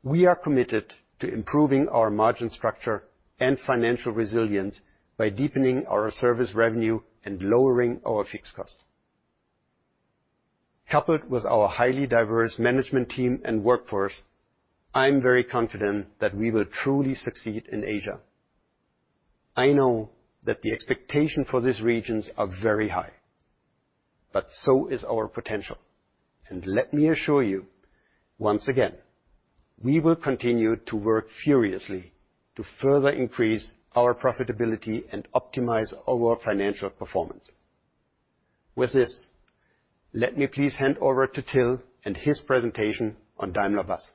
We are committed to improving our margin structure and financial resilience by deepening our service revenue and lowering our fixed cost. Coupled with our highly diverse management team and workforce, I'm very confident that we will truly succeed in Asia. I know that the expectation for these regions are very high, but so is our potential. Let me assure you, once again, we will continue to work furiously to further increase our profitability and optimize our financial performance. With this, let me please hand over to Till and his presentation on Daimler Buses.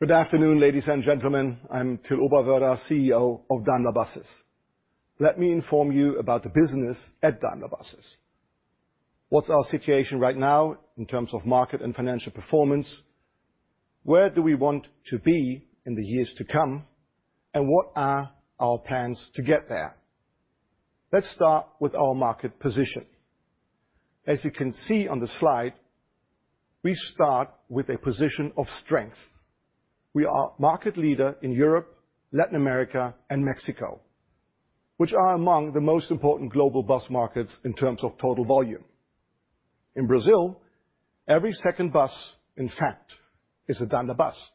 Good afternoon, ladies and gentlemen. I'm Till Oberwörder, CEO of Daimler Buses. Let me inform you about the business at Daimler Buses. What's our situation right now in terms of market and financial performance? Where do we want to be in the years to come, and what are our plans to get there? Let's start with our market position. As you can see on the slide, we start with a position of strength. We are market leader in Europe, Latin America, and Mexico, which are among the most important global bus markets in terms of total volume. In Brazil, every second bus, in fact, is a Daimler bus.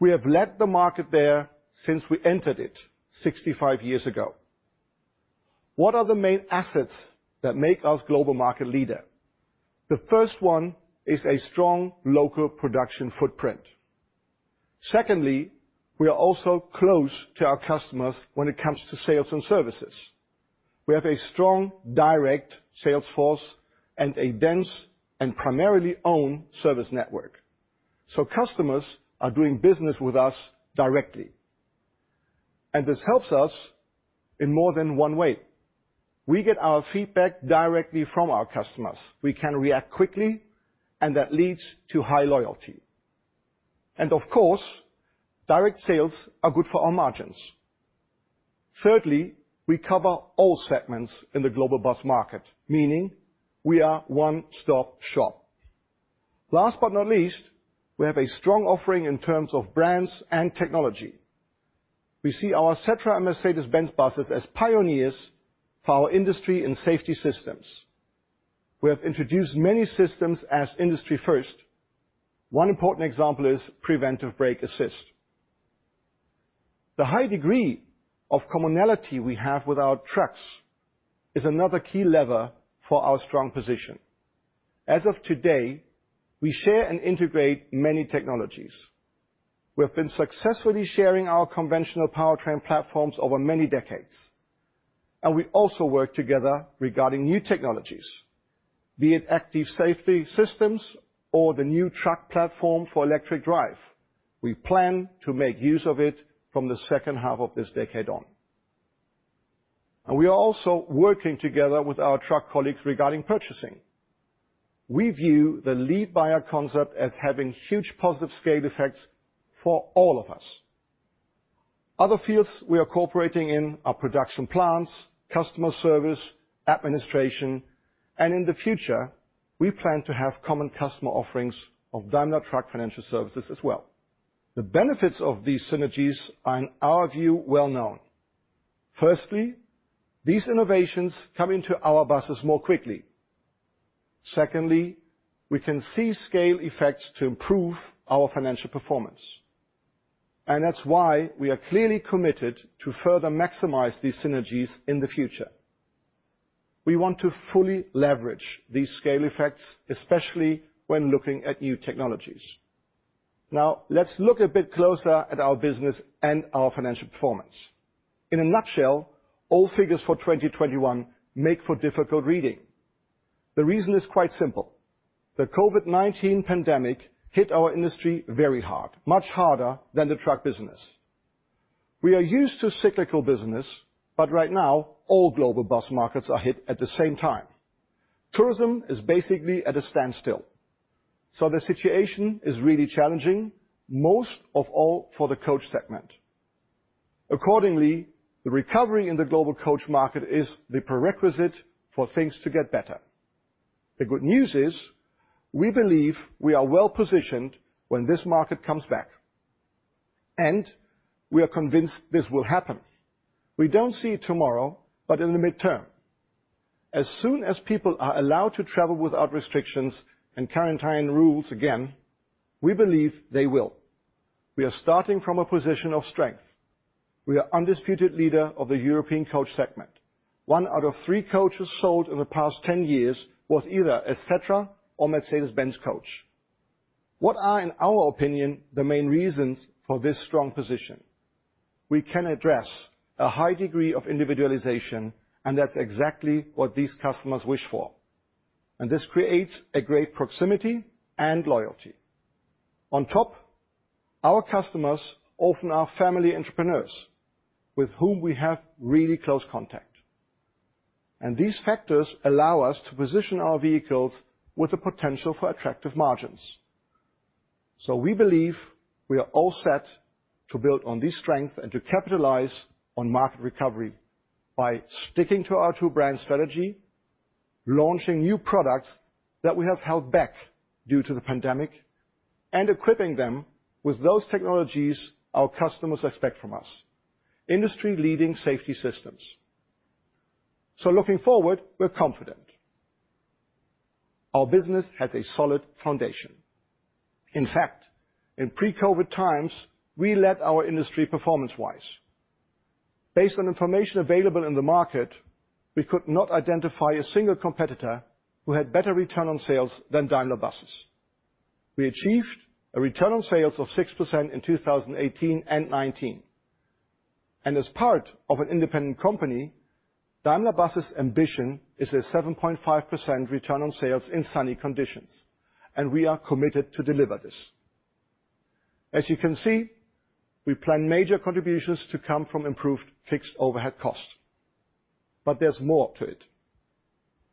We have led the market there since we entered it 65 years ago. What are the main assets that make us global market leader? The first one is a strong local production footprint. Secondly, we are also close to our customers when it comes to sales and services. We have a strong direct sales force and a dense and primarily owned service network, so customers are doing business with us directly, and this helps us in more than one way. We get our feedback directly from our customers. We can react quickly, and that leads to high loyalty. Of course, direct sales are good for our margins. Thirdly, we cover all segments in the global bus market, meaning we are one-stop shop. Last but not least, we have a strong offering in terms of brands and technology. We see our Setra and Mercedes-Benz buses as pioneers for our industry and safety systems. We have introduced many systems as industry first. One important example is Preventive Brake Assist. The high degree of commonality we have with our trucks is another key lever for our strong position. As of today, we share and integrate many technologies. We have been successfully sharing our conventional powertrain platforms over many decades, and we also work together regarding new technologies, be it active safety systems or the new truck platform for electric drive. We plan to make use of it from the second half of this decade on. We are also working together with our truck colleagues regarding purchasing. We view the lead buyer concept as having huge positive scale effects for all of us. Other fields we are cooperating in are production plants, customer service, administration, and in the future, we plan to have common customer offerings of Daimler Truck Financial Services as well. The benefits of these synergies are, in our view, well-known. Firstly, these innovations come into our buses more quickly. Secondly, we can see scale effects to improve our financial performance, and that's why we are clearly committed to further maximize these synergies in the future. We want to fully leverage these scale effects, especially when looking at new technologies. Now, let's look a bit closer at our business and our financial performance. In a nutshell, all figures for 2021 make for difficult reading. The reason is quite simple. The COVID-19 pandemic hit our industry very hard, much harder than the truck business. We are used to cyclical business, but right now, all global bus markets are hit at the same time. Tourism is basically at a standstill, so the situation is really challenging, most of all for the coach segment. Accordingly, the recovery in the global coach market is the prerequisite for things to get better. The good news is, we believe we are well-positioned when this market comes back, and we are convinced this will happen. We don't see tomorrow, but in the medium term. As soon as people are allowed to travel without restrictions and quarantine rules again, we believe they will. We are starting from a position of strength. We are undisputed leader of the European coach segment. 1/3 of coaches sold in the past 10 years was either a Setra or Mercedes-Benz coach. What are, in our opinion, the main reasons for this strong position? We can address a high degree of individualization, and that's exactly what these customers wish for. This creates a great proximity and loyalty. On top, our customers often are family entrepreneurs with whom we have really close contact. These factors allow us to position our vehicles with the potential for attractive margins. We believe we are all set to build on this strength and to capitalize on market recovery by sticking to our two brand strategy, launching new products that we have held back due to the pandemic, and equipping them with those technologies our customers expect from us, industry-leading safety systems. Looking forward, we're confident. Our business has a solid foundation. In fact, in pre-COVID times, we led our industry performance-wise. Based on information available in the market, we could not identify a single competitor who had better return on sales than Daimler Buses. We achieved a return on sales of 6% in 2018 and 2019. As part of an independent company, Daimler Buses ambition is a 7.5% return on sales in sunny conditions, and we are committed to deliver this. As you can see, we plan major contributions to come from improved fixed overhead cost. There's more to it.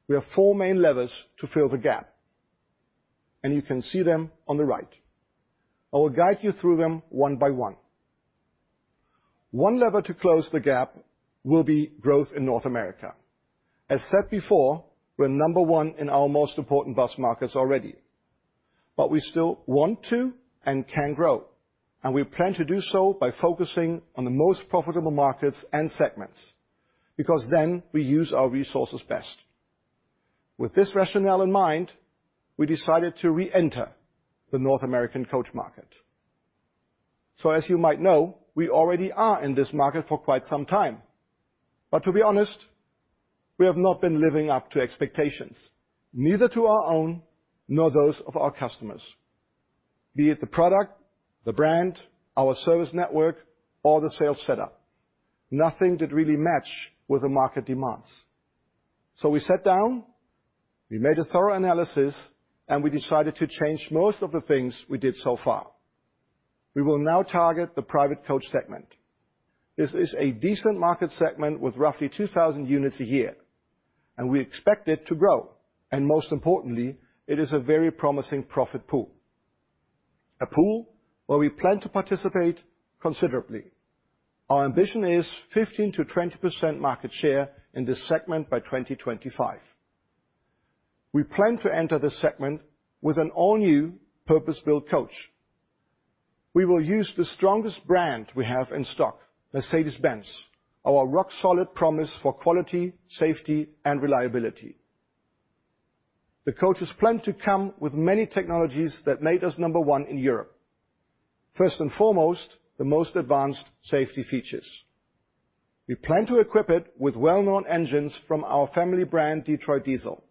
We have four main levers to fill the gap, and you can see them on the right. I will guide you through them one by one. One lever to close the gap will be growth in North America. As said before, we're number one in our most important bus markets already. We still want to and can grow, and we plan to do so by focusing on the most profitable markets and segments, because then we use our resources best. With this rationale in mind, we decided to reenter the North American coach market. As you might know, we already are in this market for quite some time. To be honest, we have not been living up to expectations, neither to our own, nor those of our customers, be it the product, the brand, our service network, or the sales setup. Nothing did really match with the market demands. We sat down, we made a thorough analysis, and we decided to change most of the things we did so far. We will now target the private coach segment. This is a decent market segment with roughly 2,000 units a year, and we expect it to grow. Most importantly, it is a very promising profit pool, a pool where we plan to participate considerably. Our ambition is 15%-20% market share in this segment by 2025. We plan to enter this segment with an all-new purpose-built coach. We will use the strongest brand we have in stock, Mercedes-Benz, our rock-solid promise for quality, safety, and reliability. The coaches plan to come with many technologies that made us number one in Europe, first and foremost, the most advanced safety features. We plan to equip it with well-known engines from our family brand, Detroit Diesel.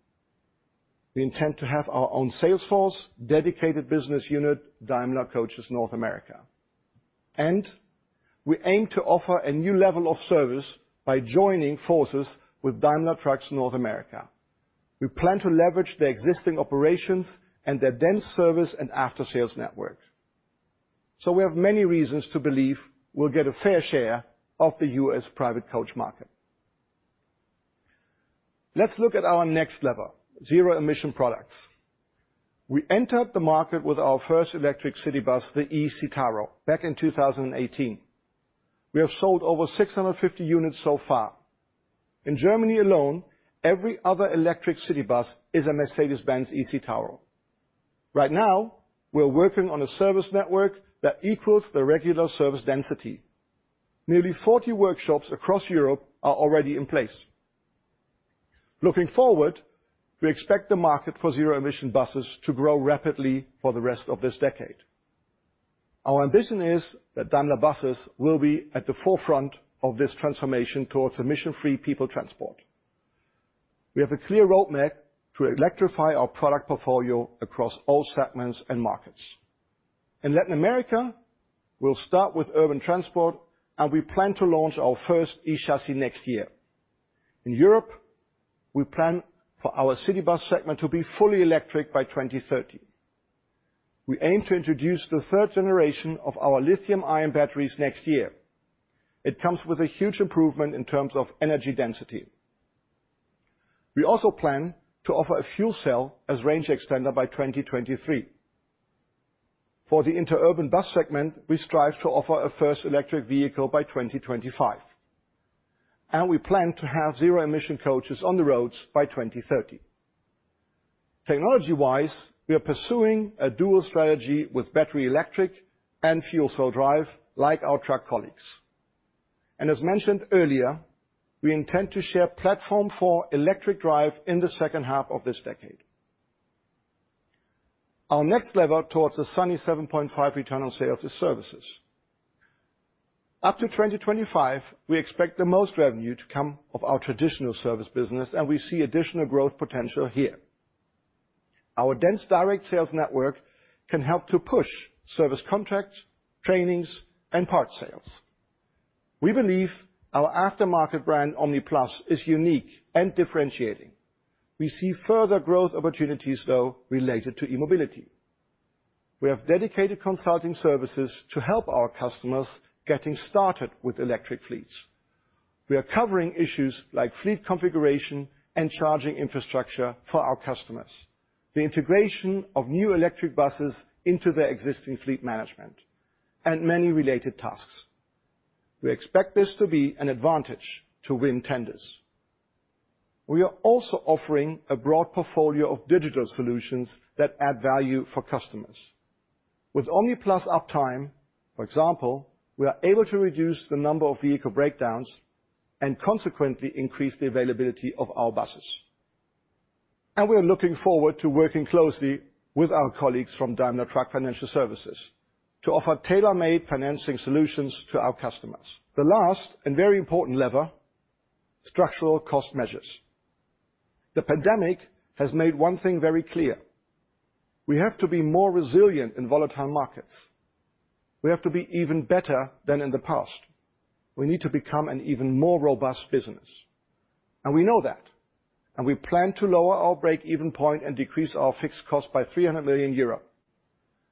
We intend to have our own sales force, dedicated business unit, Daimler Coaches North America. We aim to offer a new level of service by joining forces with Daimler Truck North America. We plan to leverage their existing operations and their dense service and after-sales network. We have many reasons to believe we'll get a fair share of the U.S. private coach market. Let's look at our next lever, zero emission products. We entered the market with our first electric city bus, the eCitaro, back in 2018. We have sold over 650 units so far. In Germany alone, every other electric city bus is a Mercedes-Benz eCitaro. Right now, we're working on a service network that equals the regular service density. Nearly 40 workshops across Europe are already in place. Looking forward, we expect the market for zero-emission buses to grow rapidly for the rest of this decade. Our ambition is that Daimler Buses will be at the forefront of this transformation towards emission-free people transport. We have a clear roadmap to electrify our product portfolio across all segments and markets. In Latin America, we'll start with urban transport, and we plan to launch our first E-chassis next year. In Europe, we plan for our city bus segment to be fully electric by 2030. We aim to introduce the third generation of our lithium-ion batteries next year. It comes with a huge improvement in terms of energy density. We also plan to offer a fuel cell as range extender by 2023. For the inter-urban bus segment, we strive to offer a first electric vehicle by 2025, and we plan to have zero-emission coaches on the roads by 2030. Technology-wise, we are pursuing a dual strategy with battery, electric, and fuel cell drive, like our truck colleagues. As mentioned earlier, we intend to share platform for electric drive in the second half of this decade. Our next lever towards the solid 7.5% return on sales is services. Up to 2025, we expect the most revenue to come of our traditional service business, and we see additional growth potential here. Our dense direct sales network can help to push service contracts, trainings, and parts sales. We believe our aftermarket brand, OMNIplus, is unique and differentiating. We see further growth opportunities, though, related to e-mobility. We have dedicated consulting services to help our customers getting started with electric fleets. We are covering issues like fleet configuration and charging infrastructure for our customers, the integration of new electric buses into their existing fleet management, and many related tasks. We expect this to be an advantage to win tenders. We are also offering a broad portfolio of digital solutions that add value for customers. With OMNIplus Uptime, for example, we are able to reduce the number of vehicle breakdowns and consequently increase the availability of our buses. We are looking forward to working closely with our colleagues from Daimler Truck Financial Services to offer tailor-made financing solutions to our customers. The last and very important lever, structural cost measures. The pandemic has made one thing very clear: we have to be more resilient in volatile markets. We have to be even better than in the past. We need to become an even more robust business, and we know that, and we plan to lower our break-even point and decrease our fixed cost by 300 million euro.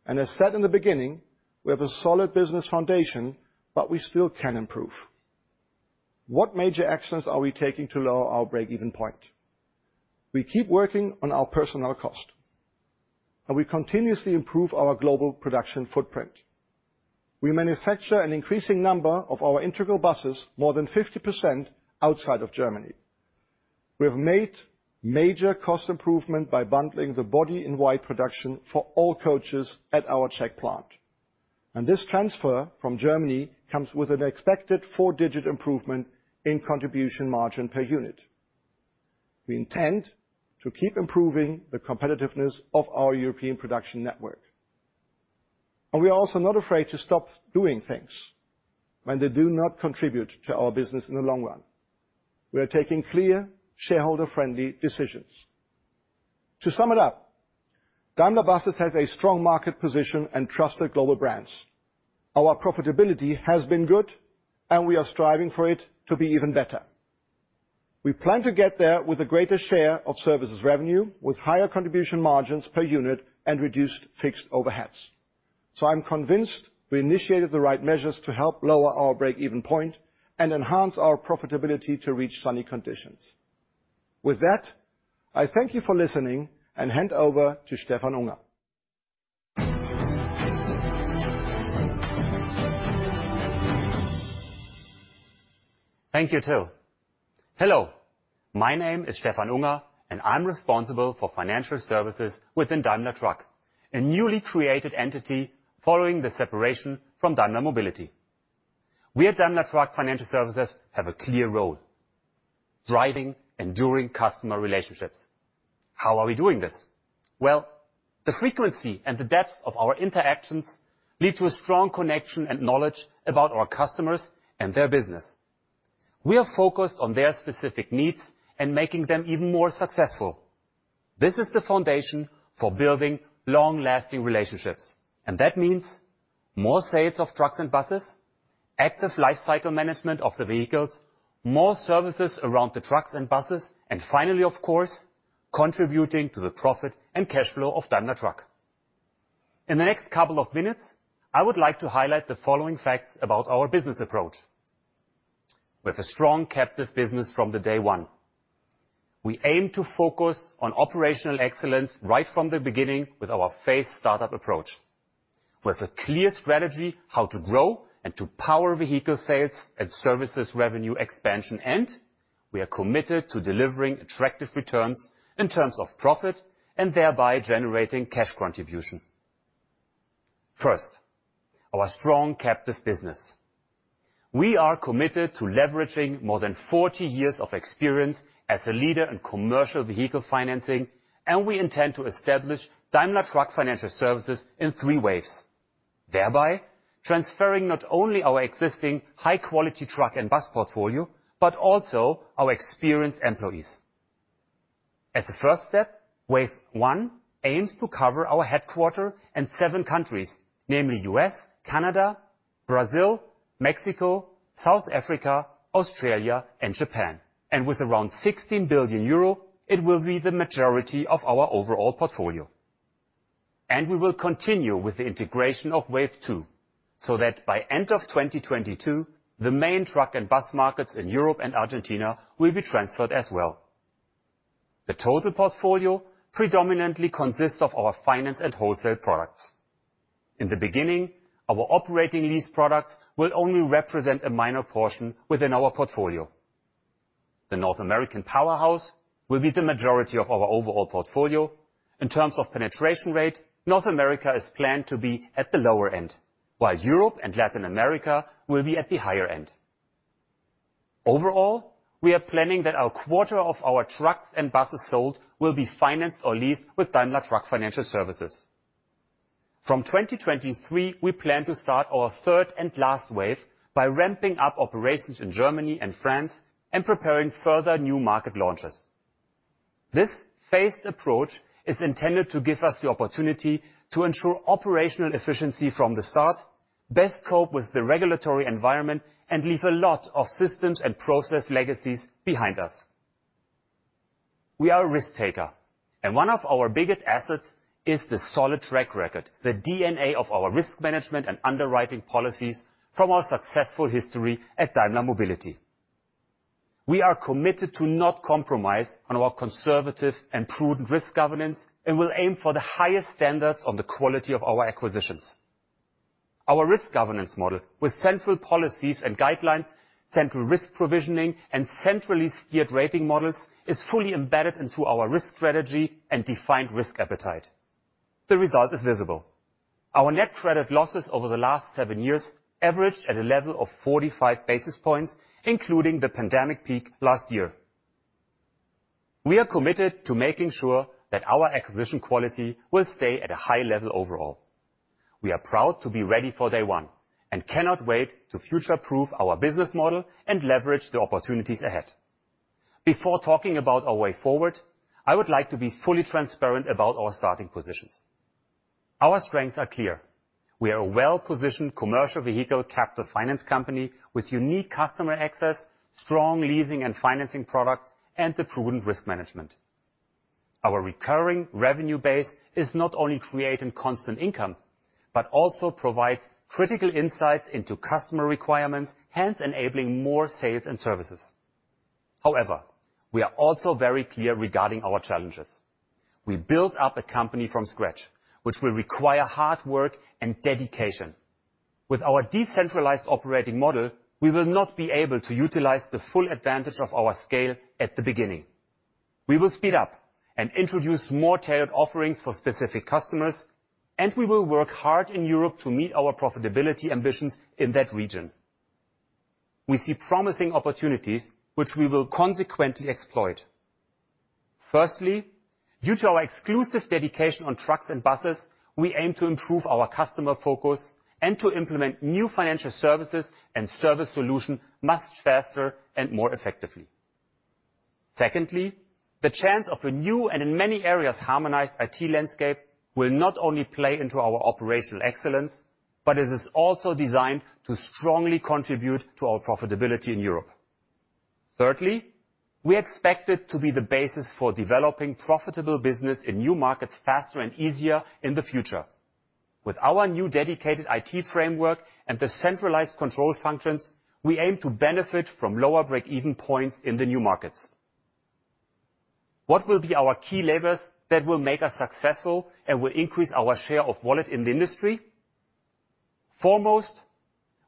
As said in the beginning, we have a solid business foundation, but we still can improve. What major actions are we taking to lower our break-even point? We keep working on our personnel cost, and we continuously improve our global production footprint. We manufacture an increasing number of our integral buses, more than 50%, outside of Germany. We have made major cost improvement by bundling the body-in-white production for all coaches at our Czech plant. This transfer from Germany comes with an expected four-digit improvement in contribution margin per unit. We intend to keep improving the competitiveness of our European production network, and we are also not afraid to stop doing things when they do not contribute to our business in the long run. We are taking clear, shareholder-friendly decisions. To sum it up, Daimler Buses has a strong market position and trusted global brands. Our profitability has been good, and we are striving for it to be even better. We plan to get there with a greater share of services revenue, with higher contribution margins per unit and reduced fixed overheads. I'm convinced we initiated the right measures to help lower our break-even point and enhance our profitability to reach sunny conditions. With that, I thank you for listening and hand over to Stefan Buchner. Thank you, Till. Hello. My name is Stefan Buchner, and I'm responsible for financial services within Daimler Truck, a newly created entity following the separation from Daimler Mobility. We at Daimler Truck Financial Services have a clear role, driving enduring customer relationships. How are we doing this? Well, the frequency and the depth of our interactions lead to a strong connection and knowledge about our customers and their business. We are focused on their specific needs and making them even more successful. This is the foundation for building long-lasting relationships, and that means more sales of trucks and buses, active life cycle management of the vehicles, more services around the trucks and buses, and finally, of course, contributing to the profit and cash flow of Daimler Truck. In the next couple of minutes, I would like to highlight the following facts about our business approach. We have a strong captive business from day one. We aim to focus on operational excellence right from the beginning with our phased startup approach. With a clear strategy how to grow and to power vehicle sales and services revenue expansion, and we are committed to delivering attractive returns in terms of profit and thereby generating cash contribution. First, our strong captive business. We are committed to leveraging more than 40 years of experience as a leader in commercial vehicle financing, and we intend to establish Daimler Truck Financial Services in three waves, thereby transferring not only our existing high-quality truck and bus portfolio, but also our experienced employees. As a first step, wave one aims to cover our headquarters in seven countries, namely U.S., Canada, Brazil, Mexico, South Africa, Australia, and Japan. With around 16 billion euro, it will be the majority of our overall portfolio. We will continue with the integration of wave two, so that by end of 2022, the main truck and bus markets in Europe and Argentina will be transferred as well. The total portfolio predominantly consists of our finance and wholesale products. In the beginning, our operating lease products will only represent a minor portion within our portfolio. The North American powerhouse will be the majority of our overall portfolio. In terms of penetration rate, North America is planned to be at the lower end, while Europe and Latin America will be at the higher end. Overall, we are planning that a quarter of our trucks and buses sold will be financed or leased with Daimler Truck Financial Services. From 2023, we plan to start our third and last wave by ramping up operations in Germany and France and preparing further new market launches. This phased approach is intended to give us the opportunity to ensure operational efficiency from the start, best cope with the regulatory environment, and leave a lot of systems and process legacies behind us. We are a risk taker, and one of our biggest assets is the solid track record, the DNA of our risk management and underwriting policies from our successful history at Daimler Mobility. We are committed to not compromise on our conservative and prudent risk governance and will aim for the highest standards on the quality of our acquisitions. Our risk governance model, with central policies and guidelines, central risk provisioning, and centrally steered rating models, is fully embedded into our risk strategy and defined risk appetite. The result is visible. Our net credit losses over the last seven years averaged at a level of 45 basis points, including the pandemic peak last year. We are committed to making sure that our acquisition quality will stay at a high level overall. We are proud to be ready for day one and cannot wait to future-proof our business model and leverage the opportunities ahead. Before talking about our way forward, I would like to be fully transparent about our starting positions. Our strengths are clear. We are a well-positioned commercial vehicle capital finance company with unique customer access, strong leasing and financing products, and a prudent risk management. Our recurring revenue base is not only creating constant income, but also provides critical insights into customer requirements, hence enabling more sales and services. However, we are also very clear regarding our challenges. We built up a company from scratch, which will require hard work and dedication. With our decentralized operating model, we will not be able to utilize the full advantage of our scale at the beginning. We will speed up and introduce more tailored offerings for specific customers, and we will work hard in Europe to meet our profitability ambitions in that region. We see promising opportunities, which we will consequently exploit. Firstly, due to our exclusive dedication on trucks and buses, we aim to improve our customer focus and to implement new financial services and service solution much faster and more effectively. Secondly, the chance of a new and, in many areas, harmonized IT landscape will not only play into our operational excellence, but it is also designed to strongly contribute to our profitability in Europe. Thirdly, we expect it to be the basis for developing profitable business in new markets faster and easier in the future. With our new dedicated IT framework and the centralized control functions, we aim to benefit from lower break-even points in the new markets. What will be our key levers that will make us successful and will increase our share of wallet in the industry? Foremost,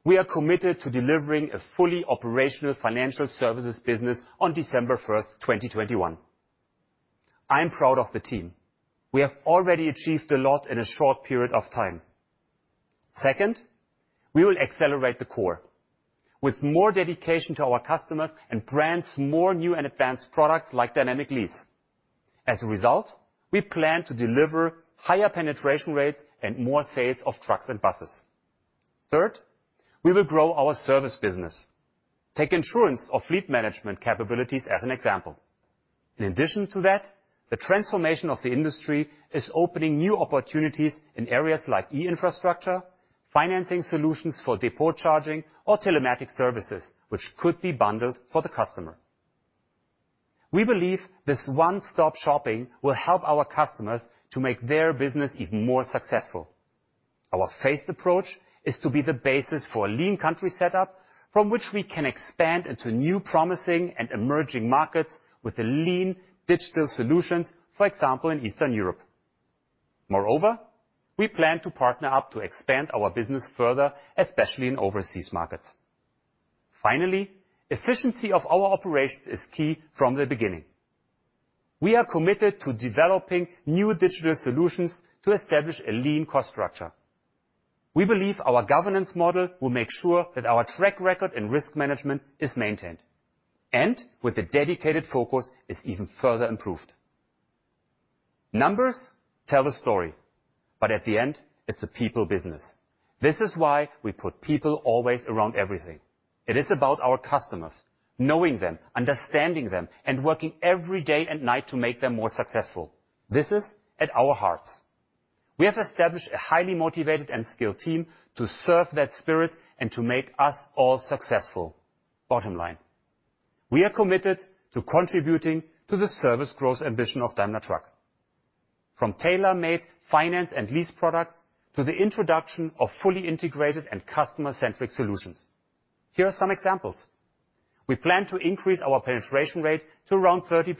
we are committed to delivering a fully operational financial services business on December 1, 2021. I am proud of the team. We have already achieved a lot in a short period of time. Second, we will accelerate the core with more dedication to our customers and branch more new and advanced products like Dynamic Lease. As a result, we plan to deliver higher penetration rates and more sales of trucks and buses. Third, we will grow our service business. Take insurance or fleet management capabilities as an example. In addition to that, the transformation of the industry is opening new opportunities in areas like e-infrastructure, financing solutions for depot charging, or telematic services, which could be bundled for the customer. We believe this one-stop shopping will help our customers to make their business even more successful. Our phased approach is to be the basis for a lean country setup from which we can expand into new promising and emerging markets with the lean digital solutions, for example, in Eastern Europe. Moreover, we plan to partner up to expand our business further, especially in overseas markets. Finally, efficiency of our operations is key from the beginning. We are committed to developing new digital solutions to establish a lean cost structure. We believe our governance model will make sure that our track record and risk management is maintained, and with a dedicated focus, is even further improved. Numbers tell the story, but at the end, it's a people business. This is why we put people always around everything. It is about our customers, knowing them, understanding them, and working every day and night to make them more successful. This is at our hearts. We have established a highly motivated and skilled team to serve that spirit and to make us all successful. Bottom line, we are committed to contributing to the service growth ambition of Daimler Truck. From tailor-made finance and lease products, to the introduction of fully integrated and customer-centric solutions. Here are some examples. We plan to increase our penetration rate to around 30%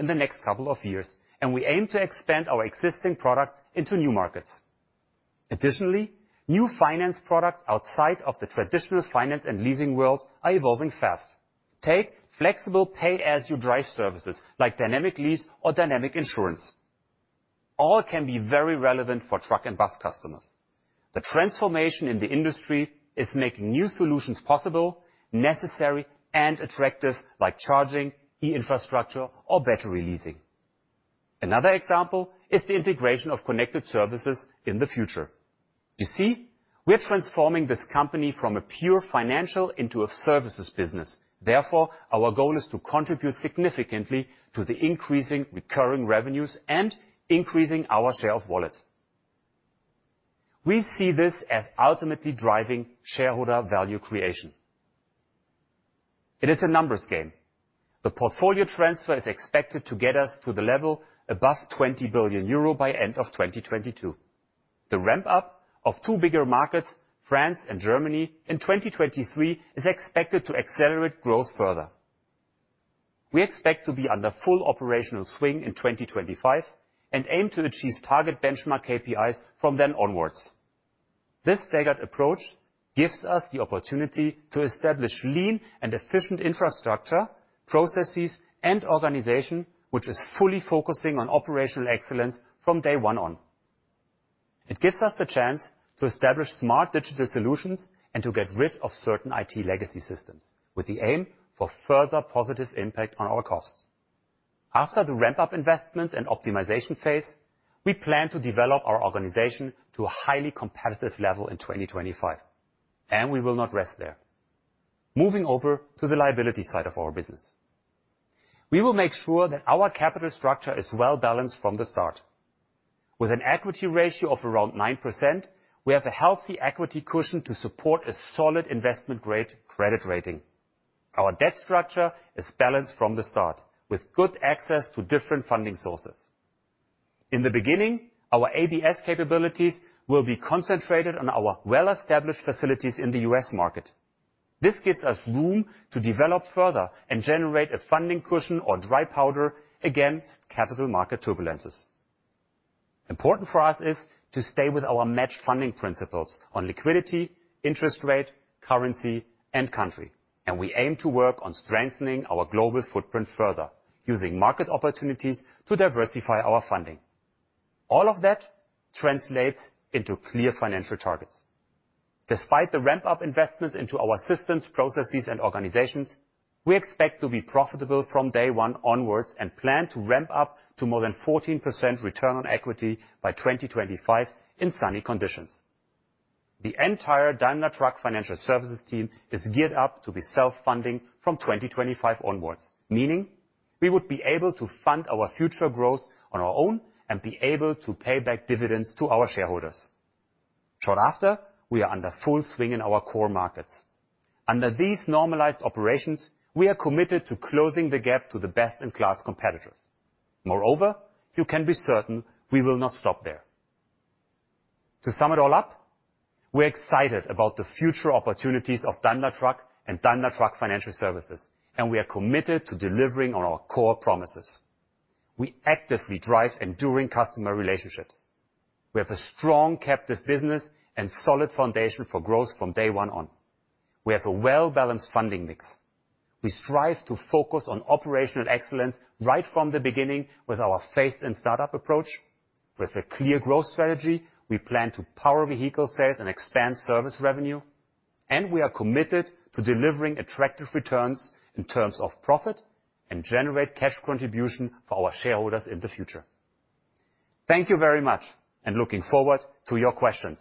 in the next couple of years, and we aim to expand our existing products into new markets. Additionally, new finance products outside of the traditional finance and leasing world are evolving fast. Take flexible pay-as-you-drive services, like Dynamic Lease or Dynamic Insurance. All can be very relevant for truck and bus customers. The transformation in the industry is making new solutions possible, necessary, and attractive, like charging, e-infrastructure, or battery leasing. Another example is the integration of connected services in the future. You see, we're transforming this company from a pure financial into a services business. Therefore, our goal is to contribute significantly to the increasing recurring revenues and increasing our share of wallet. We see this as ultimately driving shareholder value creation. It is a numbers game. The portfolio transfer is expected to get us to the level above 20 billion euro by end of 2022. The ramp-up of two bigger markets, France and Germany, in 2023 is expected to accelerate growth further. We expect to be under full operational swing in 2025, and aim to achieve target benchmark KPIs from then onwards. This staggered approach gives us the opportunity to establish lean and efficient infrastructure, processes, and organization, which is fully focusing on operational excellence from day one on. It gives us the chance to establish smart digital solutions and to get rid of certain IT legacy systems with the aim for further positive impact on our costs. After the ramp-up investments and optimization phase, we plan to develop our organization to a highly competitive level in 2025, and we will not rest there. Moving over to the liability side of our business. We will make sure that our capital structure is well-balanced from the start. With an equity ratio of around 9%, we have a healthy equity cushion to support a solid investment-grade credit rating. Our debt structure is balanced from the start, with good access to different funding sources. In the beginning, our ABS capabilities will be concentrated on our well-established facilities in the U.S. market. This gives us room to develop further and generate a funding cushion or dry powder against capital market turbulences. Important for us is to stay with our matched funding principles on liquidity, interest rate, currency, and country. We aim to work on strengthening our global footprint further, using market opportunities to diversify our funding. All of that translates into clear financial targets. Despite the ramp-up investments into our systems, processes, and organizations, we expect to be profitable from day one onwards and plan to ramp up to more than 14% return on equity by 2025 in sunny conditions. The entire Daimler Truck Financial Services team is geared up to be self-funding from 2025 onwards. Meaning, we would be able to fund our future growth on our own and be able to pay back dividends to our shareholders. Shortly after, we are in full swing in our core markets. Under these normalized operations, we are committed to closing the gap to the best-in-class competitors. Moreover, you can be certain we will not stop there. To sum it all up, we're excited about the future opportunities of Daimler Truck and Daimler Truck Financial Services, and we are committed to delivering on our core promises. We actively drive enduring customer relationships. We have a strong captive business and solid foundation for growth from day one on. We have a well-balanced funding mix. We strive to focus on operational excellence right from the beginning with our phased and startup approach. With a clear growth strategy, we plan to power vehicle sales and expand service revenue. We are committed to delivering attractive returns in terms of profit and generate cash contribution for our shareholders in the future. Thank you very much, and looking forward to your questions.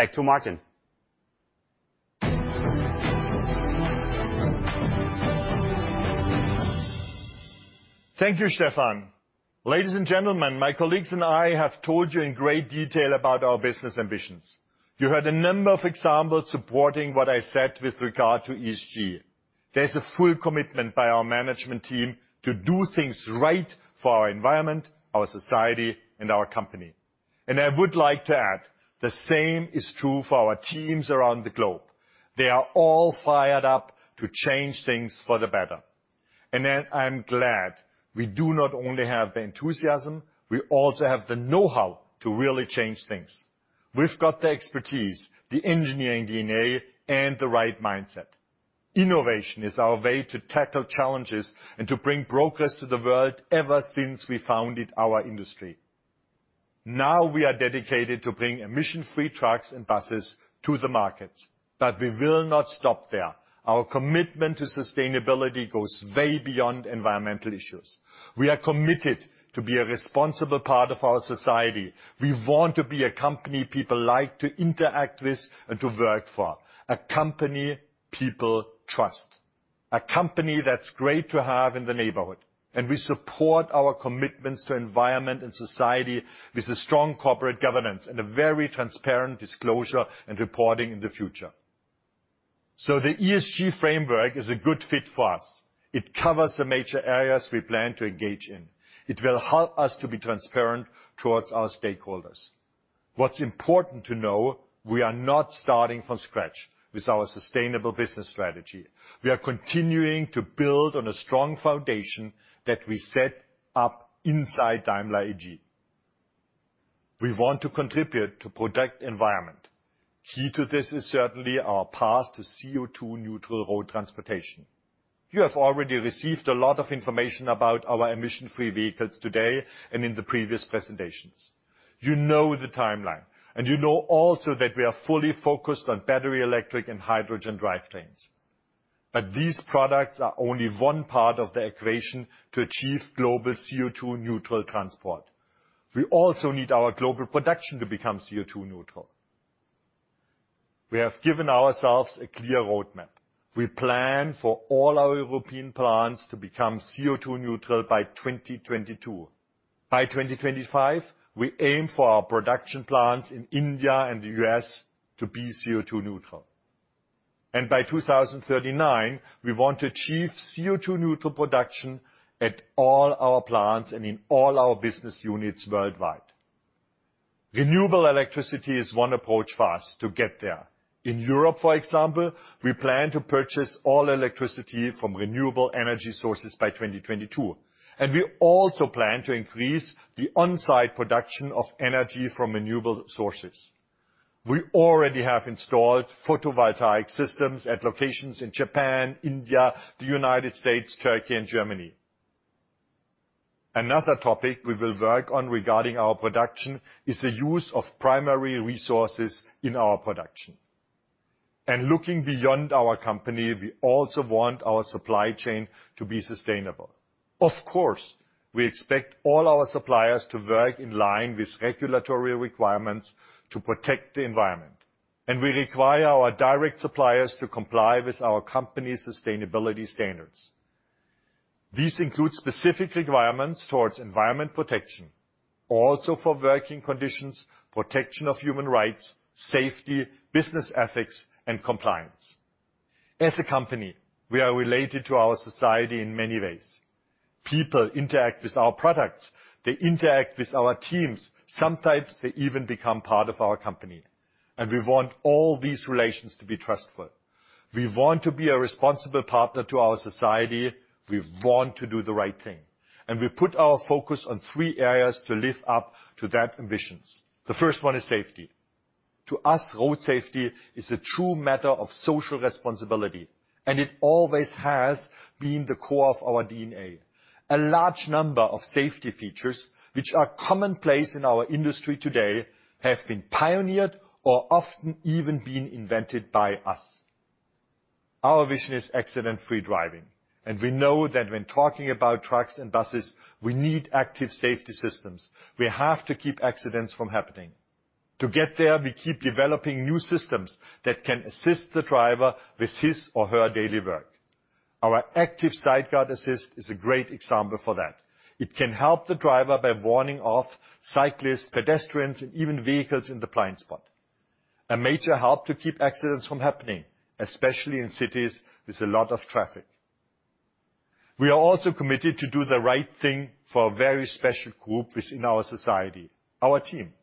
Back to Martin. Thank you, Stefan. Ladies and gentlemen, my colleagues and I have told you in great detail about our business ambitions. You heard a number of examples supporting what I said with regard to ESG. There's a full commitment by our management team to do things right for our environment, our society, and our company. I would like to add, the same is true for our teams around the globe. They are all fired up to change things for the better. I'm glad we do not only have the enthusiasm, we also have the know-how to really change things. We've got the expertise, the engineering DNA, and the right mindset. Innovation is our way to tackle challenges and to bring progress to the world ever since we founded our industry. Now, we are dedicated to bringing emission-free trucks and buses to the markets, but we will not stop there. Our commitment to sustainability goes way beyond environmental issues. We are committed to be a responsible part of our society. We want to be a company people like to interact with and to work for, a company people trust, a company that's great to have in the neighborhood, and we support our commitments to environment and society with a strong corporate governance and a very transparent disclosure and reporting in the future. The ESG framework is a good fit for us. It covers the major areas we plan to engage in. It will help us to be transparent towards our stakeholders. What's important to know, we are not starting from scratch with our sustainable business strategy. We are continuing to build on a strong foundation that we set up inside Daimler AG. We want to contribute to protect environment. Key to this is certainly our path to CO2 neutral road transportation. You have already received a lot of information about our emission-free vehicles today and in the previous presentations. You know the timeline, and you know also that we are fully focused on battery, electric, and hydrogen drivetrains. But these products are only one part of the equation to achieve global CO2 neutral transport. We also need our global production to become CO2 neutral. We have given ourselves a clear roadmap. We plan for all our European plants to become CO2 neutral by 2022. By 2025, we aim for our production plants in India and the U.S. to be CO2 neutral. By 2039, we want to achieve CO2 neutral production at all our plants and in all our business units worldwide. Renewable electricity is one approach for us to get there. In Europe, for example, we plan to purchase all electricity from renewable energy sources by 2022, and we also plan to increase the on-site production of energy from renewable sources. We already have installed photovoltaic systems at locations in Japan, India, the United States, Turkey, and Germany. Another topic we will work on regarding our production is the use of primary resources in our production. Looking beyond our company, we also want our supply chain to be sustainable. Of course, we expect all our suppliers to work in line with regulatory requirements to protect the environment, and we require our direct suppliers to comply with our company sustainability standards. These include specific requirements towards environment protection, also for working conditions, protection of human rights, safety, business ethics, and compliance. As a company, we are related to our society in many ways. People interact with our products. They interact with our teams. Sometimes they even become part of our company. We want all these relations to be trustful. We want to be a responsible partner to our society. We want to do the right thing, and we put our focus on three areas to live up to those ambitions. The first one is safety. To us, road safety is a true matter of social responsibility, and it always has been the core of our DNA. A large number of safety features, which are commonplace in our industry today, have been pioneered or often even been invented by us. Our vision is accident-free driving, and we know that when talking about trucks and buses, we need active safety systems. We have to keep accidents from happening. To get there, we keep developing new systems that can assist the driver with his or her daily work. Our active Sideguard Assist is a great example for that. It can help the driver by warning of cyclists, pedestrians, and even vehicles in the blind spot. A major help to keep accidents from happening, especially in cities with a lot of traffic. We are also committed to do the right thing for a very special group within our society, our team.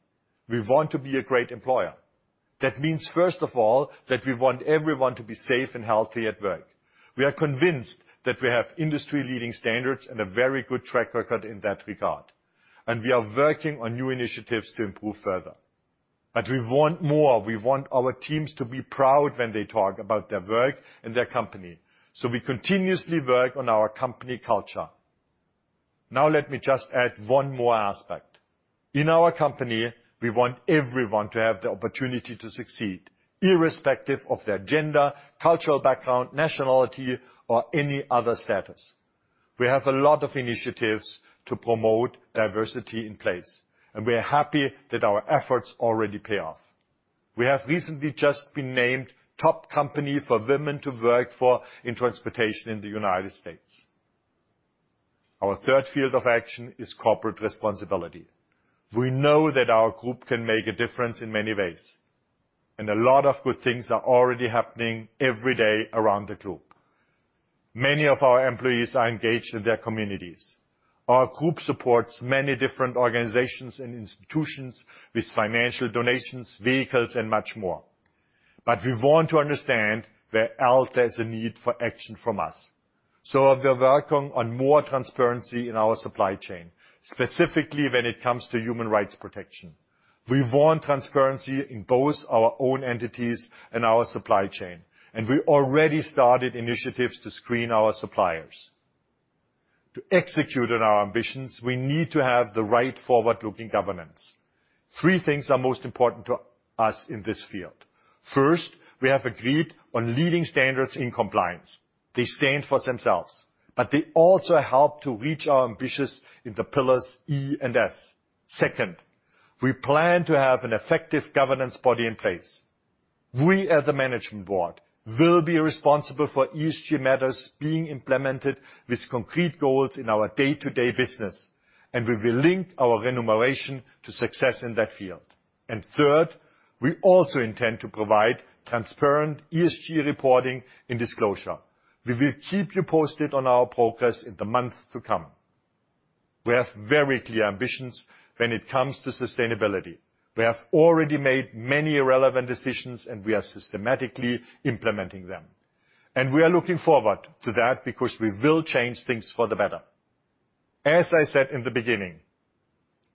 We want to be a great employer. That means, first of all, that we want everyone to be safe and healthy at work. We are convinced that we have industry-leading standards and a very good track record in that regard, and we are working on new initiatives to improve further. We want more. We want our teams to be proud when they talk about their work and their company, so we continuously work on our company culture. Now, let me just add one more aspect. In our company, we want everyone to have the opportunity to succeed, irrespective of their gender, cultural background, nationality, or any other status. We have a lot of initiatives to promote diversity in place, and we are happy that our efforts already pay off. We have recently just been named top company for women to work for in transportation in the United States. Our third field of action is corporate responsibility. We know that our group can make a difference in many ways, and a lot of good things are already happening every day around the globe. Many of our employees are engaged in their communities. Our group supports many different organizations and institutions with financial donations, vehicles, and much more. We want to understand where else there's a need for action from us, so we're working on more transparency in our supply chain, specifically when it comes to human rights protection. We want transparency in both our own entities and our supply chain, and we already started initiatives to screen our suppliers. To execute on our ambitions, we need to have the right forward-looking governance. Three things are most important to us in this field. First, we have agreed on leading standards in compliance. They stand for themselves, but they also help to reach our ambitions in the pillars E and S. Second, we plan to have an effective governance body in place. We, as a management board, will be responsible for ESG matters being implemented with concrete goals in our day-to-day business, and we will link our remuneration to success in that field. Third, we also intend to provide transparent ESG reporting and disclosure. We will keep you posted on our progress in the months to come. We have very clear ambitions when it comes to sustainability. We have already made many relevant decisions, and we are systematically implementing them, and we are looking forward to that because we will change things for the better. As I said in the beginning,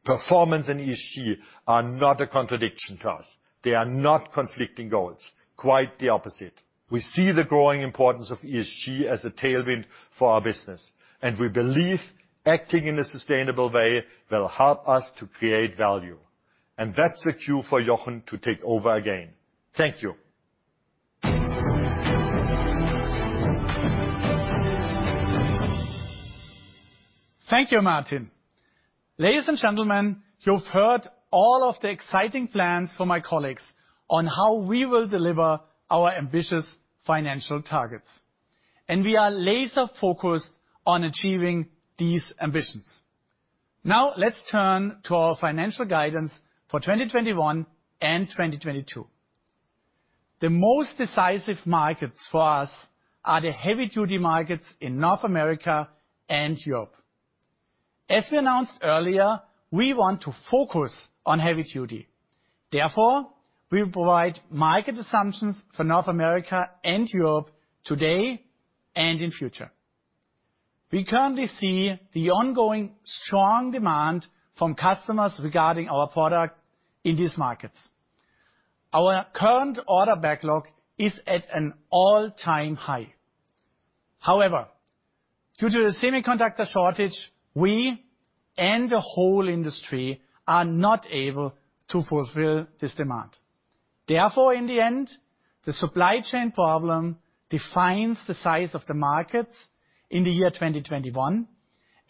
performance and ESG are not a contradiction to us. They are not conflicting goals. Quite the opposite. We see the growing importance of ESG as a tailwind for our business, and we believe acting in a sustainable way will help us to create value. That's a cue for Jochen to take over again. Thank you. Thank you, Martin. Ladies and gentlemen, you've heard all of the exciting plans from my colleagues on how we will deliver our ambitious financial targets, and we are laser-focused on achieving these ambitions. Now, let's turn to our financial guidance for 2021 and 2022. The most decisive markets for us are the heavy-duty markets in North America and Europe. As we announced earlier, we want to focus on heavy duty. Therefore, we will provide market assumptions for North America and Europe today and in future. We currently see the ongoing strong demand from customers regarding our product in these markets. Our current order backlog is at an all-time high. However, due to the semiconductor shortage, we and the whole industry are not able to fulfill this demand. Therefore, in the end, the supply chain problem defines the size of the markets in the year 2021,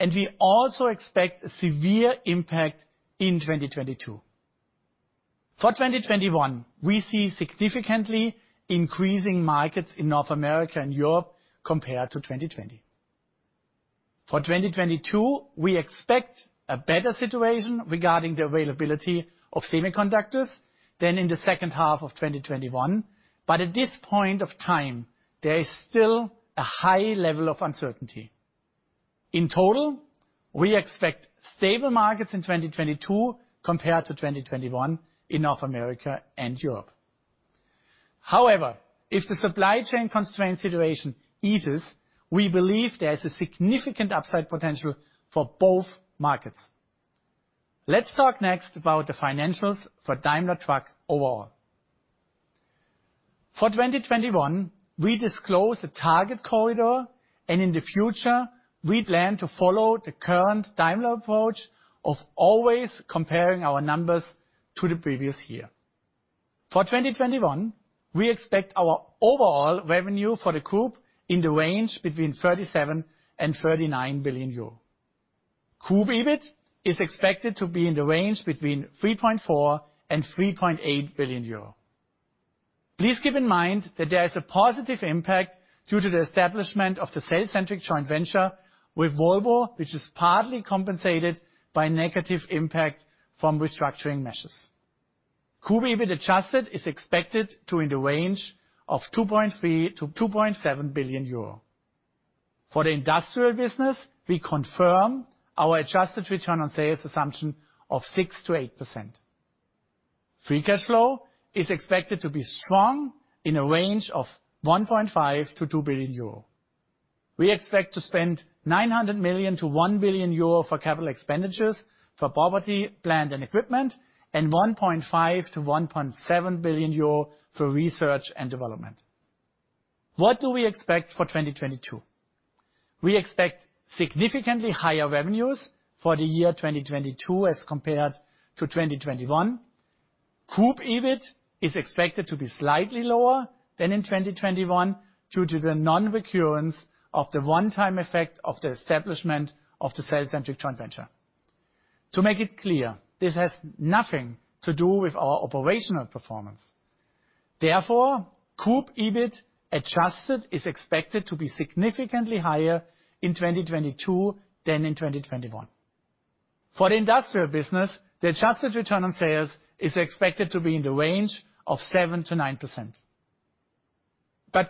and we also expect a severe impact in 2022. For 2021, we see significantly increasing markets in North America and Europe compared to 2020. For 2022, we expect a better situation regarding the availability of semiconductors than in the second half of 2021. At this point of time, there is still a high level of uncertainty. In total, we expect stable markets in 2022 compared to 2021 in North America and Europe. However, if the supply chain constraint situation eases, we believe there's a significant upside potential for both markets. Let's talk next about the financials for Daimler Truck overall. For 2021, we disclose a target corridor, and in the future, we plan to follow the current Daimler approach of always comparing our numbers to the previous year. For 2021, we expect our overall revenue for the group in the range between 37 billion and 39 billion euro. Group EBIT is expected to be in the range between 3.4 billion and 3.8 billion euro. Please keep in mind that there is a positive impact due to the establishment of the cellcentric joint venture with Volvo, which is partly compensated by negative impact from restructuring measures. Group EBIT adjusted is expected to be in the range of 2.3 billion-2.7 billion euro. For the industrial business, we confirm our adjusted return on sales assumption of 6%-8%. Free cash flow is expected to be strong in a range of 1.5 billion-2 billion euro. We expect to spend 900 million-1 billion euro for capital expenditures for property, plant, and equipment, and 1.5 billion-1.7 billion euro for research and development. What do we expect for 2022? We expect significantly higher revenues for the year 2022 as compared to 2021. Group EBIT is expected to be slightly lower than in 2021 due to the nonrecurrence of the one-time effect of the establishment of the cellcentric joint venture. To make it clear, this has nothing to do with our operational performance. Therefore, Group EBIT adjusted is expected to be significantly higher in 2022 than in 2021. For the industrial business, the adjusted return on sales is expected to be in the range of 7%-9%.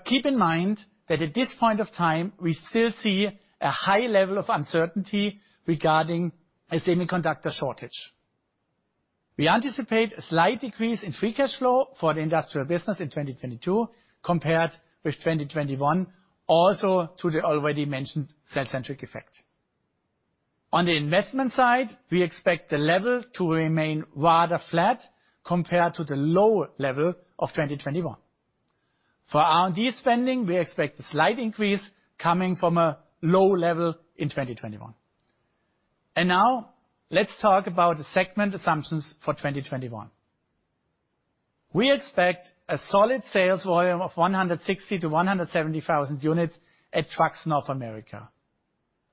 Keep in mind that at this point of time, we still see a high level of uncertainty regarding a semiconductor shortage. We anticipate a slight decrease in free cash flow for the industrial business in 2022 compared with 2021, also to the already mentioned cellcentric effect. On the investment side, we expect the level to remain rather flat compared to the lower level of 2021. For R&D spending, we expect a slight increase coming from a low level in 2021. Now let's talk about the segment assumptions for 2021. We expect a solid sales volume of 160,000-170,000 units at Trucks North America.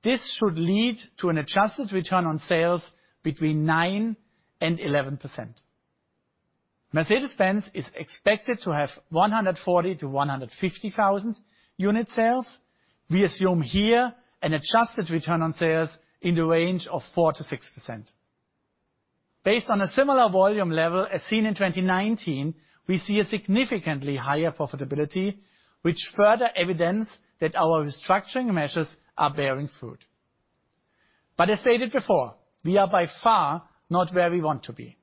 This should lead to an adjusted return on sales between 9% and 11%. Mercedes-Benz is expected to have 140,000-150,000 unit sales. We assume here an adjusted return on sales in the range of 4%-6%. Based on a similar volume level as seen in 2019, we see a significantly higher profitability, which further evidence that our restructuring measures are bearing fruit. As stated before, we are by far not where we want to be.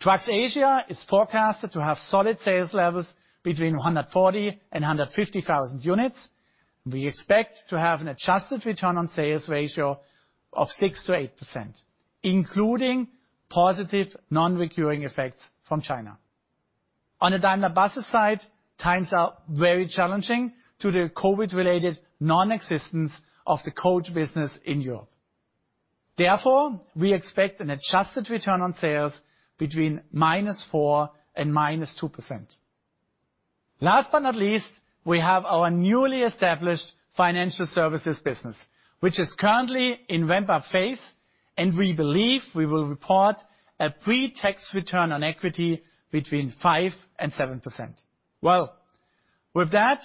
Trucks Asia is forecasted to have solid sales levels between 140,000 and 150,000 units. We expect to have an adjusted return on sales ratio of 6%-8%, including positive non-recurring effects from China. On the Daimler Buses side, times are very challenging to the COVID-19-related non-existence of the coach business in Europe. Therefore, we expect an adjusted return on sales between -4% and -2%. Last but not least, we have our newly established financial services business, which is currently in ramp-up phase, and we believe we will report a pre-tax return on equity between 5% and 7%. Well, with that,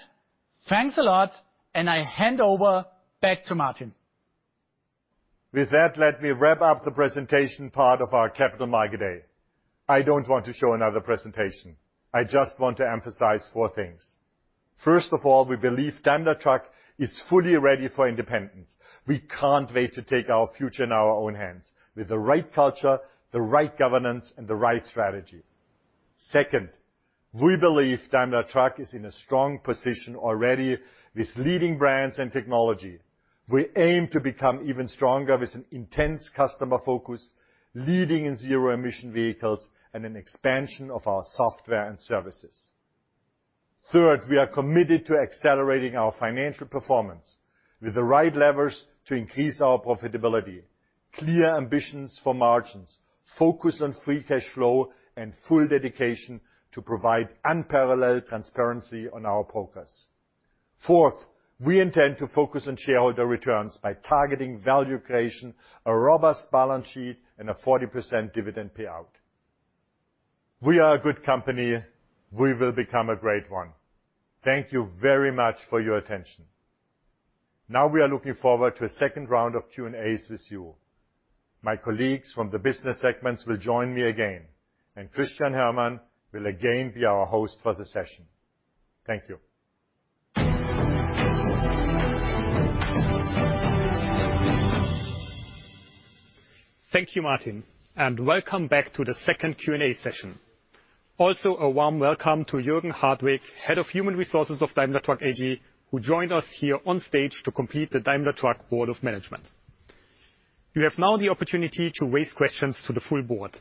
thanks a lot, and I hand over back to Martin. With that, let me wrap up the presentation part of our Capital Market Day. I don't want to show another presentation. I just want to emphasize four things. First of all, we believe Daimler Truck is fully ready for independence. We can't wait to take our future in our own hands with the right culture, the right governance, and the right strategy. Second, we believe Daimler Truck is in a strong position already with leading brands and technology. We aim to become even stronger with an intense customer focus, leading in zero emission vehicles and an expansion of our software and services. Third, we are committed to accelerating our financial performance with the right levers to increase our profitability, clear ambitions for margins, focus on free cash flow, and full dedication to provide unparalleled transparency on our progress. Fourth, we intend to focus on shareholder returns by targeting value creation, a robust balance sheet, and a 40% dividend payout. We are a good company. We will become a great one. Thank you very much for your attention. Now, we are looking forward to a second round of Q&As with you. My colleagues from the business segments will join me again, and Christian Herrmann will again be our host for the session. Thank you. Thank you, Martin, and welcome back to the second Q&A session. Also, a warm welcome to Jürgen Hartwig, Head of Human Resources of Daimler Truck AG, who joined us here on stage to complete the Daimler Truck Board of Management. You have now the opportunity to raise questions to the full board.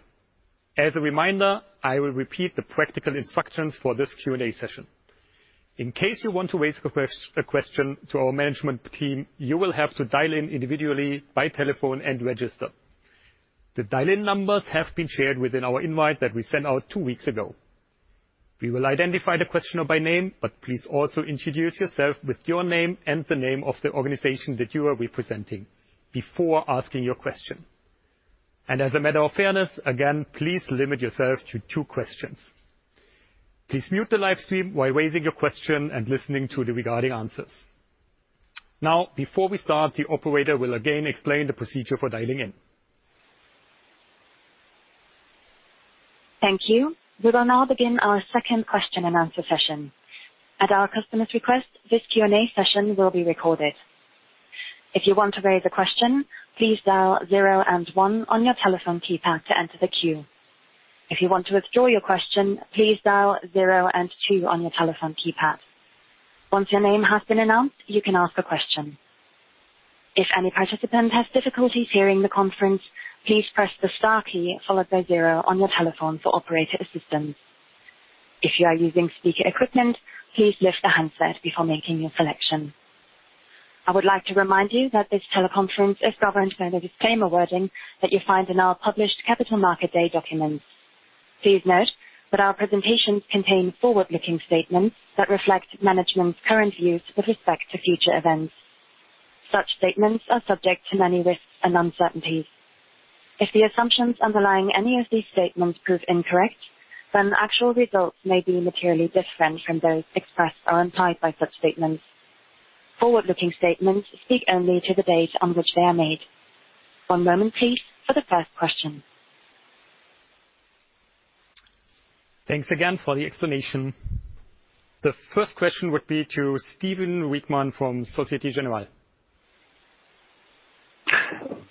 As a reminder, I will repeat the practical instructions for this Q&A session. In case you want to raise a question to our management team, you will have to dial in individually by telephone and register. The dial-in numbers have been shared within our invite that we sent out two weeks ago. We will identify the questioner by name, but please also introduce yourself with your name and the name of the organization that you are representing before asking your question. As a matter of fairness, again, please limit yourself to two questions. Please mute the live stream while raising your question and listening to the responses. Now, before we start, the operator will again explain the procedure for dialing in. Thank you. We will now begin our second question and answer session. At our customer's request, this Q&A session will be recorded. If you want to raise a question, please dial zero and one on your telephone keypad to enter the queue. If you want to withdraw your question, please dial zero and two on your telephone keypad. Once your name has been announced, you can ask a question. If any participant has difficulties hearing the conference, please press the star key followed by zero on your telephone for operator assistance. If you are using speaker equipment, please lift the handset before making your selection. I would like to remind you that this teleconference is governed by the disclaimer wording that you find in our published Capital Market Day documents. Please note that our presentations contain forward-looking statements that reflect management's current views with respect to future events. Such statements are subject to many risks and uncertainties. If the assumptions underlying any of these statements prove incorrect, then actual results may be materially different from those expressed or implied by such statements. Forward-looking statements speak only to the date on which they are made. One moment, please, for the first question. Thanks again for the explanation. The first question would be to Stephen Reitman from Societe Generale.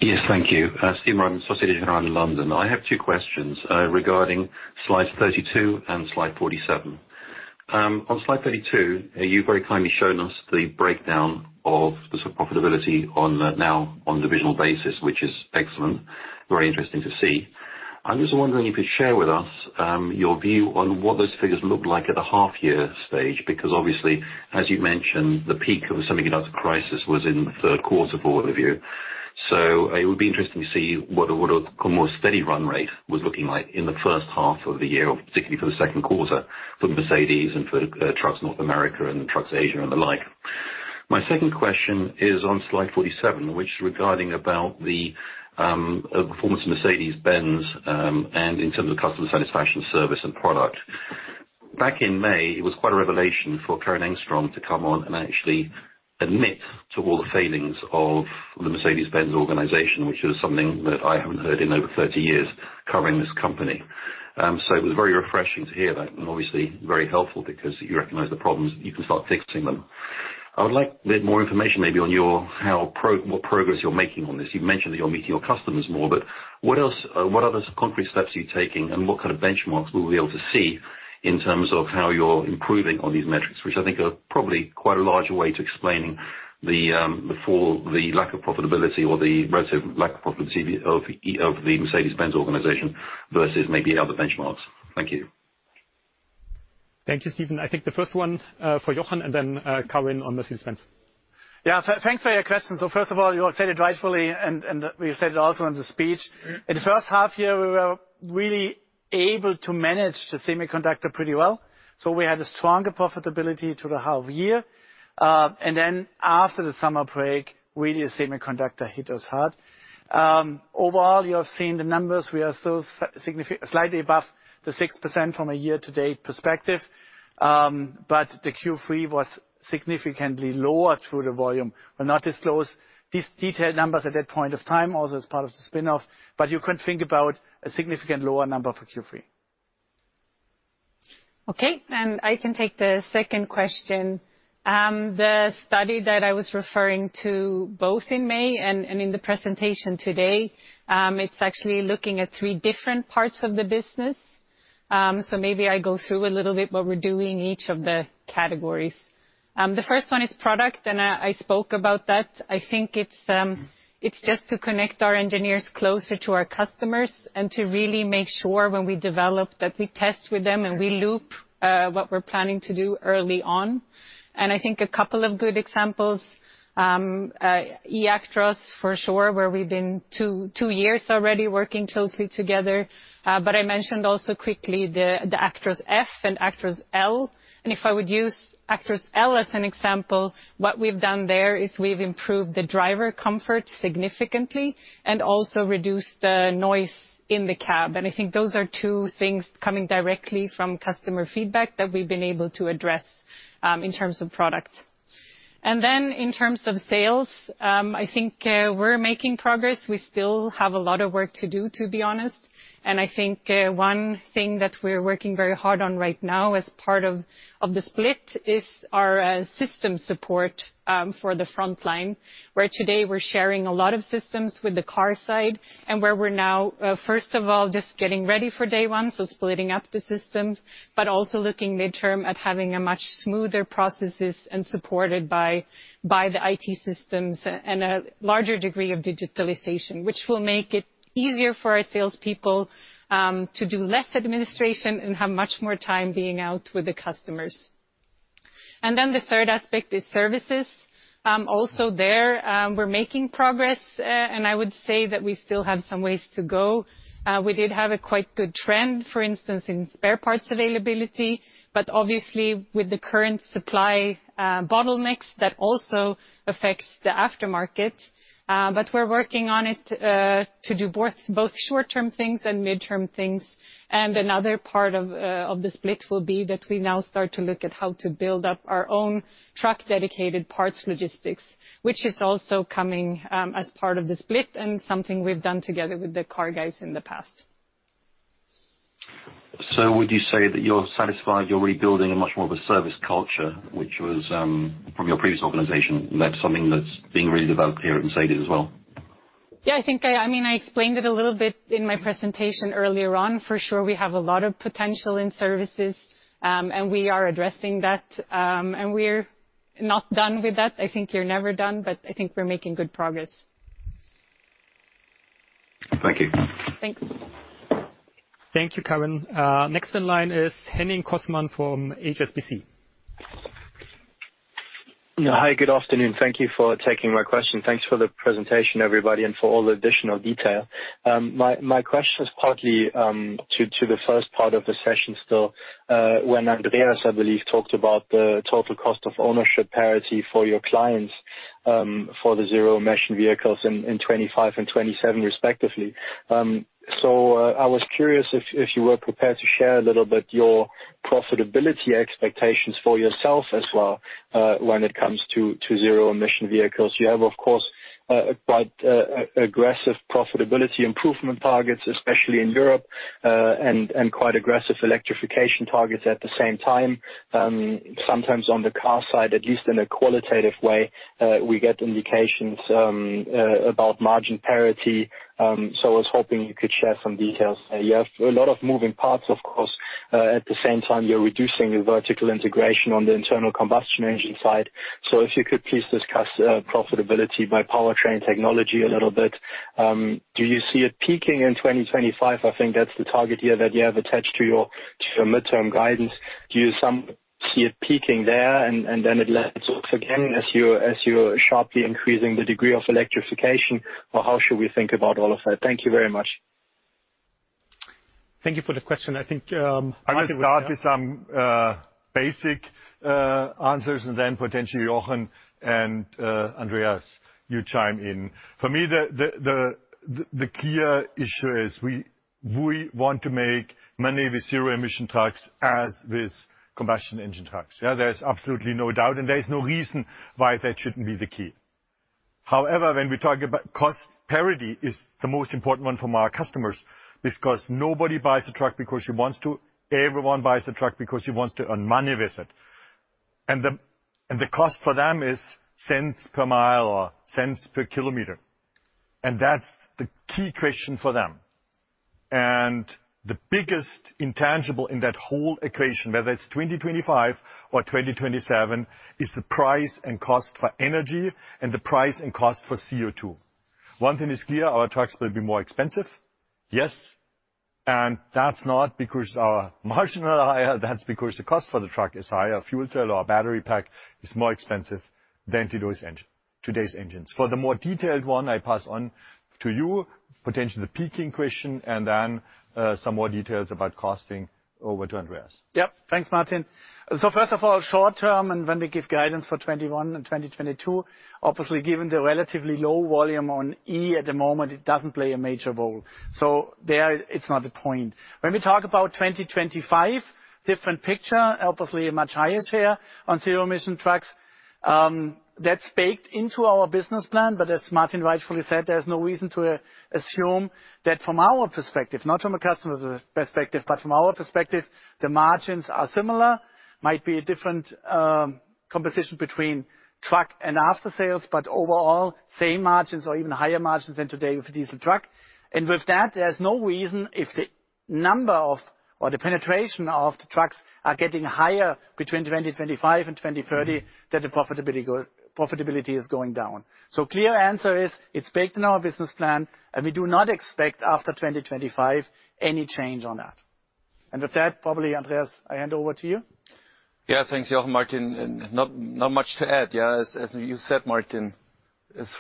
Yes, thank you. Stephen Reitman, Societe Generale, London. I have two questions regarding slide 32 and slide 47. On slide 32, you very kindly shown us the breakdown of the sort of profitability on the, now on divisional basis, which is excellent, very interesting to see. I'm just wondering if you'd share with us your view on what those figures look like at the half year stage, because obviously, as you mentioned, the peak of the semiconductor crisis was in the Q3 for all of you. It would be interesting to see what would more steady run rate was looking like in the first half of the year, or particularly for the Q2 for Mercedes and for Trucks North America and Trucks Asia and the like. My second question is on slide 47, which is regarding about the performance of Mercedes-Benz and in terms of customer satisfaction, service and product. Back in May, it was quite a revelation for Karin Rådström to come on and actually admit to all the failings of the Mercedes-Benz organization, which is something that I haven't heard in over 30 years covering this company. It was very refreshing to hear that and obviously very helpful because you recognize the problems, you can start fixing them. I would like a bit more information maybe on what progress you're making on this. You've mentioned that you're meeting your customers more, but what else, what other concrete steps are you taking? What kind of benchmarks will we be able to see in terms of how you're improving on these metrics, which I think are probably quite a large way to explaining the fall, the lack of profitability or the relative lack of profitability of the Mercedes-Benz organization versus maybe other benchmarks. Thank you. Thank you, Stephen. I think the first one for Jochen and then Karin on Mercedes-Benz. Yeah. Thanks for your question. First of all, you said it rightfully and we said it also in the speech. In the first half year, we were really able to manage the semiconductor pretty well. We had a stronger profitability through the half year. And then after the summer break, really the semiconductor hit us hard. Overall, you have seen the numbers. We are still slightly above the 6% from a year-to-date perspective, but the Q3 was significantly lower through the volume. We'll not disclose these detailed numbers at that point of time, also as part of the spin-off, but you can think about a significant lower number for Q3. Okay. I can take the second question. The study that I was referring to both in May and in the presentation today, it's actually looking at three different parts of the business. Maybe I go through a little bit what we're doing in each of the categories. The first one is product, and I spoke about that. I think it's just to connect our engineers closer to our customers and to really make sure when we develop that we test with them and we loop what we're planning to do early on. I think a couple of good examples, eActros for sure, where we've been two years already working closely together. I mentioned also quickly the Actros F and Actros L. If I would use Actros L as an example, what we've done there is we've improved the driver comfort significantly and also reduced the noise in the cab. I think those are two things coming directly from customer feedback that we've been able to address in terms of product. Then in terms of sales, I think we're making progress. We still have a lot of work to do, to be honest. I think one thing that we're working very hard on right now as part of the split is our system support for the front line, where today we're sharing a lot of systems with the car side and where we're now first of all just getting ready for day one, so splitting up the systems, but also looking midterm at having much smoother processes supported by the IT systems and a larger degree of digitalization, which will make it easier for our salespeople to do less administration and have much more time being out with the customers. The third aspect is services. Also there, we're making progress. I would say that we still have some ways to go. We did have a quite good trend, for instance, in spare parts availability, but obviously with the current supply bottlenecks, that also affects the aftermarket. But we're working on it to do both short-term things and midterm things. Another part of the split will be that we now start to look at how to build up our own truck-dedicated parts logistics, which is also coming as part of the split and something we've done together with the car guys in the past. Would you say that you're satisfied you're rebuilding a much more of a service culture, which was, from your previous organization? That's something that's being redeveloped here at Mercedes as well. Yeah, I think I mean, I explained it a little bit in my presentation earlier on. For sure, we have a lot of potential in services, and we are addressing that. We're not done with that. I think you're never done, but I think we're making good progress. Thank you. Thanks. Thank you, Karin. Next in line is Henning Cosman from HSBC. Hi, good afternoon. Thank you for taking my question. Thanks for the presentation, everybody, and for all the additional detail. My question is partly to the first part of the session still, when Andreas, I believe, talked about the total cost of ownership parity for your clients, for the zero-emission vehicles in 2025 and 2027 respectively. I was curious if you were prepared to share a little bit your profitability expectations for yourself as well, when it comes to zero-emission vehicles. You have, of course, but aggressive profitability improvement targets, especially in Europe, and quite aggressive electrification targets at the same time. Sometimes on the car side, at least in a qualitative way, we get indications about margin parity. I was hoping you could share some details. You have a lot of moving parts, of course. At the same time, you're reducing the vertical integration on the internal combustion engine side. If you could please discuss profitability by powertrain technology a little bit. Do you see it peaking in 2025? I think that's the target year that you have attached to your midterm guidance. Do you see it peaking there and then it levels off again as you're sharply increasing the degree of electrification, or how should we think about all of that? Thank you very much. Thank you for the question. I think, Martin would- I will start with some basic answers, and then potentially Jochen and Andreas, you chime in. For me, the key issue is we want to make money with zero emission trucks as with combustion engine trucks. Yeah, there's absolutely no doubt, and there's no reason why that shouldn't be the key. However, when we talk about cost, parity is the most important one from our customers because nobody buys a truck because he wants to. Everyone buys a truck because he wants to earn money with it. The cost for them is cents per mile or cents per kilometer. That's the key question for them. The biggest intangible in that whole equation, whether it's 2025 or 2027, is the price and cost for energy and the price and cost for CO2. One thing is clear, our trucks will be more expensive, yes. That's not because our margins are higher, that's because the cost for the truck is higher. Fuel cell or battery pack is more expensive than today's engines. For the more detailed one, I pass on to you, potentially the pricing question and then, some more details about costing. Over to Andreas. Yeah. Thanks, Martin. First of all, short-term, and when we give guidance for 2021 and 2022, obviously given the relatively low volume on E at the moment, it doesn't play a major role. There it's not the point. When we talk about 2025, different picture. Obviously much higher share on zero emission trucks. That's baked into our business plan. As Martin rightfully said, there's no reason to assume that from our perspective, not from a customer's perspective, but from our perspective, the margins are similar. Might be a different composition between truck and aftersales, but overall same margins or even higher margins than today with a diesel truck. With that, there's no reason if the number of, or the penetration of the trucks are getting higher between 2025 and 2030, that the profitability is going down. Clear answer is, it's baked in our business plan, and we do not expect after 2025 any change on that. With that, probably, Andreas, I hand over to you. Yeah. Thanks, Jochen, Martin. Not much to add. Yeah, as you said, Martin,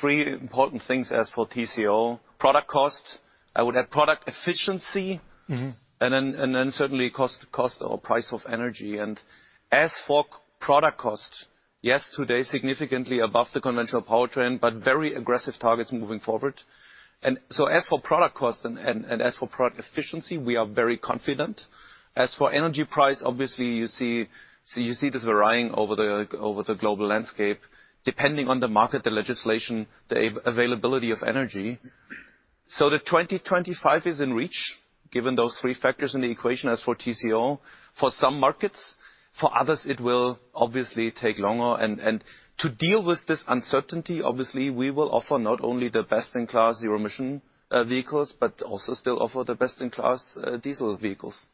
three important things as for TCO. Product costs. I would add product efficiency. Certainly cost or price of energy. As for product cost, yes, today, significantly above the conventional powertrain, but very aggressive targets moving forward. As for product cost and as for product efficiency, we are very confident. As for energy price, obviously, you see this varying over the global landscape, depending on the market, the legislation, the availability of energy. The 2025 is in reach, given those three factors in the equation, as for TCO, for some markets, for others, it will obviously take longer. To deal with this uncertainty, obviously, we will offer not only the best-in-class zero emission vehicles, but also still offer the best-in-class diesel vehicles.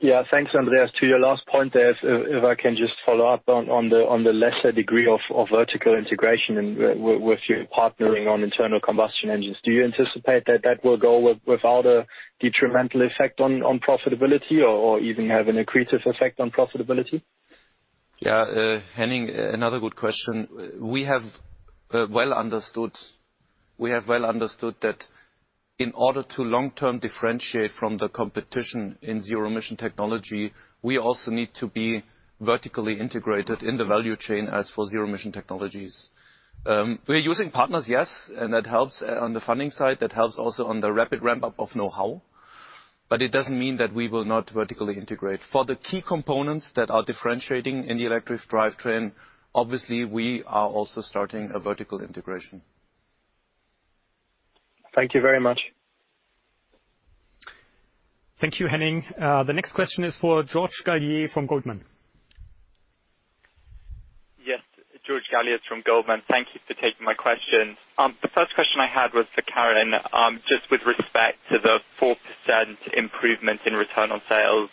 Yeah. Thanks, Andreas. To your last point there, if I can just follow up on the lesser degree of vertical integration and with your partnering on internal combustion engines. Do you anticipate that will go with, without a detrimental effect on profitability or even have an accretive effect on profitability? Yeah, Henning, another good question. We have well understood that in order to long-term differentiate from the competition in zero emission technology, we also need to be vertically integrated in the value chain as for zero emission technologies. We're using partners, yes, and that helps on the funding side, that helps also on the rapid ramp-up of know-how, but it doesn't mean that we will not vertically integrate. For the key components that are differentiating in the electric drivetrain, obviously, we are also starting a vertical integration. Thank you very much. Thank you, Henning. The next question is for George Galliers from Goldman. Yes. George Galliers from Goldman. Thank you for taking my question. The first question I had was for Karin, just with respect to the 4% improvement in return on sales.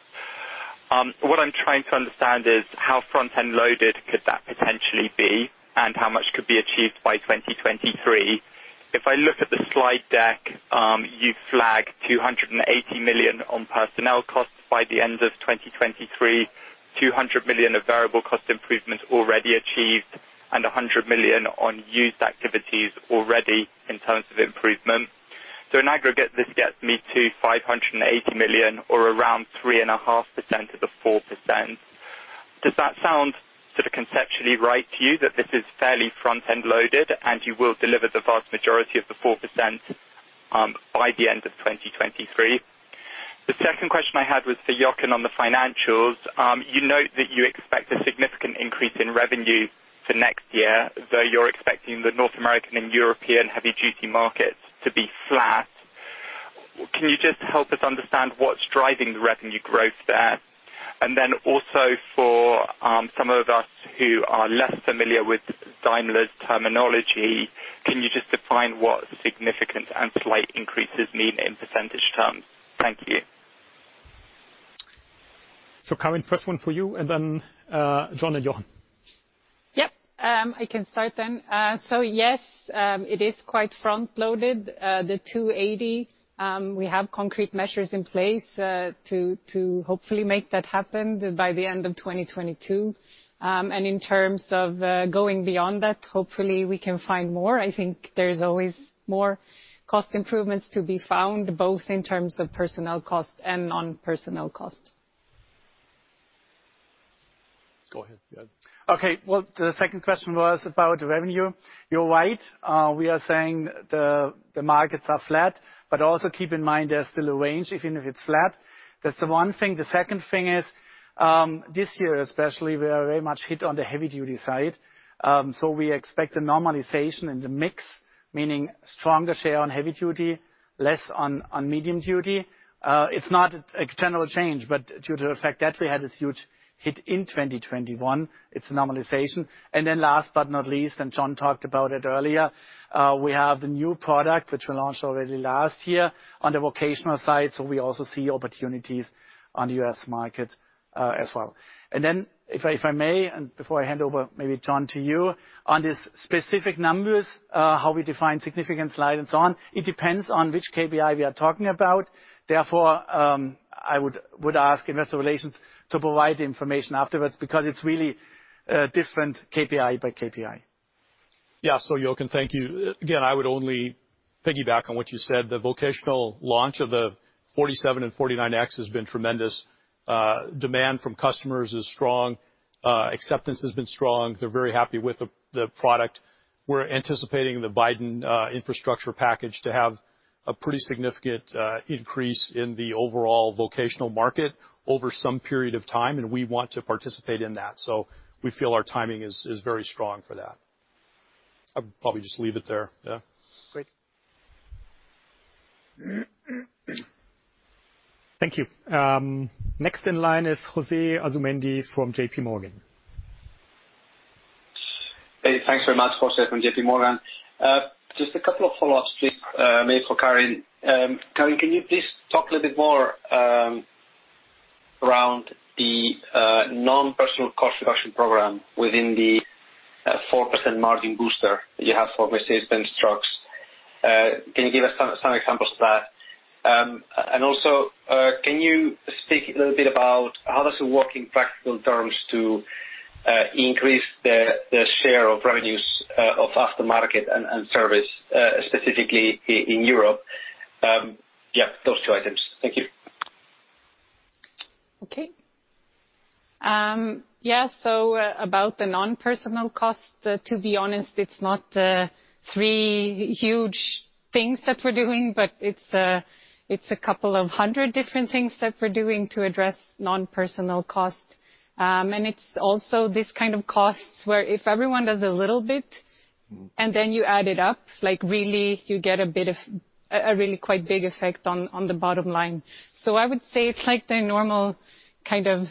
What I'm trying to understand is how front-end loaded could that potentially be, and how much could be achieved by 2023. If I look at the slide deck, you flagged 280 million on personnel costs by the end of 2023, 200 million of variable cost improvements already achieved, and 100 million on used activities already in terms of improvement. In aggregate, this gets me to 580 million or around 3.5% of the 4%. Does that sound sort of conceptually right to you, that this is fairly front-end loaded, and you will deliver the vast majority of the 4%, by the end of 2023? The second question I had was for Jochen on the financials. You note that you expect a significant increase in revenue for next year, though you're expecting the North American and European heavy duty markets to be flat. Can you just help us understand what's driving the revenue growth there? And then also for, some of us who are less familiar with Daimler's terminology, can you just define what significant and slight increases mean in percentage terms? Thank you. Karin, first one for you, and then, John and Jochen. Yep. I can start then. Yes, it is quite front-loaded. The 280, we have concrete measures in place to hopefully make that happen by the end of 2022. In terms of going beyond that, hopefully we can find more. I think there's always more cost improvements to be found, both in terms of personnel costs and non-personnel costs. Go ahead. Yeah. Okay. Well, the second question was about revenue. You're right. We are saying the markets are flat, but also keep in mind there's still a range, even if it's flat. That's the one thing. The second thing is, this year especially, we are very much hit on the heavy duty side. So we expect a normalization in the mix, meaning stronger share on heavy duty, less on medium duty. It's not a general change, but due to the fact that we had this huge hit in 2021, it's a normalization. Then last but not least, and John talked about it earlier, we have the new product which we launched already last year on the vocational side. So we also see opportunities on the U.S. market, as well. If I may, before I hand over maybe John to you, on the specific numbers, how we define significant slide and so on, it depends on which KPI we are talking about. Therefore, I would ask Investor Relations to provide the information afterwards because it's really different KPI by KPI. Yeah. Jochen, thank you. Again, I would only piggyback on what you said. The vocational launch of the 47X and 49X has been tremendous. Demand from customers is strong, acceptance has been strong. They're very happy with the product. We're anticipating the Biden infrastructure package to have a pretty significant increase in the overall vocational market over some period of time, and we want to participate in that. We feel our timing is very strong for that. I'll probably just leave it there. Yeah. Great. Thank you. Next in line is Jose Asumendi from JPMorgan. Hey, thanks very much. Jose from JPMorgan. Just a couple of follow-ups, please, maybe for Karin. Karin, can you please talk a little bit more around the non-personal cost reduction program within the 4% margin booster that you have for Mercedes-Benz Trucks? Can you give us some examples of that? And also, can you speak a little bit about how does it work in practical terms to increase the share of revenues of aftermarket and service specifically in Europe? Yeah, those two items. Thank you. Okay. Yeah. About the non-personnel costs, to be honest, it's not three huge things that we're doing, but it's a couple of hundred different things that we're doing to address non-personnel costs. It's also this kind of costs where if everyone does a little bit and then you add it up, like really you get a bit of a really quite big effect on the bottom line. I would say it's like the normal kind of,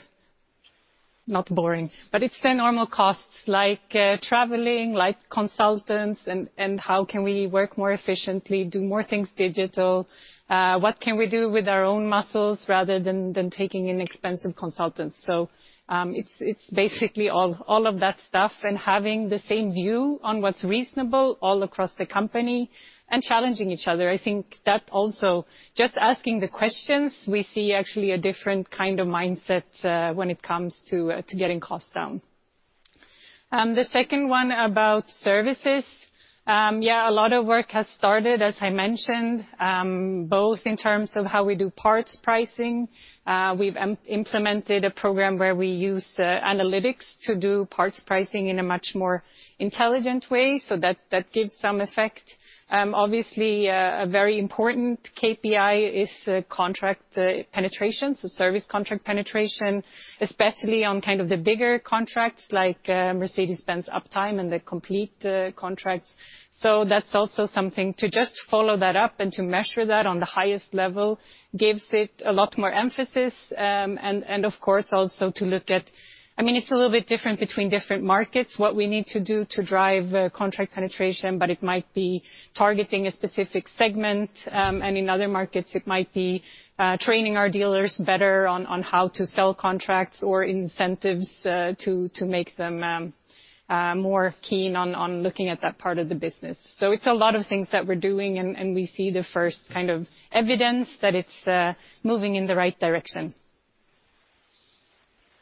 not boring, but it's the normal costs like traveling, like consultants and how can we work more efficiently, do more things digital, what can we do with our own muscles rather than taking in expensive consultants. It's basically all of that stuff and having the same view on what's reasonable all across the company and challenging each other. I think that also just asking the questions, we see actually a different kind of mindset when it comes to getting costs down. The second one about services. Yeah, a lot of work has started, as I mentioned, both in terms of how we do parts pricing. We've implemented a program where we use analytics to do parts pricing in a much more intelligent way, so that gives some effect. Obviously, a very important KPI is contract penetration, so service contract penetration, especially on kind of the bigger contracts like Mercedes-Benz Uptime and the complete contracts. That's also something to just follow that up and to measure that on the highest level gives it a lot more emphasis. Of course, also to look at I mean, it's a little bit different between different markets, what we need to do to drive contract penetration, but it might be targeting a specific segment. In other markets, it might be training our dealers better on how to sell contracts or incentives to make them more keen on looking at that part of the business. It's a lot of things that we're doing, and we see the first kind of evidence that it's moving in the right direction.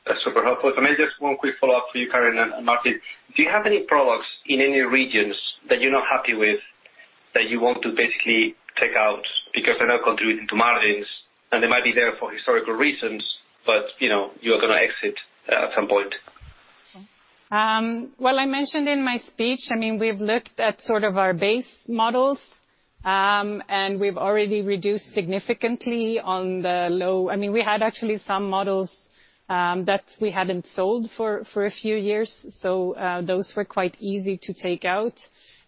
That's super helpful. Maybe just one quick follow-up for you, Karin and Martin. Do you have any products in any regions that you're not happy with that you want to basically take out because they're not contributing to margins and they might be there for historical reasons, but, you know, you're gonna exit at some point? Well, I mentioned in my speech, I mean, we've looked at sort of our base models, and we've already reduced significantly on the low. I mean, we had actually some models that we hadn't sold for a few years. Those were quite easy to take out.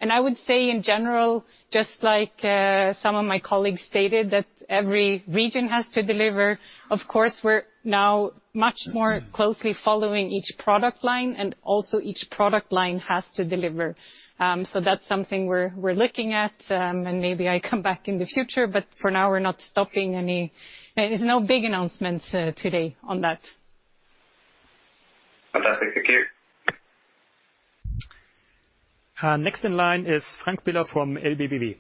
I would say, in general, just like some of my colleagues stated, that every region has to deliver. Of course, we're now much more closely following each product line, and also each product line has to deliver. That's something we're looking at, and maybe I come back in the future, but for now we're not stopping any. There's no big announcements today on that. Fantastic. Thank you. Next in line is Frank Biller from LBBW.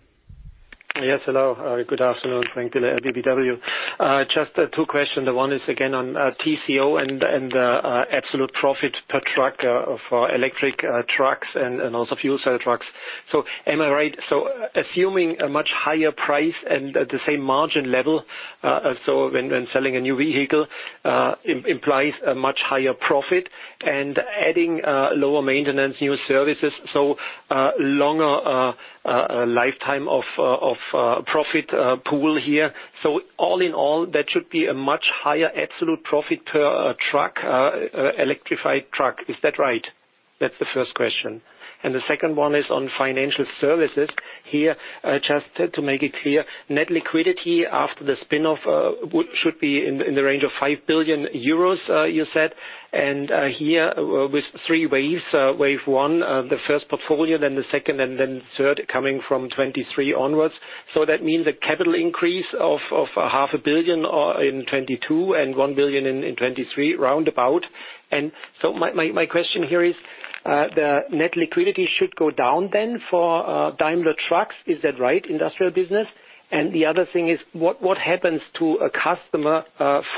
Yes. Hello. Good afternoon. Frank Biller, LBBW. Just two questions. The one is again on TCO and absolute profit per truck for electric trucks and also fuel cell trucks. Am I right? Assuming a much higher price and the same margin level, when selling a new vehicle implies a much higher profit and adding lower maintenance, new services, longer lifetime of profit pool here. All in all, that should be a much higher absolute profit per electrified truck. Is that right? That's the first question. The second one is on financial services. Here, just to make it clear, net liquidity after the spin-off should be in the range of 5 billion euros, you said, and here with three waves. Wave one, the first portfolio, then the second, and then third coming from 2023 onwards. That means a capital increase of half a billion EUR in 2022, and 1 billion in 2023, roundabout. My question here is, the net liquidity should go down then for Daimler Truck. Is that right, industrial business? The other thing is, what happens to a customer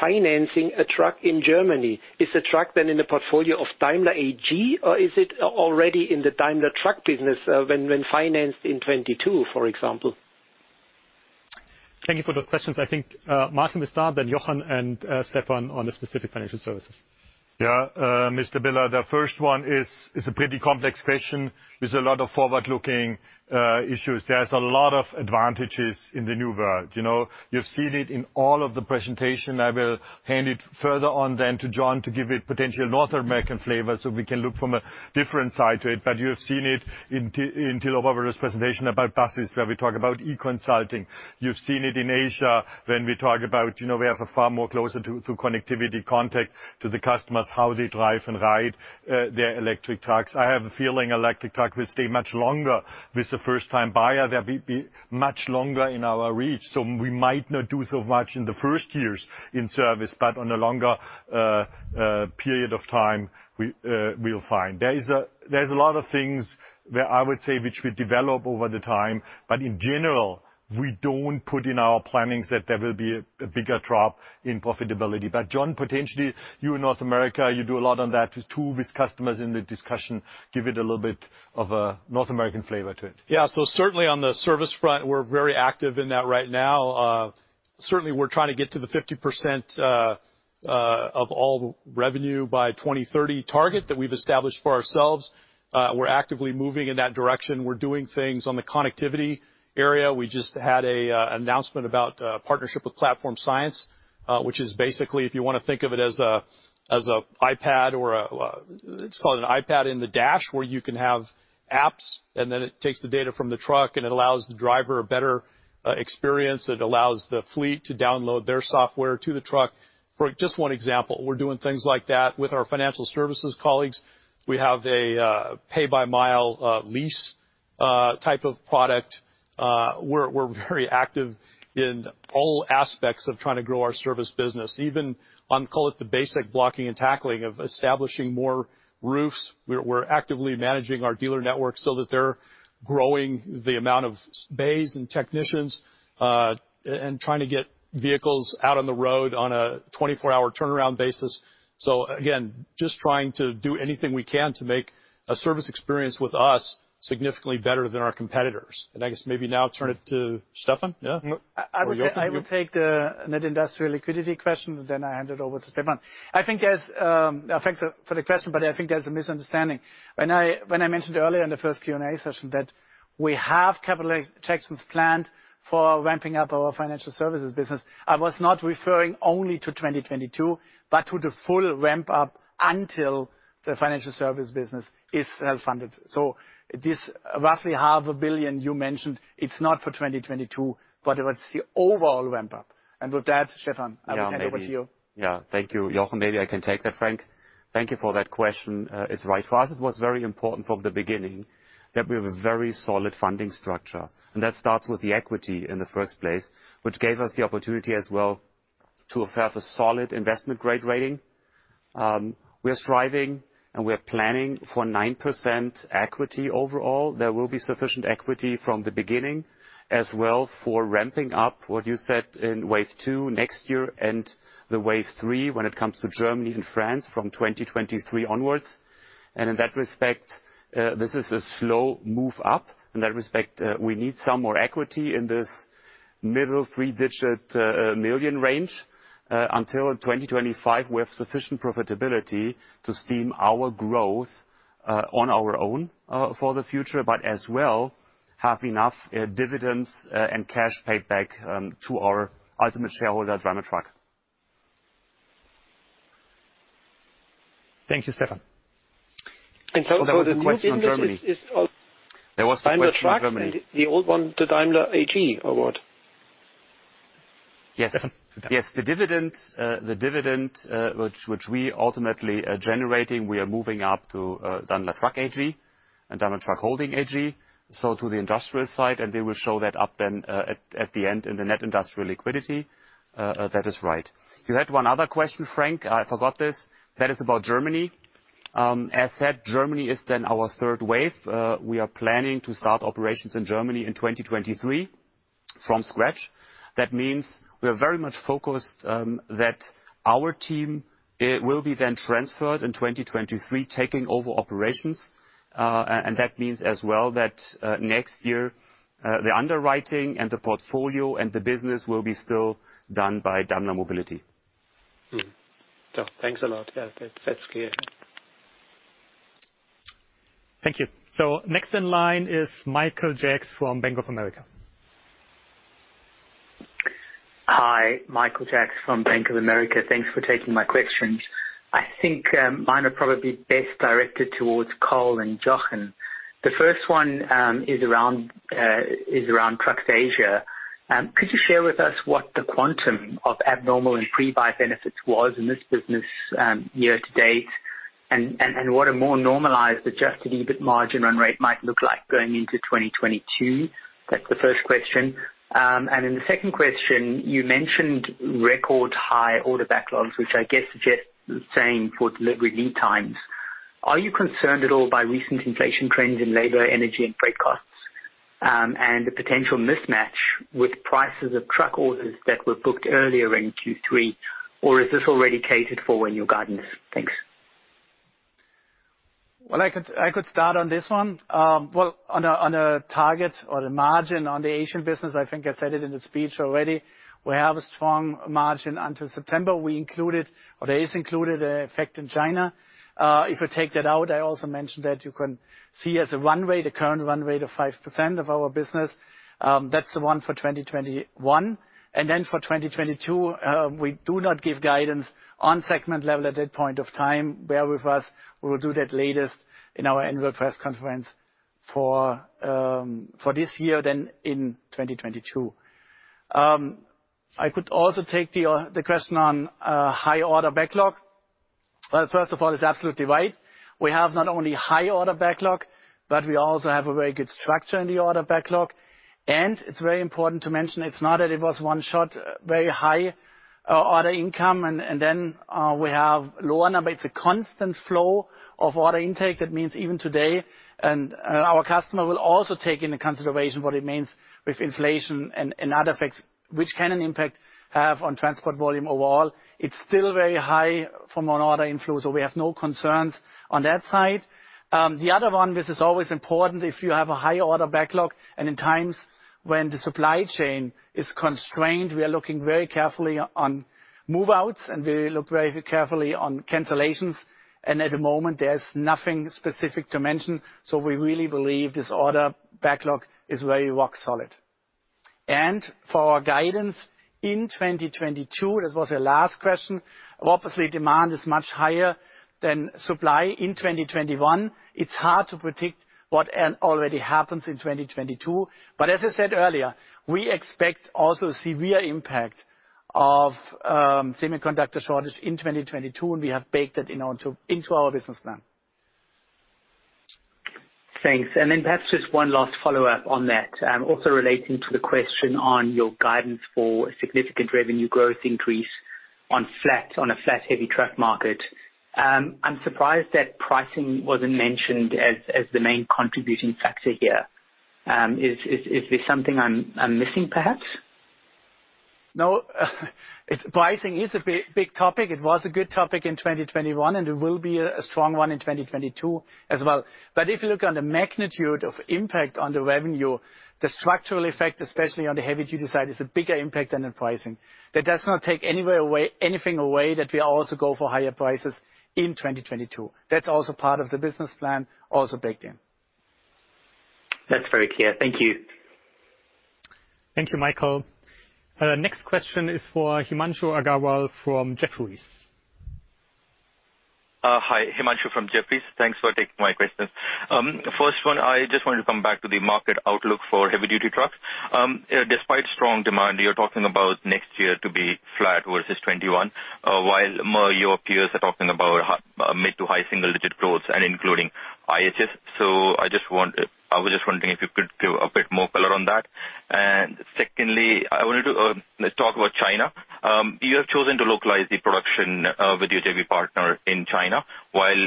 financing a truck in Germany? Is the truck then in the portfolio of Daimler AG, or is it already in the Daimler Truck business, when financed in 2022, for example? Thank you for those questions. I think, Martin will start, then Jochen and, Stefan on the specific financial services. Yeah, Mr. Biller, the first one is a pretty complex question. There's a lot of forward-looking issues. There's a lot of advantages in the new world, you know. You've seen it in all of the presentation. I will hand it further on then to John to give it potential North American flavor, so we can look from a different side to it. You have seen it in Till Oberwörder's presentation about buses, where we talk about eConsulting. You've seen it in Asia when we talk about, you know, we have a far more closer to connectivity contact to the customers, how they drive and ride their electric trucks. I have a feeling electric trucks will stay much longer with the first time buyer. They'll be much longer in our reach. We might not do so much in the first years in service, but on a longer period of time, we'll find. There's a lot of things where I would say which we develop over the time, but in general, we don't put in our planning that there will be a bigger drop in profitability. John, potentially you in North America, you do a lot on that with tools with customers in the discussion. Give it a little bit of a North American flavor to it. Yeah. Certainly on the service front, we're very active in that right now. Certainly we're trying to get to the 50% of all revenue by 2030 target that we've established for ourselves. We're actively moving in that direction. We're doing things on the connectivity area. We just had an announcement about a partnership with Platform Science, which is basically, if you wanna think of it as an iPad in the dash, where you can have apps, and then it takes the data from the truck, and it allows the driver a better experience. It allows the fleet to download their software to the truck. For just one example, we're doing things like that with our financial services colleagues. We have a pay-by-mile lease type of product. We're very active in all aspects of trying to grow our service business. Even on, call it the basic blocking and tackling of establishing more roofs. We're actively managing our dealer network so that they're growing the amount of space and technicians and trying to get vehicles out on the road on a 24-hour turnaround basis. So again, just trying to do anything we can to make a service experience with us significantly better than our competitors. I guess maybe now turn it to Stefan. Or Jochen, maybe. I will take the net industrial liquidity question, then I hand it over to Stefan. Thanks for the question, but I think there's a misunderstanding. When I mentioned earlier in the first Q&A session that we have capital protections planned for ramping up our financial services business, I was not referring only to 2022, but to the full ramp up until the financial service business is self-funded. So this roughly EUR half a billion you mentioned, it's not for 2022, but it's the overall ramp up. With that, Stefan, I will hand over to you. Thank you, Jochen. Maybe I can take that, Frank. Thank you for that question. It's right. For us, it was very important from the beginning that we have a very solid funding structure, and that starts with the equity in the first place, which gave us the opportunity as well to have a solid investment grade rating. We are striving and we are planning for 9% equity overall. There will be sufficient equity from the beginning as well for ramping up what you said in wave two next year and the wave three when it comes to Germany and France from 2023 onwards. In that respect, this is a slow move up. In that respect, we need some more equity in this mid-three-digit million range until 2025, we have sufficient profitability to steam our growth on our own for the future, but as well have enough dividends and cash paid back to our ultimate shareholder, Daimler Truck. Thank you, Stefan. For the new business, it's all There was a question in Germany. Daimler Truck? There was a question in Germany. The old one to Daimler AG award. Yes. Stefan. Yes. The dividend which we ultimately are generating, we are moving up to Daimler Truck AG and Daimler Truck Holding AG, so to the industrial side, and they will show that up then at the end in the net industrial liquidity. That is right. You had one other question, Frank. I forgot this. That is about Germany. As said, Germany is then our third wave. We are planning to start operations in Germany in 2023 from scratch. That means we are very much focused that our team it will be then transferred in 2023, taking over operations. That means as well that next year the underwriting and the portfolio and the business will be still done by Daimler Mobility. Thanks a lot. Yeah. That's clear. Thank you. Next in line is Michael Jacks from Bank of America. Hi. Michael Jacks from Bank of America. Thanks for taking my questions. I think mine are probably best directed towards Cole and Jochen. The first one is around Trucks Asia. Could you share with us what the quantum of abnormal and pre-buy benefits was in this business year to date? And what a more normalized adjusted EBIT margin run rate might look like going into 2022? That's the first question. And then the second question, you mentioned record high order backlogs, which I guess suggests the same for delivery lead times. Are you concerned at all by recent inflation trends in labor, energy, and freight costs and the potential mismatch with prices of truck orders that were booked earlier in Q3? Or is this already catered for in your guidance? Thanks. Well, I could start on this one. Well, on a target or the margin on the Asian business, I think I said it in the speech already. We have a strong margin until September. We included, or that is included, an effect in China. If you take that out, I also mentioned that you can see as a run rate, the current run rate of 5% of our business. That's the one for 2021. For 2022, we do not give guidance on segment level at that point of time. Bear with us. We will do that latest in our annual press conference for this year then in 2022. I could also take the question on high order backlog. Well, first of all, it's absolutely right. We have not only high order backlog, but we also have a very good structure in the order backlog. It's very important to mention it's not that it was one shot, very high order intake, and then we have lower number. It's a constant flow of order intake. That means even today, our customer will also take into consideration what it means with inflation and other effects, which can have an impact on transport volume overall. It's still very high from an order inflow, so we have no concerns on that side. The other one, this is always important if you have a high order backlog, and in times when the supply chain is constrained, we are looking very carefully on move-outs, and we look very carefully on cancellations. At the moment, there's nothing specific to mention. We really believe this order backlog is very rock solid. For our guidance in 2022, that was the last question. Obviously, demand is much higher than supply in 2021. It's hard to predict what already happens in 2022. We expect also severe impact of semiconductor shortage in 2022, and we have baked that into our business plan. Thanks. Perhaps just one last follow-up on that. Also relating to the question on your guidance for significant revenue growth increase on a flat heavy truck market. I'm surprised that pricing wasn't mentioned as the main contributing factor here. Is there something I'm missing perhaps? No. It's pricing is a big, big topic. It was a good topic in 2021, and it will be a strong one in 2022 as well. If you look on the magnitude of impact on the revenue, the structural effect, especially on the heavy-duty side, is a bigger impact than in pricing. That does not take anything away that we also go for higher prices in 2022. That's also part of the business plan, also baked in. That's very clear. Thank you. Thank you, Michael. Next question is for Himanshu Agarwal from Jefferies. Hi. Himanshu from Jefferies. Thanks for taking my questions. First one, I just wanted to come back to the market outlook for heavy-duty trucks. Despite strong demand, you're talking about next year to be flat versus 2021, while more of your peers are talking about mid to high single-digit growth including IHS. I was just wondering if you could give a bit more color on that. Secondly, I wanted to talk about China. You have chosen to localize the production with your JV partner in China while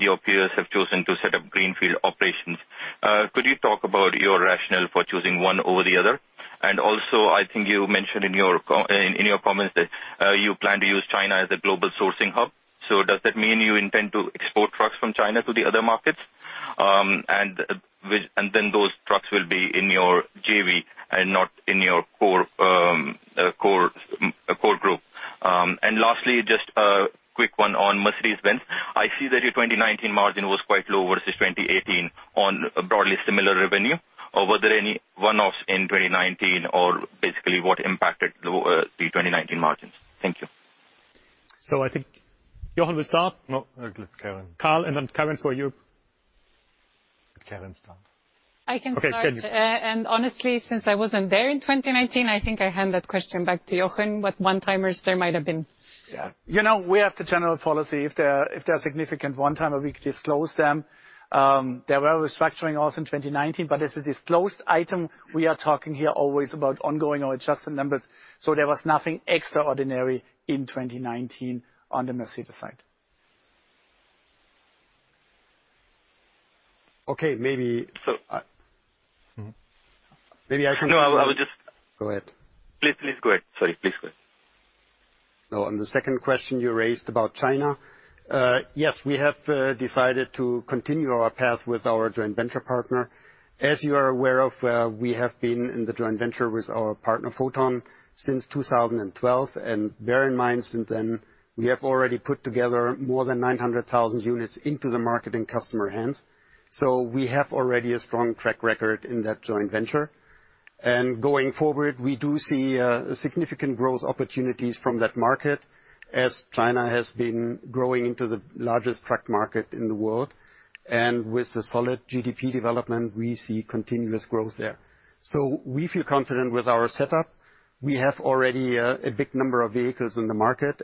your peers have chosen to set up greenfield operations. Could you talk about your rationale for choosing one over the other? Also, I think you mentioned in your comments that you plan to use China as a global sourcing hub. Does that mean you intend to export trucks from China to the other markets? Those trucks will be in your JV and not in your core group. Lastly, just a quick one on Mercedes-Benz. I see that your 2019 margin was quite low versus 2018 on broadly similar revenue. Was there any one-offs in 2019? Basically, what impacted the low 2019 margins? Thank you. I think Jochen will start. No, Karin. Karin, and then Karin for you. Karin start. I can start. Okay, Karin. Honestly, since I wasn't there in 2019, I think I hand that question back to Jochen, what one-timers there might have been. Yeah. You know, we have the general policy. If there are significant one-timers, we disclose them. There were restructuring also in 2019, but as a disclosed item, we are talking here always about ongoing or adjusted numbers. There was nothing extraordinary in 2019 on the Mercedes side. Go ahead. Please go ahead. Sorry. Please go ahead. No, on the second question you raised about China, yes, we have decided to continue our path with our joint venture partner. As you are aware of, we have been in the joint venture with our partner, Foton, since 2012. Bear in mind since then, we have already put together more than 900,000 units into the market in customer hands. We have already a strong track record in that joint venture. Going forward, we do see significant growth opportunities from that market, as China has been growing into the largest truck market in the world. With the solid GDP development, we see continuous growth there. We feel confident with our setup. We have already a big number of vehicles in the market.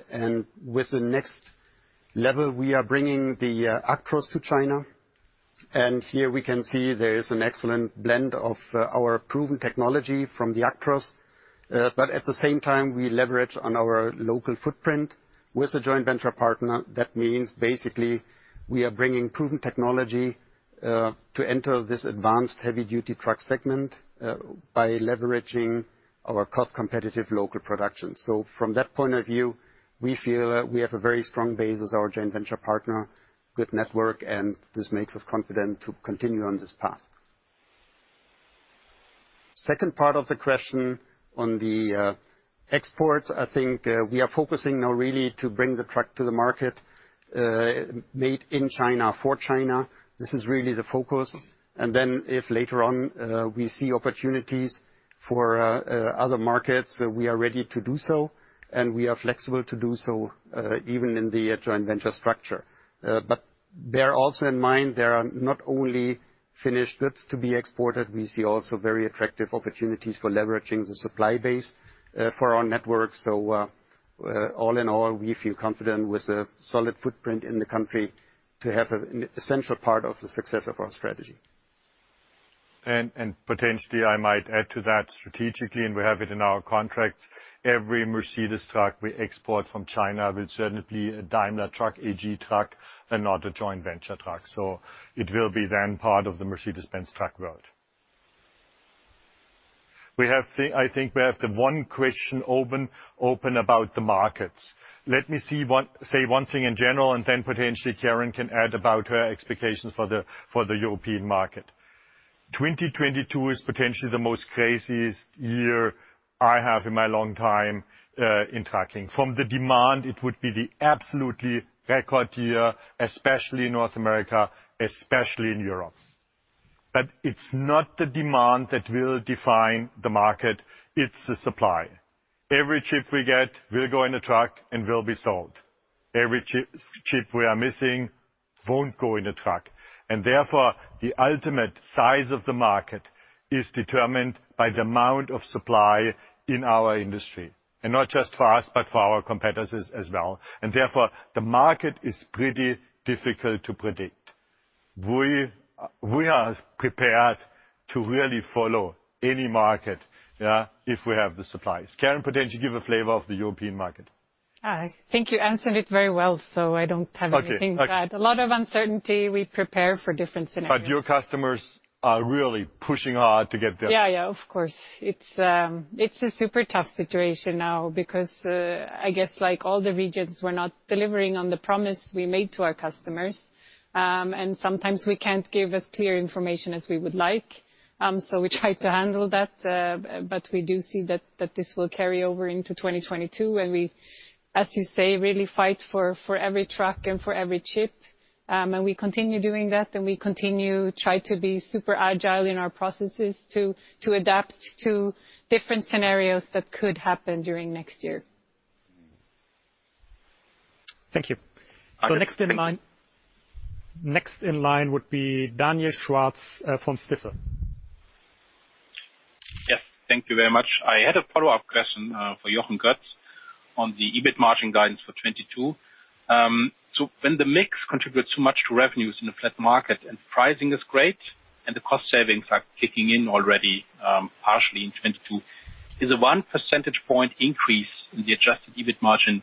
With the next level, we are bringing the Actros to China. Here, we can see there is an excellent blend of our proven technology from the Actros. At the same time, we leverage on our local footprint with the joint venture partner. That means basically, we are bringing proven technology to enter this advanced heavy duty truck segment by leveraging our cost competitive local production. From that point of view, we feel that we have a very strong base with our joint venture partner, good network, and this makes us confident to continue on this path. Second part of the question on the exports, I think, we are focusing now really to bring the truck to the market made in China for China. This is really the focus. If later on we see opportunities for other markets, we are ready to do so, and we are flexible to do so, even in the joint venture structure. Bear also in mind, there are not only finished goods to be exported. We see also very attractive opportunities for leveraging the supply base for our network. All in all, we feel confident with a solid footprint in the country to have a central part of the success of our strategy. Potentially, I might add to that strategically, and we have it in our contracts. Every Mercedes-Benz truck we export from China will certainly be a Daimler Truck AG truck and not a joint venture truck. It will be then part of the Mercedes-Benz truck route. We have I think we have the one question open about the markets. Let me say one thing in general, and then potentially Karin Rådström can add about her expectations for the European market. 2022 is potentially the most craziest year I have in my long time in trucking. From the demand, it would be the absolute record year, especially in North America, especially in Europe. It's not the demand that will define the market, it's the supply. Every chip we get will go in a truck and will be sold. Every chip we are missing won't go in a truck. Therefore, the ultimate size of the market is determined by the amount of supply in our industry. Not just for us, but for our competitors as well. Therefore, the market is pretty difficult to predict. We are prepared to really follow any market, yeah, if we have the supplies. Karin, potentially give a flavor of the European market. I think you answered it very well, so I don't have anything to add. Okay. A lot of uncertainty. We prepare for different scenarios. Your customers are really pushing hard to get there. Yeah, yeah, of course. It's a super tough situation now because, I guess, like all the regions, we're not delivering on the promise we made to our customers. Sometimes we can't give as clear information as we would like, so we try to handle that. We do see that this will carry over into 2022, and we, as you say, really fight for every truck and for every chip. We continue doing that, and we continue try to be super agile in our processes to adapt to different scenarios that could happen during next year. Thank you. Okay, thank- Next in line would be Daniel Schwarz from Stifel. Yes. Thank you very much. I had a follow-up question for Jochen Goetz on the EBIT margin guidance for 2022. When the mix contributes much to revenues in a flat market, and pricing is great, and the cost savings are kicking in already, partially in 2022, is a one percentage point increase in the adjusted EBIT margin?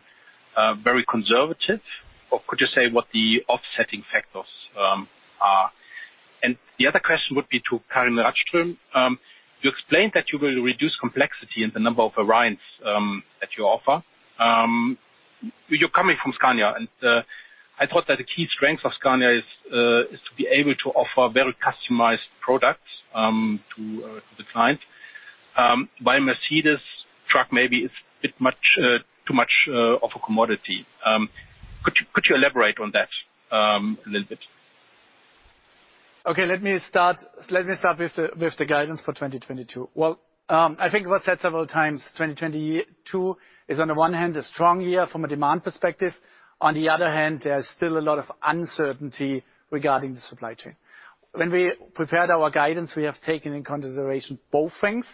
Very conservative, or could you say what the offsetting factors are? The other question would be to Karin Rådström. You explained that you will reduce complexity in the number of variants that you offer. You're coming from Scania, and I thought that the key strength of Scania is to be able to offer very customized products to the client. But Mercedes-Benz Trucks, maybe it's a bit much, too much, of a commodity. Could you elaborate on that a little bit? Okay, let me start with the guidance for 2022. I think it was said several times, 2022 is on the one hand a strong year from a demand perspective. On the other hand, there's still a lot of uncertainty regarding the supply chain. When we prepared our guidance, we have taken into consideration both things.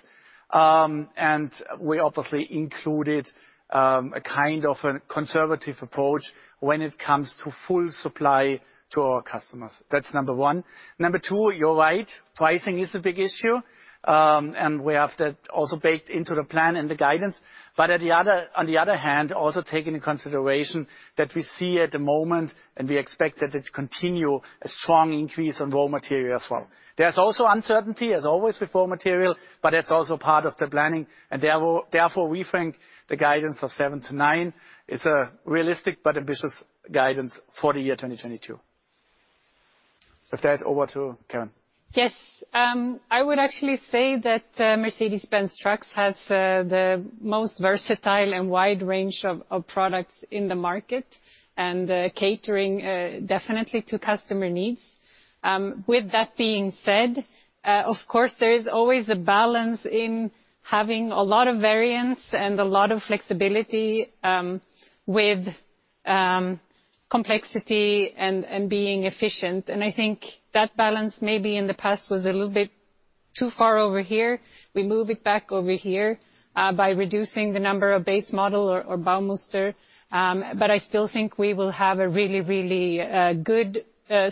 And we obviously included a kind of a conservative approach when it comes to full supply to our customers. That's number one. Number two, you're right, pricing is a big issue, and we have that also baked into the plan and the guidance. But on the other hand, also take into consideration that we see at the moment, and we expect that it continue, a strong increase in raw material as well. There's also uncertainty, as always with raw material, but that's also part of the planning. Therefore, we think the guidance of 7%-9% is a realistic but ambitious guidance for the year 2022. With that, over to Karin. Yes. I would actually say that Mercedes-Benz Trucks has the most versatile and wide range of products in the market, and catering definitely to customer needs. With that being said, of course, there is always a balance in having a lot of variance and a lot of flexibility with complexity and being efficient. I think that balance maybe in the past was a little bit too far over here. We move it back over here by reducing the number of base model or Baumuster. But I still think we will have a really good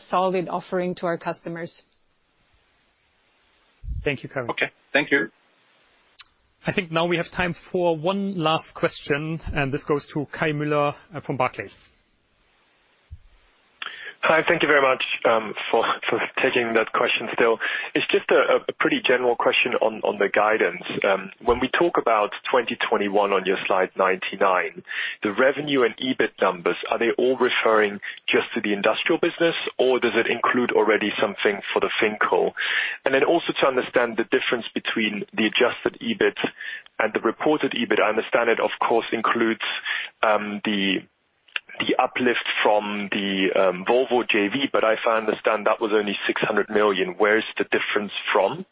solid offering to our customers. Thank you, Karin. Okay. Thank you. I think now we have time for one last question, and this goes to Kai Müller from Barclays. Hi, thank you very much for taking that question still. It's just a pretty general question on the guidance. When we talk about 2021 on your slide 99, the revenue and EBIT numbers, are they all referring just to the industrial business, or does it include already something for the FinCO? And then also to understand the difference between the adjusted EBIT and the reported EBIT. I understand it, of course, includes the uplift from the Volvo JV, but if I understand, that was only 600 million. Where is the difference from?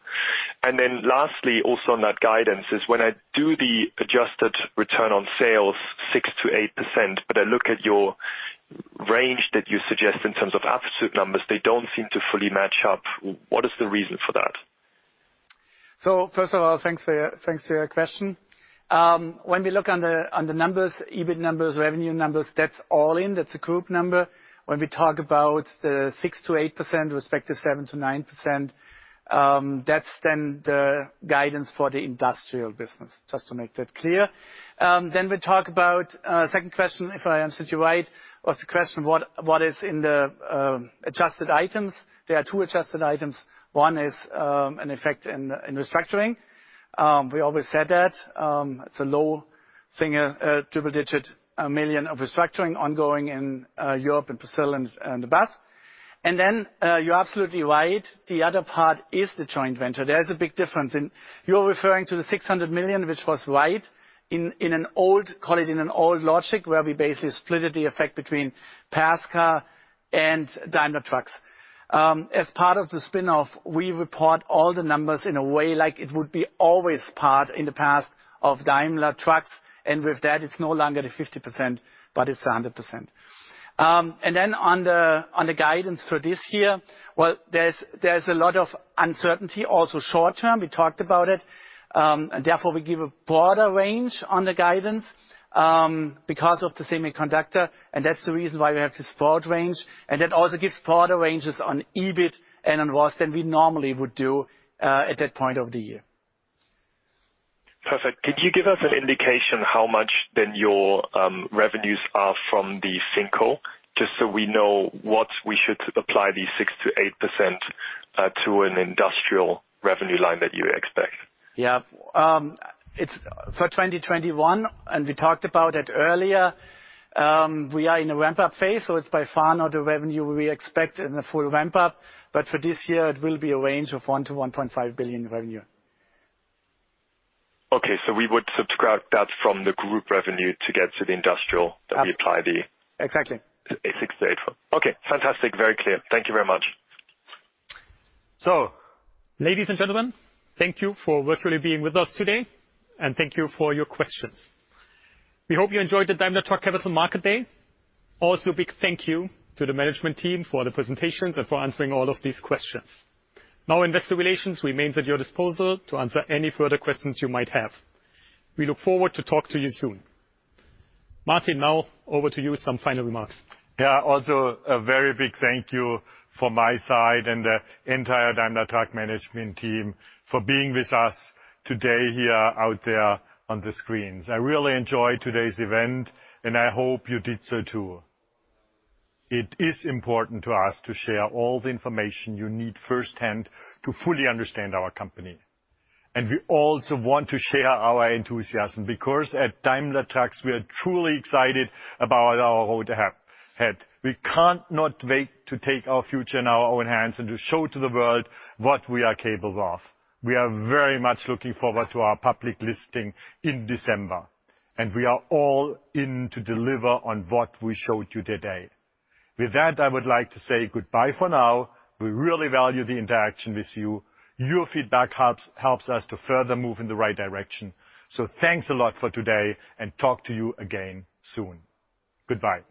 And then lastly, also on that guidance, when I do the adjusted return on sales 6%-8%, but I look at your range that you suggest in terms of absolute numbers, they don't seem to fully match up. What is the reason for that? First of all, thanks for your question. When we look on the numbers, EBIT numbers, revenue numbers, that's all in, that's a group number. When we talk about the 6%-8% with respect to 7%-9%, that's then the guidance for the industrial business, just to make that clear. We talk about second question, if I understood you right, was the question what is in the adjusted items. There are two adjusted items. One is an effect in restructuring. We always said that it's a low figure, double-digit million EUR of restructuring ongoing in Europe and Brazil and the Bus. You're absolutely right, the other part is the joint venture. There is a big difference. You're referring to the 600 million, which was right in an old logic, where we basically split the effect between PACCAR and Daimler Truck. As part of the spin-off, we report all the numbers in a way like it would always be part of Daimler Truck in the past, and with that, it's no longer the 50%, but it's 100%. On the guidance for this year, well, there's a lot of uncertainty, also short-term, we talked about it. Therefore, we give a broader range on the guidance, because of the semiconductor, and that's the reason why we have this broad range. That also gives broader ranges on EBIT and on ROAS than we normally would do, at that point of the year. Perfect. Could you give us an indication how much then your revenues are from the FinCO, just so we know what we should apply the 6%-8% to an industrial revenue line that you expect? It's for 2021, and we talked about it earlier, we are in a ramp-up phase, so it's by far not the revenue we expect in the full ramp-up. For this year, it will be a range of 1 billion-1.5 billion revenue. Okay. We would subtract that from the group revenue to get to the industrial Exactly. 6-8 for. Okay. Fantastic. Very clear. Thank you very much. Ladies and gentlemen, thank you for virtually being with us today, and thank you for your questions. We hope you enjoyed the Daimler Truck Capital Market Day. Also, a big thank you to the management team for the presentations and for answering all of these questions. Now Investor Relations remains at your disposal to answer any further questions you might have. We look forward to talk to you soon. Martin, now over to you with some final remarks. Yeah. Also, a very big thank you from my side and the entire Daimler Truck Management Team for being with us today here, out there on the screens. I really enjoyed today's event, and I hope you did so, too. It is important to us to share all the information you need firsthand to fully understand our company. We also want to share our enthusiasm, because at Daimler Trucks, we are truly excited about our road ahead. We can't not wait to take our future in our own hands and to show to the world what we are capable of. We are very much looking forward to our public listing in December, and we are all in to deliver on what we showed you today. With that, I would like to say goodbye for now. We really value the interaction with you. Your feedback helps us to further move in the right direction. Thanks a lot for today, and talk to you again soon. Goodbye.